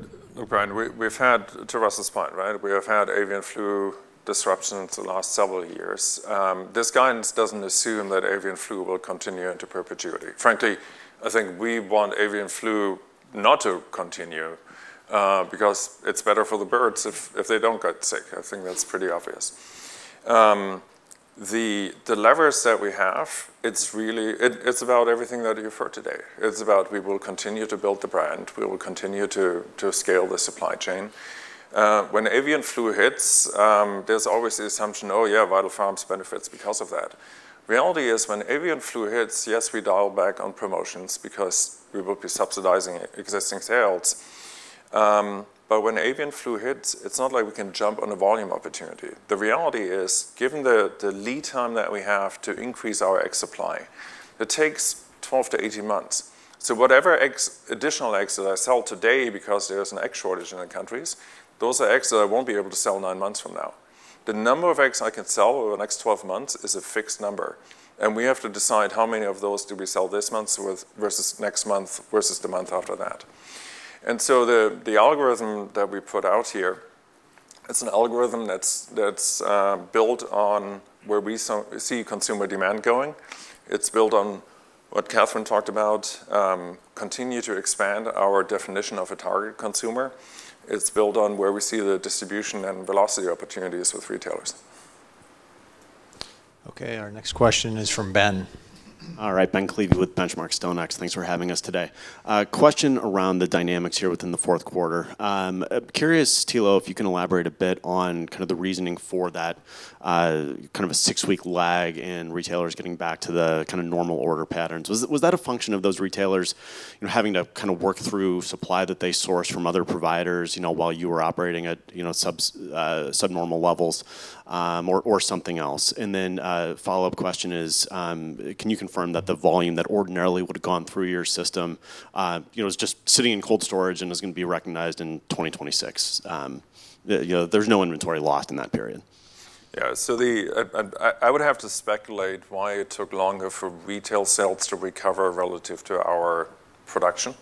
Brian, we've had, to Russell's point, right, we have had avian flu disruptions the last several years. This guidance doesn't assume that avian flu will continue into perpetuity. Frankly, I think we want avian flu not to continue because it's better for the birds if they don't get sick. I think that's pretty obvious. The levers that we have, it's about everything that you've heard today. It's about we will continue to build the brand. We will continue to scale the supply chain. When avian flu hits, there's always the assumption, oh yeah, Vital Farms benefits because of that. Reality is when avian flu hits, yes, we dial back on promotions because we will be subsidizing existing sales. But when avian flu hits, it's not like we can jump on a volume opportunity. The reality is, given the lead time that we have to increase our egg supply, it takes 12 to 18 months, so whatever additional eggs that I sell today because there's an egg shortage in the countries, those are eggs that I won't be able to sell nine months from now. The number of eggs I can sell over the next 12 months is a fixed number, and we have to decide how many of those do we sell this month versus next month versus the month after that, and so the algorithm that we put out here, it's an algorithm that's built on where we see consumer demand going. It's built on what Kathryn talked about, continue to expand our definition of a target consumer. It's built on where we see the distribution and velocity opportunities with retailers. OK. Our next question is from Ben. All right. Ben Klieve with Lake Street Capital Markets. Thanks for having us today. Question around the dynamics here within the fourth quarter. Curious, Thilo, if you can elaborate a bit on kind of the reasoning for that kind of a six-week lag in retailers getting back to the kind of normal order patterns. Was that a function of those retailers having to kind of work through supply that they sourced from other providers while you were operating at subnormal levels or something else? And then follow-up question is, can you confirm that the volume that ordinarily would have gone through your system was just sitting in cold storage and is going to be recognized in 2026? There's no inventory lost in that period. Yeah. So I would have to speculate why it took longer for retail sales to recover relative to our production.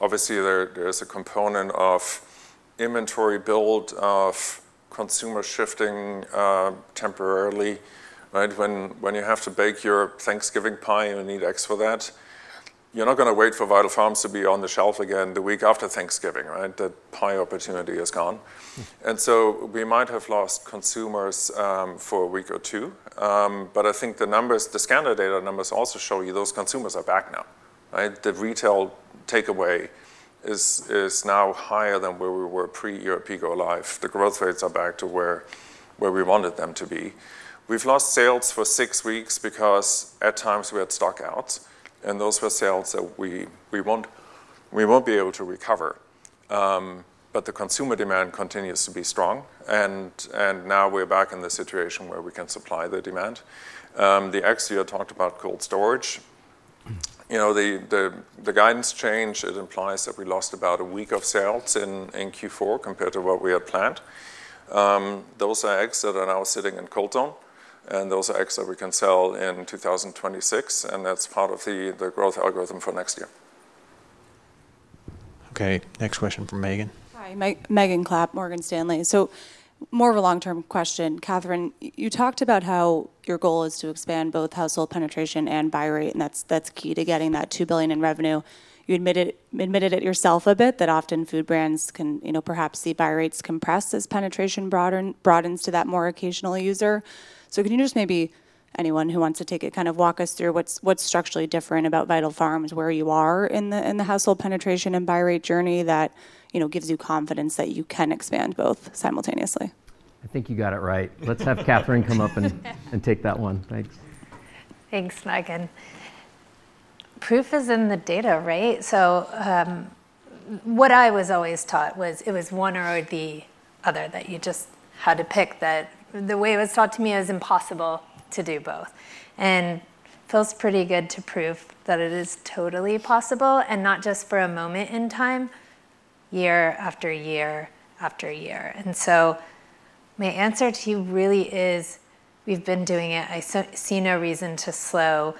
Obviously, there is a component of inventory build of consumer shifting temporarily. When you have to bake your Thanksgiving pie, you need eggs for that. You're not going to wait for Vital Farms to be on the shelf again the week after Thanksgiving, right? That pie opportunity is gone. And so we might have lost consumers for a week or two. But I think the scanner data numbers also show you those consumers are back now. The retail takeaway is now higher than where we were pre-ERP go live. The growth rates are back to where we wanted them to be. We've lost sales for six weeks because at times we had stockouts. And those were sales that we won't be able to recover. But the consumer demand continues to be strong. And now we're back in the situation where we can supply the demand. The eggs you had talked about, cold storage. The guidance change. It implies that we lost about a week of sales in Q4 compared to what we had planned. Those are eggs that are now sitting in Cold Zone. And those are eggs that we can sell in 2026. And that's part of the growth algorithm for next year. OK. Next question from Megan. Hi. Megan Clapp, Morgan Stanley. So more of a long-term question. Kathryn, you talked about how your goal is to expand both household penetration and buy rate. And that's key to getting that $2 billion in revenue. You admitted it yourself a bit that often food brands can perhaps see buy rates compressed as penetration broadens to that more occasional user. So can you just maybe, anyone who wants to take it, kind of walk us through what's structurally different about Vital Farms, where you are in the household penetration and buy rate journey that gives you confidence that you can expand both simultaneously? I think you got it right. Let's have Kathryn come up and take that one. Thanks. Thanks, Megan. Proof is in the data, right, so what I was always taught was it was one or the other that you just had to pick. The way it was taught to me is impossible to do both, and it feels pretty good to prove that it is totally possible and not just for a moment in time, year after year after year, and so my answer to you really is we've been doing it. I see no reason to slow.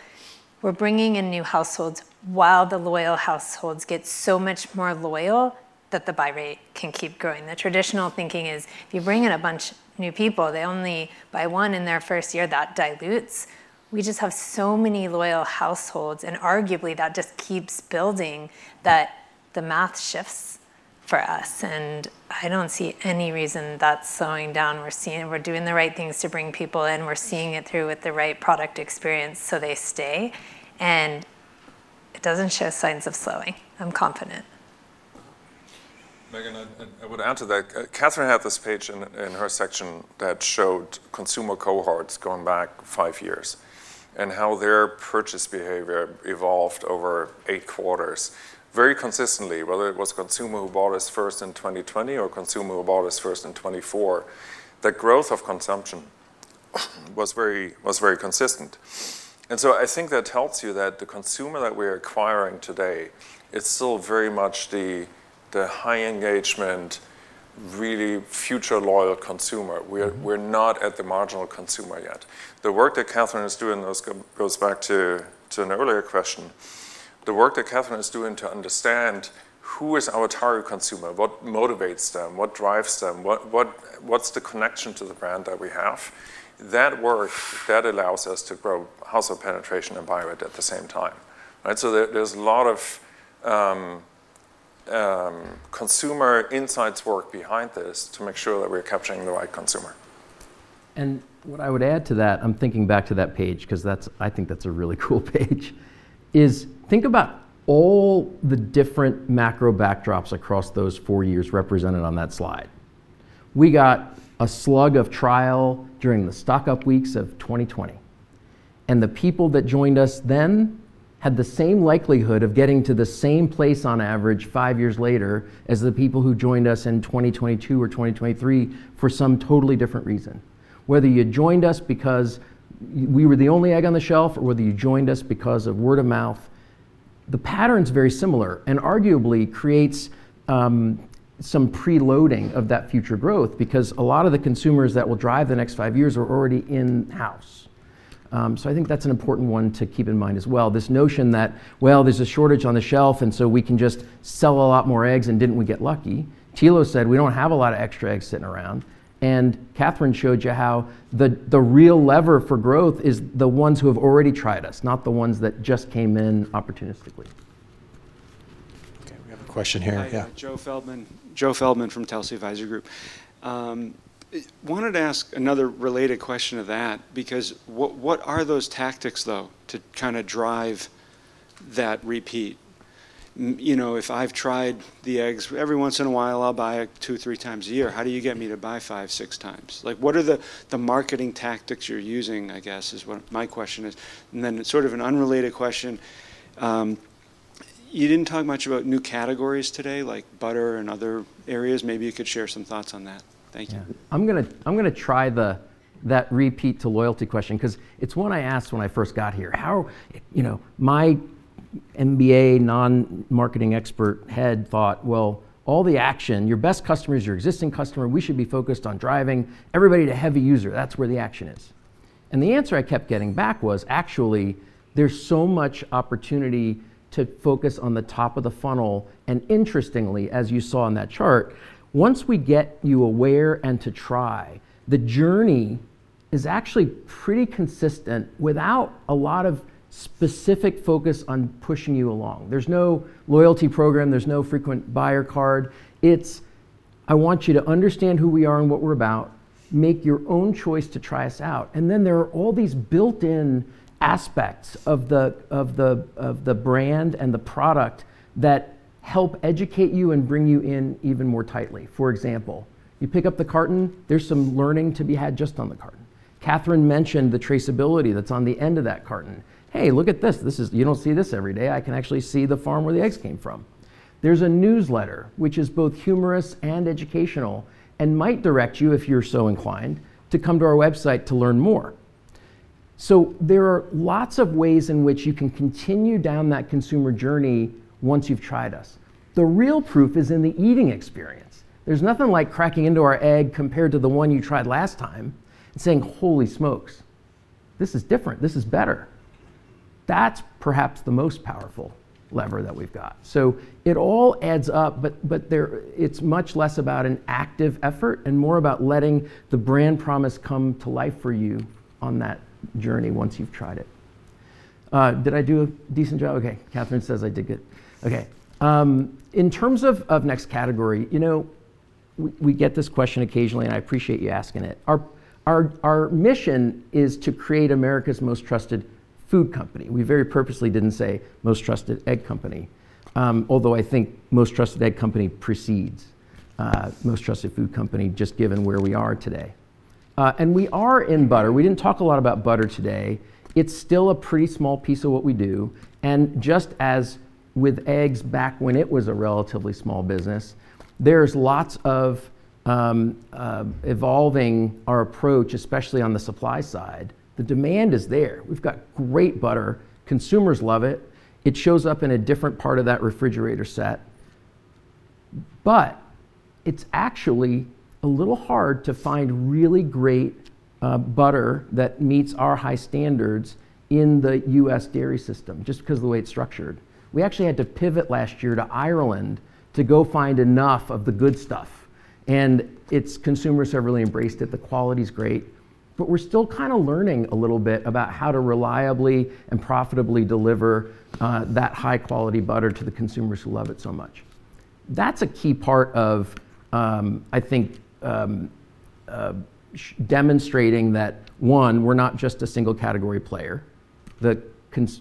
We're bringing in new households while the loyal households get so much more loyal that the buy rate can keep growing. The traditional thinking is if you bring in a bunch of new people, they only buy one in their first year. That dilutes. We just have so many loyal households, and arguably, that just keeps building that the math shifts for us. I don't see any reason that's slowing down. We're doing the right things to bring people in. We're seeing it through with the right product experience so they stay. It doesn't show signs of slowing. I'm confident. Megan, I would add to that. Kathryn had this page in her section that showed consumer cohorts going back five years and how their purchase behavior evolved over eight quarters very consistently, whether it was a consumer who bought us first in 2020 or a consumer who bought us first in 2024. The growth of consumption was very consistent. And so I think that tells you that the consumer that we are acquiring today is still very much the high engagement, really future loyal consumer. We're not at the marginal consumer yet. The work that Kathryn is doing goes back to an earlier question. The work that Kathryn is doing to understand who is our target consumer, what motivates them, what drives them, what's the connection to the brand that we have, that work, that allows us to grow household penetration and buy rate at the same time. So there's a lot of consumer insights work behind this to make sure that we're capturing the right consumer. What I would add to that, I'm thinking back to that page because I think that's a really cool page. Is think about all the different macro backdrops across those four years represented on that slide. We got a slug of trial during the stock-up weeks of 2020. The people that joined us then had the same likelihood of getting to the same place on average five years later as the people who joined us in 2022 or 2023 for some totally different reason. Whether you joined us because we were the only egg on the shelf or whether you joined us because of word of mouth, the pattern's very similar and arguably creates some preloading of that future growth because a lot of the consumers that will drive the next five years are already in-house. I think that's an important one to keep in mind as well. This notion that, well, there's a shortage on the shelf, and so we can just sell a lot more eggs, and didn't we get lucky? Thilo said we don't have a lot of extra eggs sitting around. Kathryn showed you how the real lever for growth is the ones who have already tried us, not the ones that just came in opportunistically. OK. We have a question here. Yeah. Joe Feldman from Telsey Advisory Group. Wanted to ask another related question to that because what are those tactics, though, to kind of drive that repeat? If I've tried the eggs every once in a while, I'll buy it two, three times a year. How do you get me to buy five, six times? What are the marketing tactics you're using, I guess, is what my question is. And then sort of an unrelated question. You didn't talk much about new categories today, like butter and other areas. Maybe you could share some thoughts on that. Thank you. I'm going to try that repeat to loyalty question because it's one I asked when I first got here. My MBA non-marketing expert head thought, well, all the action, your best customer is your existing customer. We should be focused on driving everybody to heavy user. That's where the action is. And the answer I kept getting back was, actually, there's so much opportunity to focus on the top of the funnel. And interestingly, as you saw in that chart, once we get you aware and to try, the journey is actually pretty consistent without a lot of specific focus on pushing you along. There's no loyalty program. There's no frequent buyer card. It's, I want you to understand who we are and what we're about. Make your own choice to try us out. Then there are all these built-in aspects of the brand and the product that help educate you and bring you in even more tightly. For example, you pick up the carton. There's some learning to be had just on the carton. Kathryn mentioned the traceability that's on the end of that carton. Hey, look at this. You don't see this every day. I can actually see the farm where the eggs came from. There's a newsletter, which is both humorous and educational and might direct you, if you're so inclined, to come to our website to learn more. So there are lots of ways in which you can continue down that consumer journey once you've tried us. The real proof is in the eating experience. There's nothing like cracking into our egg compared to the one you tried last time and saying, holy smokes. This is different. This is better. That's perhaps the most powerful lever that we've got. So it all adds up. But it's much less about an active effort and more about letting the brand promise come to life for you on that journey once you've tried it. Did I do a decent job? OK. Kathryn says I did good. OK. In terms of next category, we get this question occasionally, and I appreciate you asking it. Our mission is to create America's most trusted food company. We very purposely didn't say most trusted egg company, although I think most trusted egg company precedes most trusted food company just given where we are today. And we are in butter. We didn't talk a lot about butter today. It's still a pretty small piece of what we do. Just as with eggs back when it was a relatively small business, there's lots of evolving our approach, especially on the supply side. The demand is there. We've got great butter. Consumers love it. It shows up in a different part of that refrigerator set. It's actually a little hard to find really great butter that meets our high standards in the U.S. dairy system just because of the way it's structured. We actually had to pivot last year to Ireland to go find enough of the good stuff. Its consumers have really embraced it. The quality's great. We're still kind of learning a little bit about how to reliably and profitably deliver that high-quality butter to the consumers who love it so much. That's a key part of, I think, demonstrating that, one, we're not just a single category player.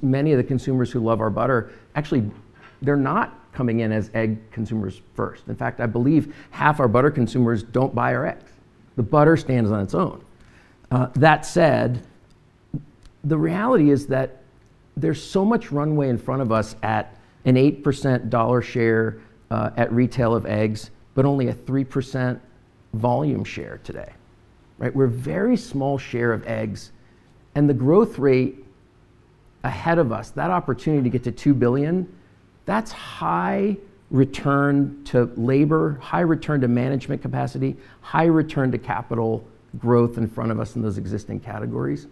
Many of the consumers who love our butter, actually, they're not coming in as egg consumers first. In fact, I believe half our butter consumers don't buy our eggs. The butter stands on its own. That said, the reality is that there's so much runway in front of us at an 8% dollar share at retail of eggs, but only a 3% volume share today. We're a very small share of eggs. And the growth rate ahead of us, that opportunity to get to $2 billion, that's high return to labor, high return to management capacity, high return to capital growth in front of us in those existing categories.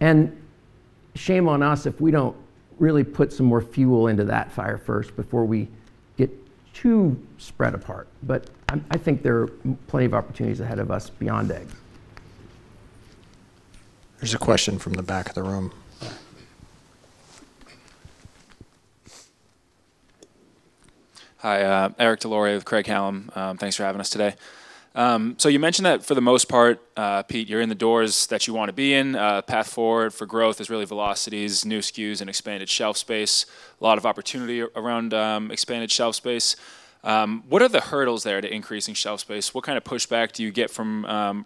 And shame on us if we don't really put some more fuel into that fire first before we get too spread apart. But I think there are plenty of opportunities ahead of us beyond eggs. There's a question from the back of the room. Hi. Eric Des Lauriers with Craig-Hallum. Thanks for having us today. So you mentioned that for the most part, Pete, you're in the doors that you want to be in. Path forward for growth is really velocities, new SKUs, and expanded shelf space. A lot of opportunity around expanded shelf space. What are the hurdles there to increasing shelf space? What kind of pushback do you get from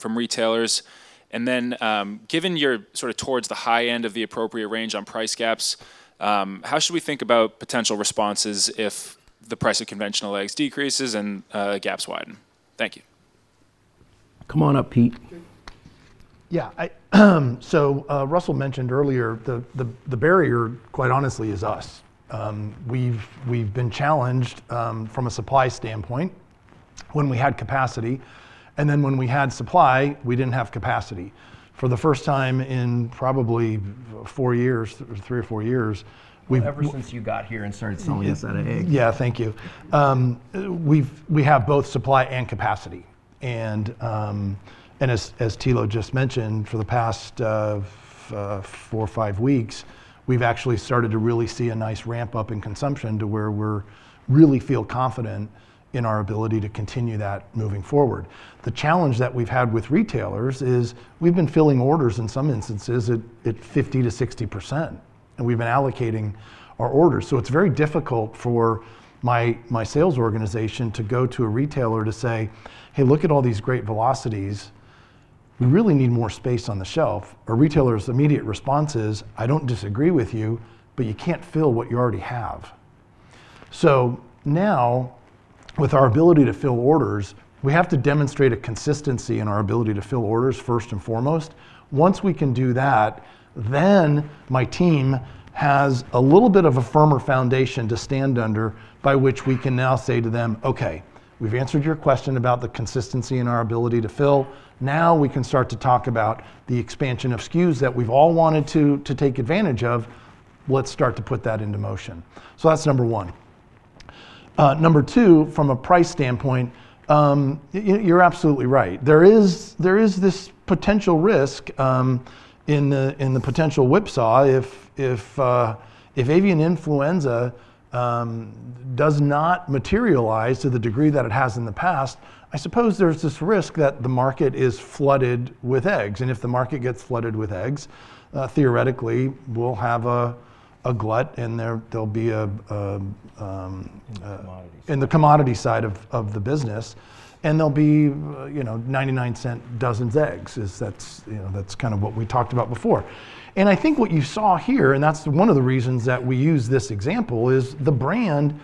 retailers? And then given you're sort of towards the high end of the appropriate range on price gaps, how should we think about potential responses if the price of conventional eggs decreases and gaps widen? Thank you. Come on up, Pete. Yeah. So Russell mentioned earlier, the barrier, quite honestly, is us. We've been challenged from a supply standpoint when we had capacity. And then when we had supply, we didn't have capacity. For the first time in probably four years, three or four years. Ever since you got here and started selling us that egg. Yeah. Thank you. We have both supply and capacity, and as Thilo just mentioned, for the past four or five weeks, we've actually started to really see a nice ramp up in consumption to where we really feel confident in our ability to continue that moving forward. The challenge that we've had with retailers is we've been filling orders in some instances at 50%-60%, and we've been allocating our orders, so it's very difficult for my sales organization to go to a retailer to say, hey, look at all these great velocities. We really need more space on the shelf. A retailer's immediate response is, "I don't disagree with you, but you can't fill what you already have," so now with our ability to fill orders, we have to demonstrate a consistency in our ability to fill orders first and foremost. Once we can do that, then my team has a little bit of a firmer foundation to stand under by which we can now say to them, OK, we've answered your question about the consistency in our ability to fill. Now we can start to talk about the expansion of SKUs that we've all wanted to take advantage of. Let's start to put that into motion. So that's number one. Number two, from a price standpoint, you're absolutely right. There is this potential risk in the potential whipsaw. If avian influenza does not materialize to the degree that it has in the past, I suppose there's this risk that the market is flooded with eggs. And if the market gets flooded with eggs, theoretically, we'll have a glut, and there'll be a. Commodity side. In the commodity side of the business and there'll be $0.99 dozens of eggs. That's kind of what we talked about before. I think what you saw here, and that's one of the reasons that we use this example, is the brand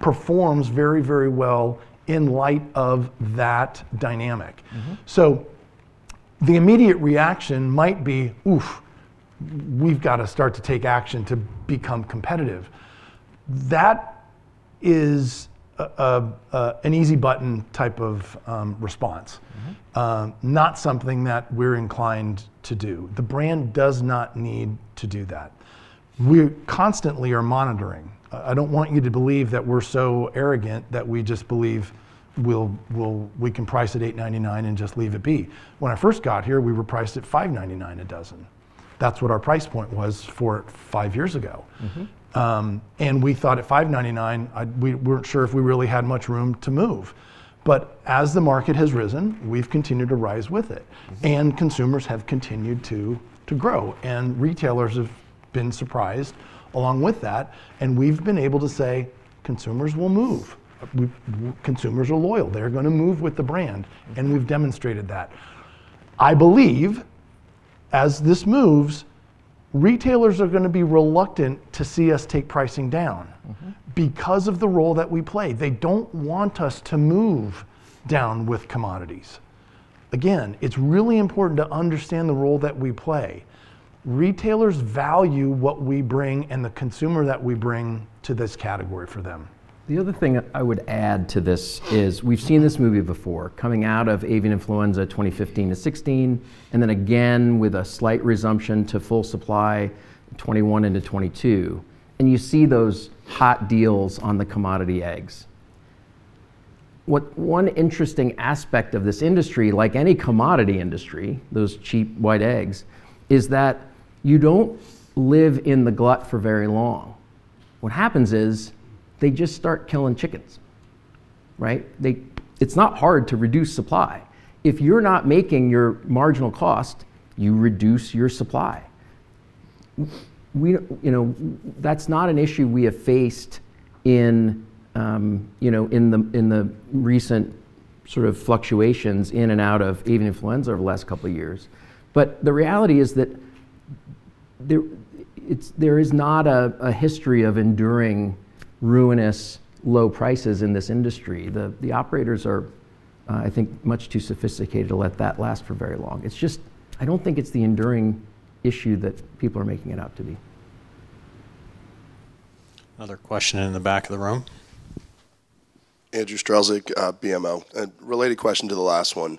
performs very, very well in light of that dynamic, so the immediate reaction might be, oof, we've got to start to take action to become competitive. That is an easy button type of response, not something that we're inclined to do. The brand does not need to do that. We constantly are monitoring. I don't want you to believe that we're so arrogant that we just believe we can price at $8.99 and just leave it be. When I first got here, we were priced at $5.99 a dozen. That's what our price point was five years ago. And we thought at $5.99, we weren't sure if we really had much room to move. But as the market has risen, we've continued to rise with it. And consumers have continued to grow. And retailers have been surprised along with that. And we've been able to say consumers will move. Consumers are loyal. They're going to move with the brand. And we've demonstrated that. I believe as this moves, retailers are going to be reluctant to see us take pricing down because of the role that we play. They don't want us to move down with commodities. Again, it's really important to understand the role that we play. Retailers value what we bring and the consumer that we bring to this category for them. The other thing I would add to this is we've seen this movie before coming out of avian influenza 2015 to 2016, and then again with a slight resumption to full supply 2021 into 2022. And you see those hot deals on the commodity eggs. One interesting aspect of this industry, like any commodity industry, those cheap white eggs, is that you don't live in the glut for very long. What happens is they just start killing chickens. It's not hard to reduce supply. If you're not making your marginal cost, you reduce your supply. That's not an issue we have faced in the recent sort of fluctuations in and out of avian influenza over the last couple of years. But the reality is that there is not a history of enduring ruinous low prices in this industry. The operators are, I think, much too sophisticated to let that last for very long. It's just I don't think it's the enduring issue that people are making it out to be. Another question in the back of the room. Andrew Strelzik, BMO. Related question to the last one.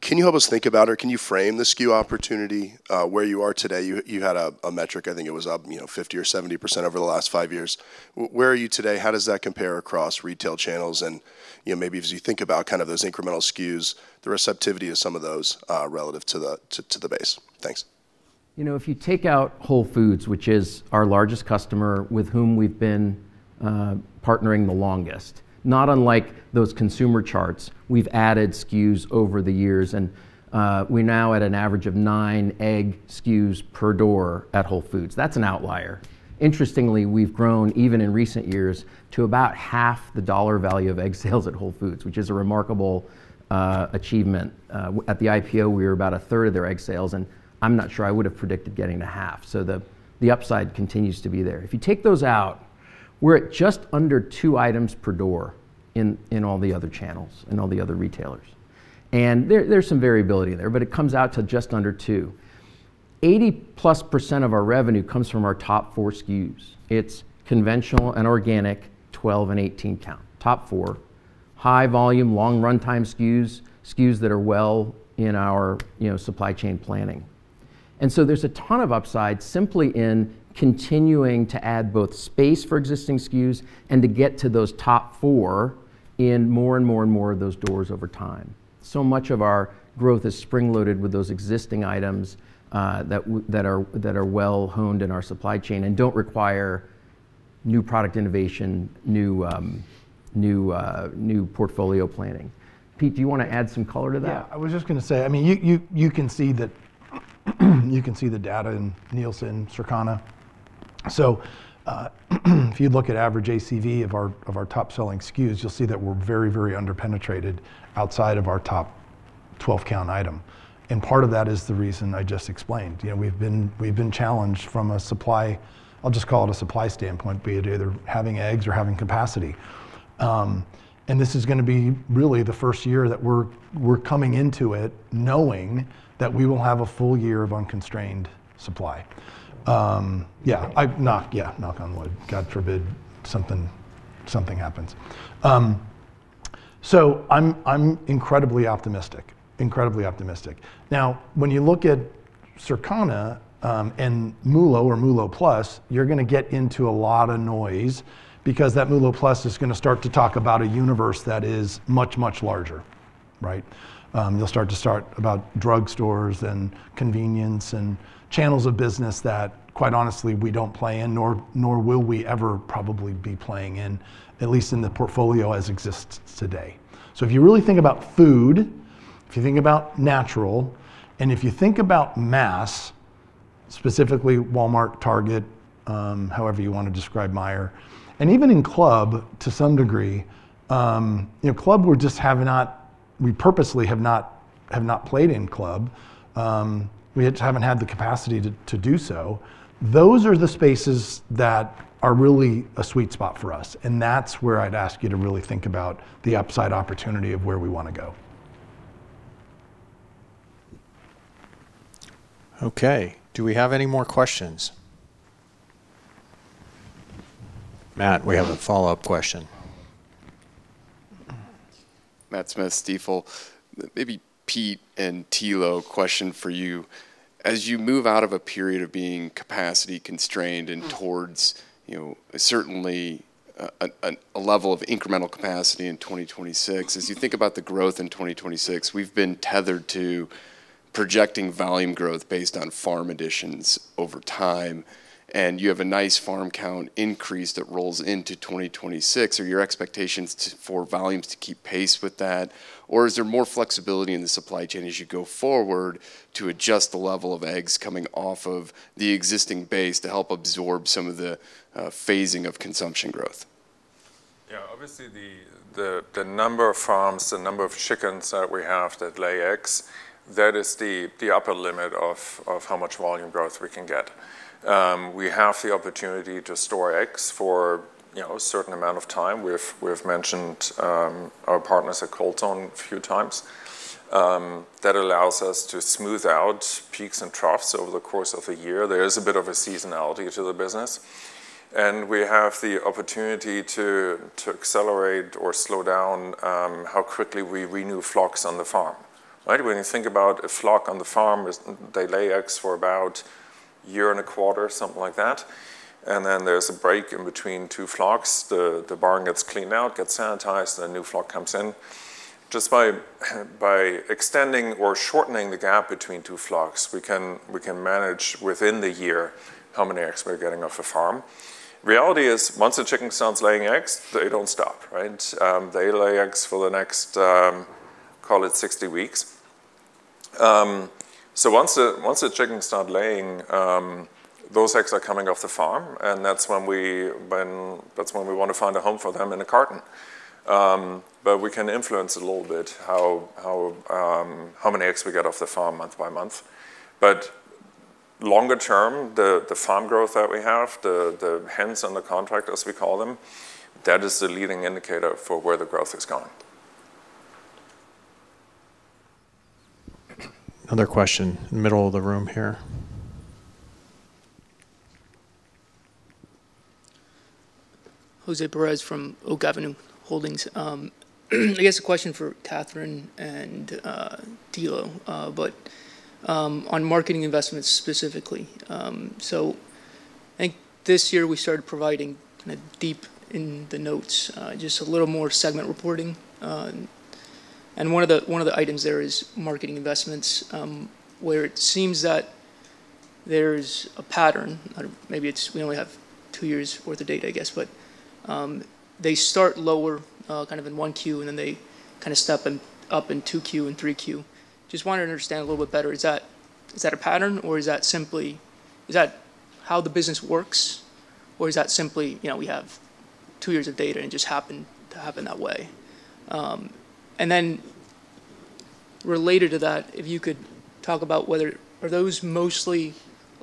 Can you help us think about or can you frame the SKU opportunity where you are today? You had a metric, I think it was up 50% or 70% over the last five years. Where are you today? How does that compare across retail channels? And maybe as you think about kind of those incremental SKUs, the receptivity of some of those relative to the base. Thanks. If you take out Whole Foods, which is our largest customer with whom we've been partnering the longest, not unlike those consumer charts, we've added SKUs over the years. And we're now at an average of nine egg SKUs per door at Whole Foods. That's an outlier. Interestingly, we've grown even in recent years to about half the dollar value of egg sales at Whole Foods, which is a remarkable achievement. At the IPO, we were about a third of their egg sales. And I'm not sure I would have predicted getting to half. So the upside continues to be there. If you take those out, we're at just under two items per door in all the other channels and all the other retailers. And there's some variability there. But it comes out to just under two. 80% plus of our revenue comes from our top four SKUs. It's conventional and organic, 12- and 18-count. Top four. High-volume, long-runtime SKUs, SKUs that are well in our supply chain planning. And so there's a ton of upside simply in continuing to add both space for existing SKUs and to get to those top four in more and more and more of those doors over time. So much of our growth is spring-loaded with those existing items that are well-honed in our supply chain and don't require new product innovation, new portfolio planning. Pete, do you want to add some color to that? Yeah. I was just going to say, I mean, you can see the data in Nielsen and Circana. So if you look at average ACV of our top-selling SKUs, you'll see that we're very, very underpenetrated outside of our top 12-count item. And part of that is the reason I just explained. We've been challenged from a supply, I'll just call it a supply standpoint, be it either having eggs or having capacity. And this is going to be really the first year that we're coming into it knowing that we will have a full year of unconstrained supply. Yeah. Yeah, knock on wood. God forbid something happens. So I'm incredibly optimistic, incredibly optimistic. Now, when you look at Circana and MULO or MULO Plus, you're going to get into a lot of noise because that MULO Plus is going to start to talk about a universe that is much, much larger. They'll start to talk about drugstores and convenience and channels of business that, quite honestly, we don't play in, nor will we ever probably be playing in, at least in the portfolio as it exists today. So if you really think about food, if you think about natural, and if you think about mass, specifically Walmart, Target, however you want to describe Meijer, and even in club to some degree, club we just have not, we purposely have not played in club. We just haven't had the capacity to do so. Those are the spaces that are really a sweet spot for us. And that's where I'd ask you to really think about the upside opportunity of where we want to go. OK. Do we have any more questions? Matt, we have a follow-up question. Matt Smith, Stifel. Maybe Pete and Thilo, question for you. As you move out of a period of being capacity constrained and towards certainly a level of incremental capacity in 2026, as you think about the growth in 2026, we've been tethered to projecting volume growth based on farm additions over time. And you have a nice farm count increase that rolls into 2026. Are your expectations for volumes to keep pace with that? Or is there more flexibility in the supply chain as you go forward to adjust the level of eggs coming off of the existing base to help absorb some of the phasing of consumption growth? Yeah. Obviously, the number of farms, the number of chickens that we have that lay eggs, that is the upper limit of how much volume growth we can get. We have the opportunity to store eggs for a certain amount of time. We've mentioned our partners at Erlen a few times. That allows us to smooth out peaks and troughs over the course of the year. There is a bit of a seasonality to the business. And we have the opportunity to accelerate or slow down how quickly we renew flocks on the farm. When you think about a flock on the farm, they lay eggs for about a year and a quarter, something like that. And then there's a break in between two flocks. The barn gets cleaned out, gets sanitized, and a new flock comes in. Just by extending or shortening the gap between two flocks, we can manage within the year how many eggs we're getting off a farm. Reality is once a chicken starts laying eggs, they don't stop. They lay eggs for the next, call it, 60 weeks. So once the chickens start laying, those eggs are coming off the farm. And that's when we want to find a home for them in a carton. But we can influence a little bit how many eggs we get off the farm month by month. But longer term, the farm growth that we have, the hens and the contractors, we call them, that is the leading indicator for where the growth is going. Another question in the middle of the room here. Jose Perez from Oak Avenue Holdings. I guess a question for Kathryn and Thilo, but on marketing investments specifically. So I think this year we started providing kind of deep in the notes just a little more segment reporting. And one of the items there is marketing investments, where it seems that there's a pattern. Maybe we only have two years' worth of data, I guess. But they start lower kind of in Q1, and then they kind of step up in Q2 and Q3. Just wanted to understand a little bit better. Is that a pattern, or is that simply how the business works? Or is that simply we have two years of data and it just happened to happen that way? And then related to that, if you could talk about whether those are mostly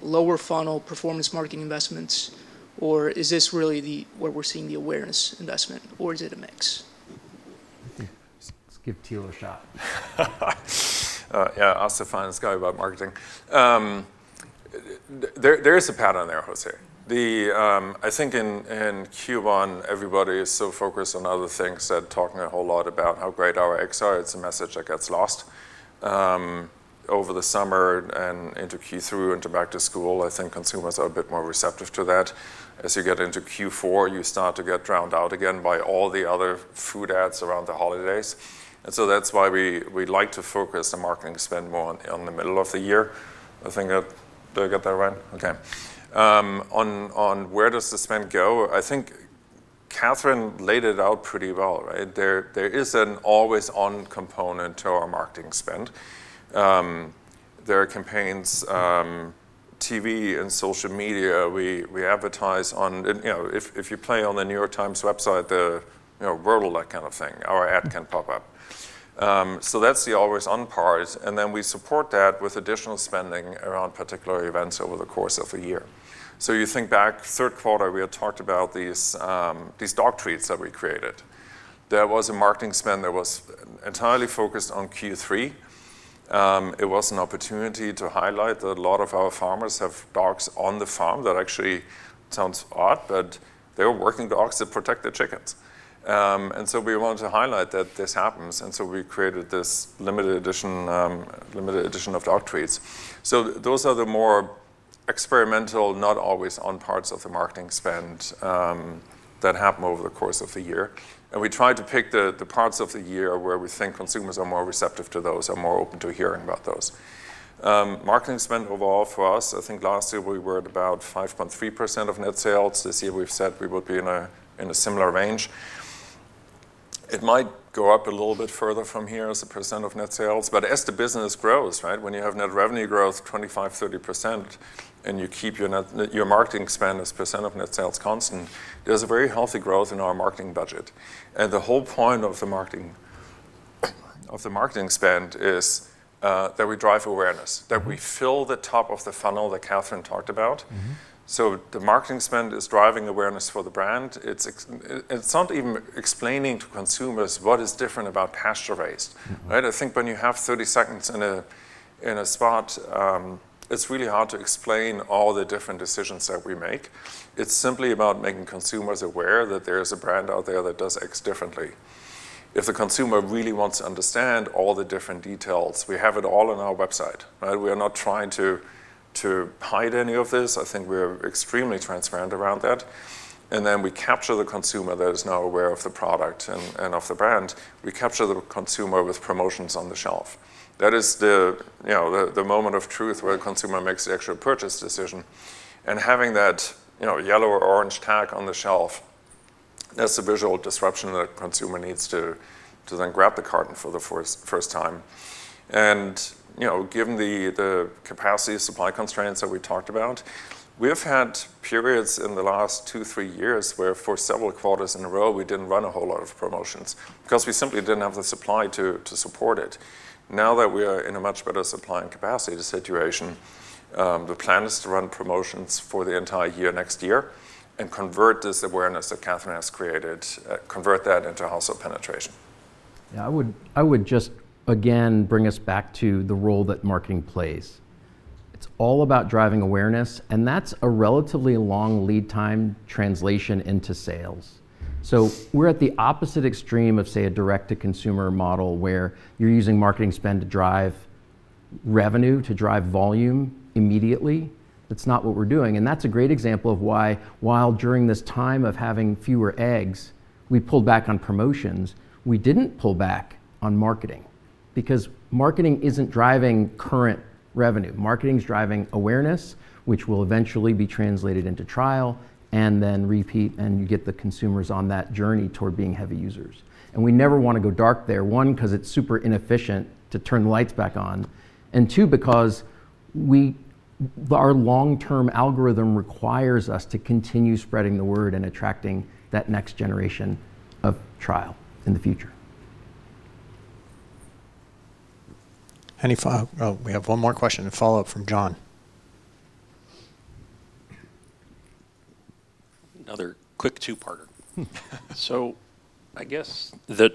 lower funnel performance marketing investments, or is this really where we're seeing the awareness investment, or is it a mix? Give Thilo a shot. Yeah. I'll say final thoughts on marketing. There is a pattern there, Jose. I think in Q1, everybody is so focused on other things that talking a whole lot about how great our eggs are, it's a message that gets lost. Over the summer and into Q3 and back to school, I think consumers are a bit more receptive to that. As you get into Q4, you start to get drowned out again by all the other food ads around the holidays. And so that's why we'd like to focus the marketing spend more in the middle of the year. I think I got that right? OK. On where does the spend go? I think Kathryn laid it out pretty well. There is an always-on component to our marketing spend. There are campaigns, TV, and social media. We advertise on if you play on the New York Times website, the Wordle, that kind of thing, our ad can pop up. So that's the always-on part. And then we support that with additional spending around particular events over the course of a year. So you think back, third quarter, we had talked about these dog treats that we created. There was a marketing spend that was entirely focused on Q3. It was an opportunity to highlight that a lot of our farmers have dogs on the farm that actually sounds odd, but they're working dogs that protect their chickens. And so we wanted to highlight that this happens. And so we created this limited edition of dog treats. So those are the more experimental, not always-on parts of the marketing spend that happen over the course of the year. We tried to pick the parts of the year where we think consumers are more receptive to those or more open to hearing about those. Marketing spend overall for us, I think last year we were at about 5.3% of net sales. This year we've said we will be in a similar range. It might go up a little bit further from here as a percent of net sales. But as the business grows, when you have net revenue growth 25%-30%, and you keep your marketing spend as a percent of net sales constant, there's a very healthy growth in our marketing budget. The whole point of the marketing spend is that we drive awareness, that we fill the top of the funnel that Kathryn talked about. The marketing spend is driving awareness for the brand. It's not even explaining to consumers what is different about pasture-raised. I think when you have 30 seconds in a spot, it's really hard to explain all the different decisions that we make. It's simply about making consumers aware that there is a brand out there that does eggs differently. If the consumer really wants to understand all the different details, we have it all on our website. We are not trying to hide any of this. I think we're extremely transparent around that. And then we capture the consumer that is now aware of the product and of the brand. We capture the consumer with promotions on the shelf. That is the moment of truth where the consumer makes the actual purchase decision. Having that yellow or orange tag on the shelf, that's a visual disruption that the consumer needs to then grab the carton for the first time. Given the capacity supply constraints that we talked about, we have had periods in the last two, three years where for several quarters in a row we didn't run a whole lot of promotions because we simply didn't have the supply to support it. Now that we are in a much better supply and capacity situation, the plan is to run promotions for the entire year next year and convert this awareness that Kathryn has created, convert that into household penetration. Yeah. I would just again bring us back to the role that marketing plays. It's all about driving awareness. And that's a relatively long lead time translation into sales. So we're at the opposite extreme of, say, a direct-to-consumer model where you're using marketing spend to drive revenue, to drive volume immediately. That's not what we're doing. And that's a great example of why, while during this time of having fewer eggs, we pulled back on promotions, we didn't pull back on marketing. Because marketing isn't driving current revenue. Marketing is driving awareness, which will eventually be translated into trial and then repeat, and you get the consumers on that journey toward being heavy users. We never want to go dark there, one, because it's super inefficient to turn the lights back on, and two, because our long-term algorithm requires us to continue spreading the word and attracting that next generation of trial in the future. Any follow-up? We have one more question, a follow-up from John. Another quick two-parter. So I guess the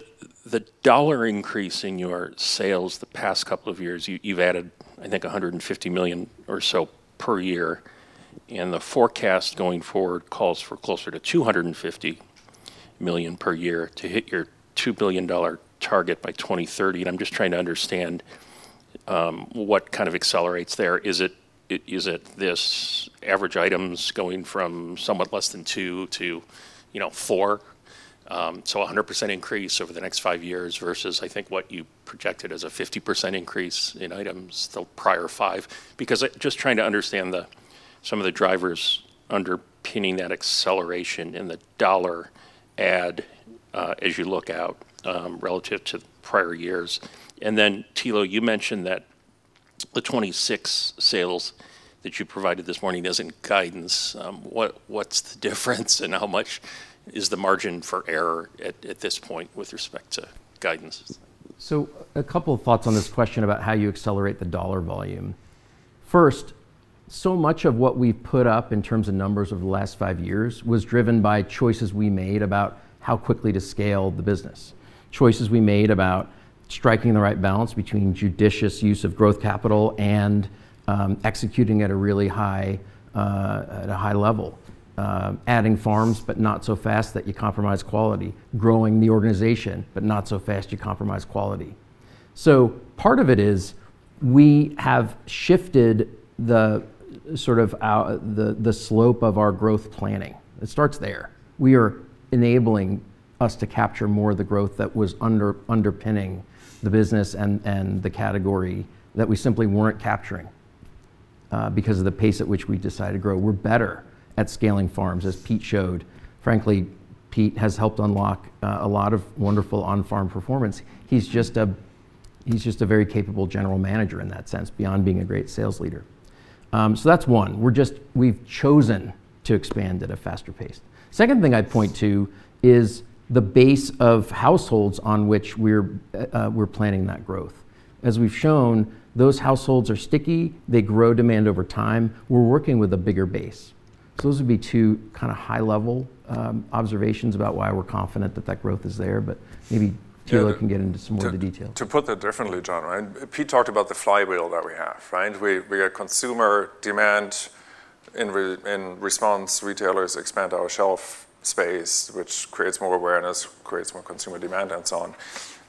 dollar increase in your sales the past couple of years, you've added, I think, $150 million or so per year. And the forecast going forward calls for closer to $250 million per year to hit your $2 billion target by 2030. And I'm just trying to understand what kind of accelerates there. Is it this average items going from somewhat less than two to four, so 100% increase over the next five years versus, I think, what you projected as a 50% increase in items the prior five? Because just trying to understand some of the drivers underpinning that acceleration in the dollar add as you look out relative to prior years. And then, Thilo, you mentioned that the 26 sales that you provided this morning as in guidance. What's the difference, and how much is the margin for error at this point with respect to guidance? So a couple of thoughts on this question about how you accelerate the dollar volume. First, so much of what we put up in terms of numbers over the last five years was driven by choices we made about how quickly to scale the business, choices we made about striking the right balance between judicious use of growth capital and executing at a really high level, adding farms but not so fast that you compromise quality, growing the organization but not so fast you compromise quality. So part of it is we have shifted sort of the slope of our growth planning. It starts there. We are enabling us to capture more of the growth that was underpinning the business and the category that we simply weren't capturing because of the pace at which we decided to grow. We're better at scaling farms, as Pete showed. Frankly, Pete has helped unlock a lot of wonderful on-farm performance. He's just a very capable general manager in that sense, beyond being a great sales leader. So that's one. We've chosen to expand at a faster pace. Second thing I'd point to is the base of households on which we're planning that growth. As we've shown, those households are sticky. They grow demand over time. We're working with a bigger base. So those would be two kind of high-level observations about why we're confident that that growth is there. But maybe Thilo can get into some more of the details. To put that differently, John, Pete talked about the flywheel that we have. We get consumer demand. In response, retailers expand our shelf space, which creates more awareness, creates more consumer demand, and so on.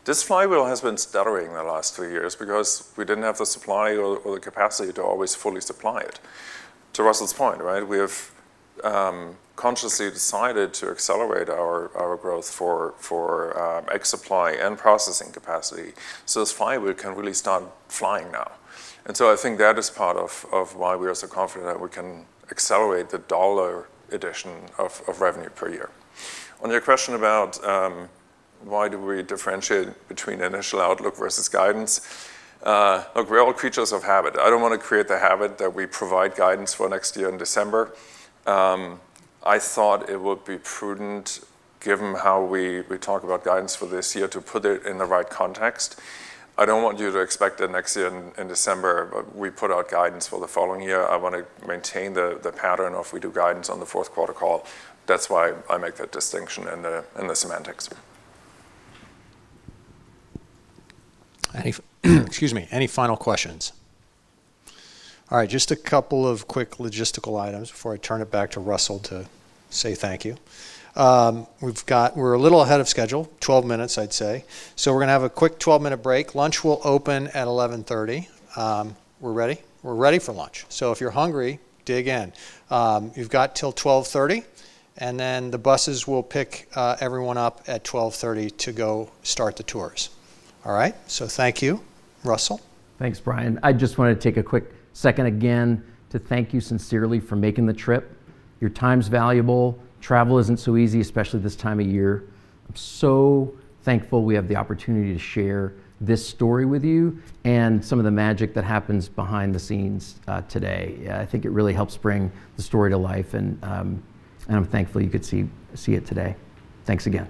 This flywheel has been stuttering the last three years because we didn't have the supply or the capacity to always fully supply it. To Russell's point, we have consciously decided to accelerate our growth for egg supply and processing capacity. This flywheel can really start flying now. I think that is part of why we are so confident that we can accelerate the dollar addition of revenue per year. On your question about why do we differentiate between initial outlook versus guidance, look, we're all creatures of habit. I don't want to create the habit that we provide guidance for next year in December. I thought it would be prudent, given how we talk about guidance for this year, to put it in the right context. I don't want you to expect that next year in December we put out guidance for the following year. I want to maintain the pattern of we do guidance on the fourth quarter call. That's why I make that distinction in the semantics. Excuse me. Any final questions? All right. Just a couple of quick logistical items before I turn it back to Russell to say thank you. We're a little ahead of schedule, 12 minutes, I'd say. So we're going to have a quick 12-minute break. Lunch will open at 11:30 A.M. We're ready. We're ready for lunch. So if you're hungry, dig in. You've got till 12:30 P.M. And then the buses will pick everyone up at 12:30 P.M. to go start the tours. All right? So thank you, Russell. Thanks, Brian. I just wanted to take a quick second again to thank you sincerely for making the trip. Your time's valuable. Travel isn't so easy, especially this time of year. I'm so thankful we have the opportunity to share this story with you and some of the magic that happens behind the scenes today. I think it really helps bring the story to life. And I'm thankful you could see it today. Thanks again.